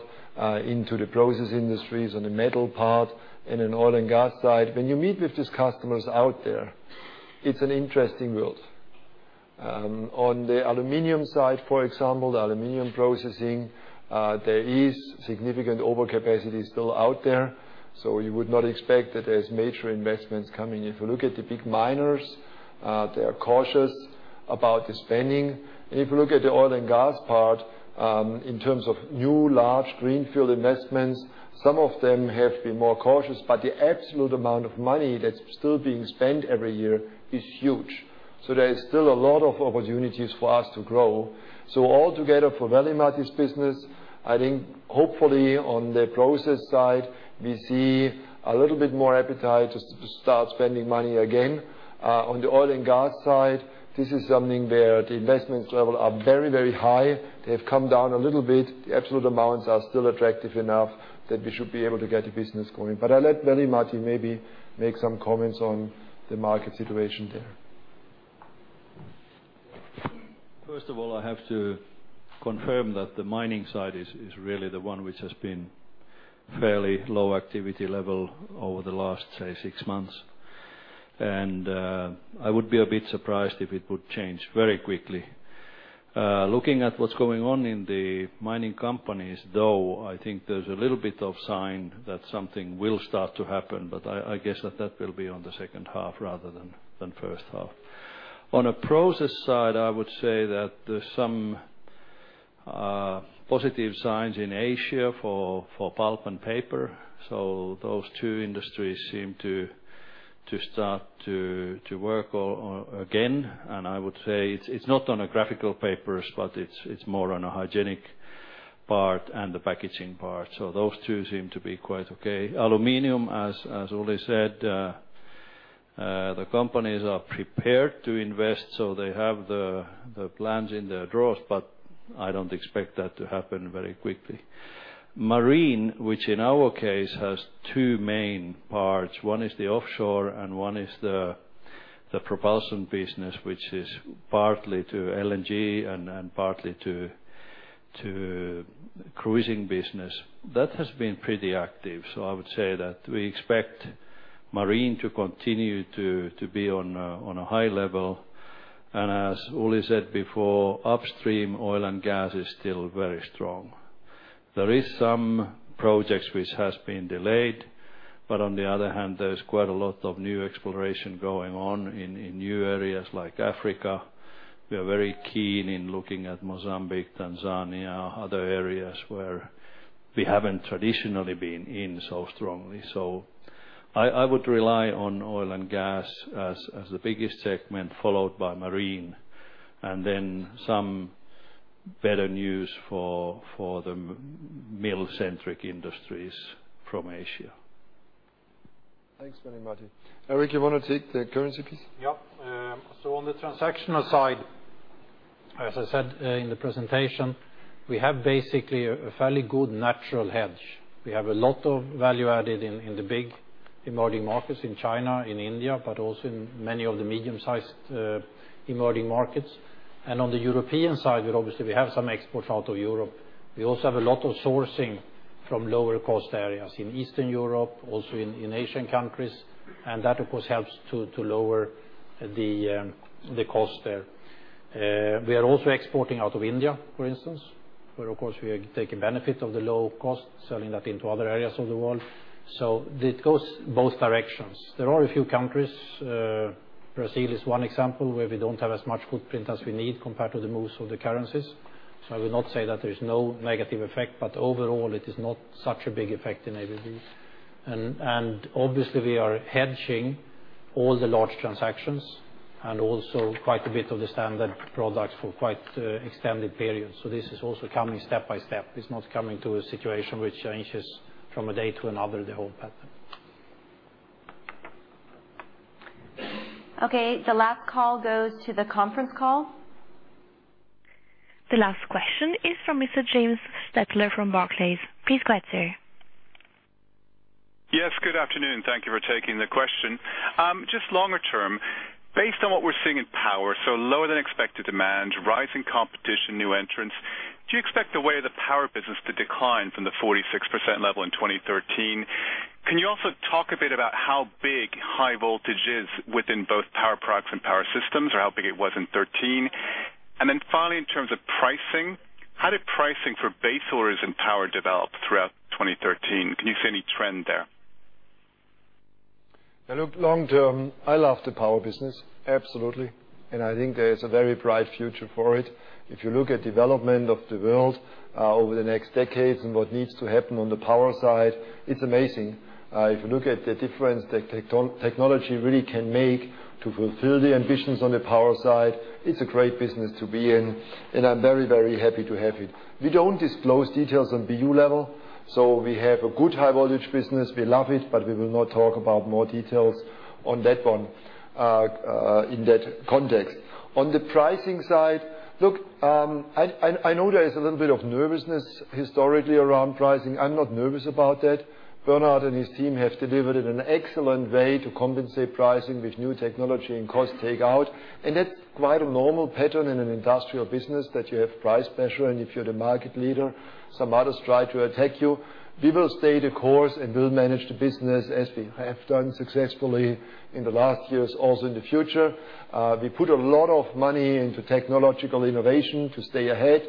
into the process industries on the metal part, in oil and gas side. When you meet with these customers out there, it's an interesting world. On the aluminum side, for example, the aluminum processing, there is significant overcapacity still out there. You would not expect that there's major investments coming. If you look at the big miners, they are cautious about the spending. If you look at the oil and gas part, in terms of new large greenfield investments, some of them have been more cautious. The absolute amount of money that's still being spent every year is huge. There is still a lot of opportunities for us to grow. Altogether for Veli-Matti's business, I think hopefully on the process side, we see a little bit more appetite to start spending money again. On the oil and gas side, this is something where the investments level are very high. They've come down a little bit. The absolute amounts are still attractive enough that we should be able to get the business going. I'll let Veli-Matti maybe make some comments on the market situation there. First of all, I have to confirm that the mining side is really the one which has been fairly low activity level over the last, say, six months. I would be a bit surprised if it would change very quickly. Looking at what's going on in the mining companies, though, I think there's a little bit of sign that something will start to happen, I guess that will be on the second half rather than first half. On a process side, I would say that there's some positive signs in Asia for pulp and paper. Those two industries seem to start to work again. I would say it's not on a graphical papers, it's more on a hygienic part and the packaging part. Those two seem to be quite okay. Aluminum, as Uli said, the companies are prepared to invest, they have the plans in their drawers, I don't expect that to happen very quickly. Marine, which in our case has two main parts. One is the offshore and one is the propulsion business, which is partly to LNG and partly to cruising business. That has been pretty active. I would say that we expect marine to continue to be on a high level. As Uli said before, upstream oil and gas is still very strong. There is some projects which has been delayed, on the other hand, there's quite a lot of new exploration going on in new areas like Africa. We are very keen in looking at Mozambique, Tanzania, other areas where we haven't traditionally been in so strongly. I would rely on oil and gas as the biggest segment, followed by marine, then some better news for the mill-centric industries from Asia. Thanks, Veli-Matti. Eric, you want to take the currency, please? On the transactional side, as I said in the presentation, we have basically a fairly good natural hedge. We have a lot of value added in the big emerging markets in China, in India, also in many of the medium-sized emerging markets. On the European side, obviously, we have some exports out of Europe. We also have a lot of sourcing from lower cost areas in Eastern Europe, also in Asian countries. That, of course, helps to lower the cost there. We are also exporting out of India, for instance, where, of course, we are taking benefit of the low cost, selling that into other areas of the world. It goes both directions. There are a few countries, Brazil is one example, where we don't have as much footprint as we need compared to the moves of the currencies. I will not say that there is no negative effect, but overall it is not such a big effect in ABB. Obviously, we are hedging all the large transactions and also quite a bit of the standard products for quite extended periods. This is also coming step by step. It's not coming to a situation which changes from a day to another, the whole pattern. Okay, the last call goes to the conference call. The last question is from Mr. James Stettler from Barclays. Please go ahead, sir. Yes, good afternoon. Thank you for taking the question. Just longer term, based on what we're seeing in power, so lower than expected demand, rising competition, new entrants Do you expect the way the power business to decline from the 46% level in 2013? Can you also talk a bit about how big high voltage is within both Power Products and Power Systems, or how big it was in 2013? Then finally, in terms of pricing, how did pricing for base orders in power develop throughout 2013? Can you see any trend there? Long term, I love the power business, absolutely. I think there is a very bright future for it. If you look at development of the world over the next decades. What needs to happen on the power side, it's amazing. If you look at the difference that technology really can make to fulfill the ambitions on the power side, it's a great business to be in, and I'm very happy to have it. We don't disclose details on BU level. We have a good high voltage business. We love it, but we will not talk about more details on that one, in that context. On the pricing side, look, I know there is a little bit of nervousness historically around pricing. I'm not nervous about that. Bernhard and his team have delivered in an excellent way to compensate pricing with new technology and cost takeout. That's quite a normal pattern in an industrial business that you have price pressure. If you're the market leader, some others try to attack you. We will stay the course. We'll manage the business as we have done successfully in the last years, also in the future. We put a lot of money into technological innovation to stay ahead.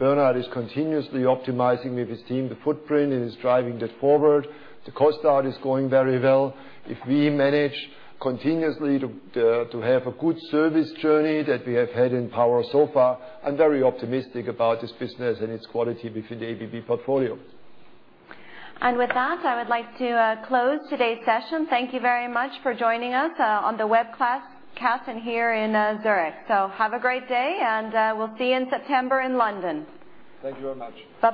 Bernhard is continuously optimizing with his team the footprint and is driving that forward. The cost out is going very well. If we manage continuously to have a good service journey that we have had in power so far, I'm very optimistic about this business and its quality within the ABB portfolio. With that, I would like to close today's session. Thank you very much for joining us on the webcast and here in Zurich. Have a great day. We'll see you in September in London. Thank you very much.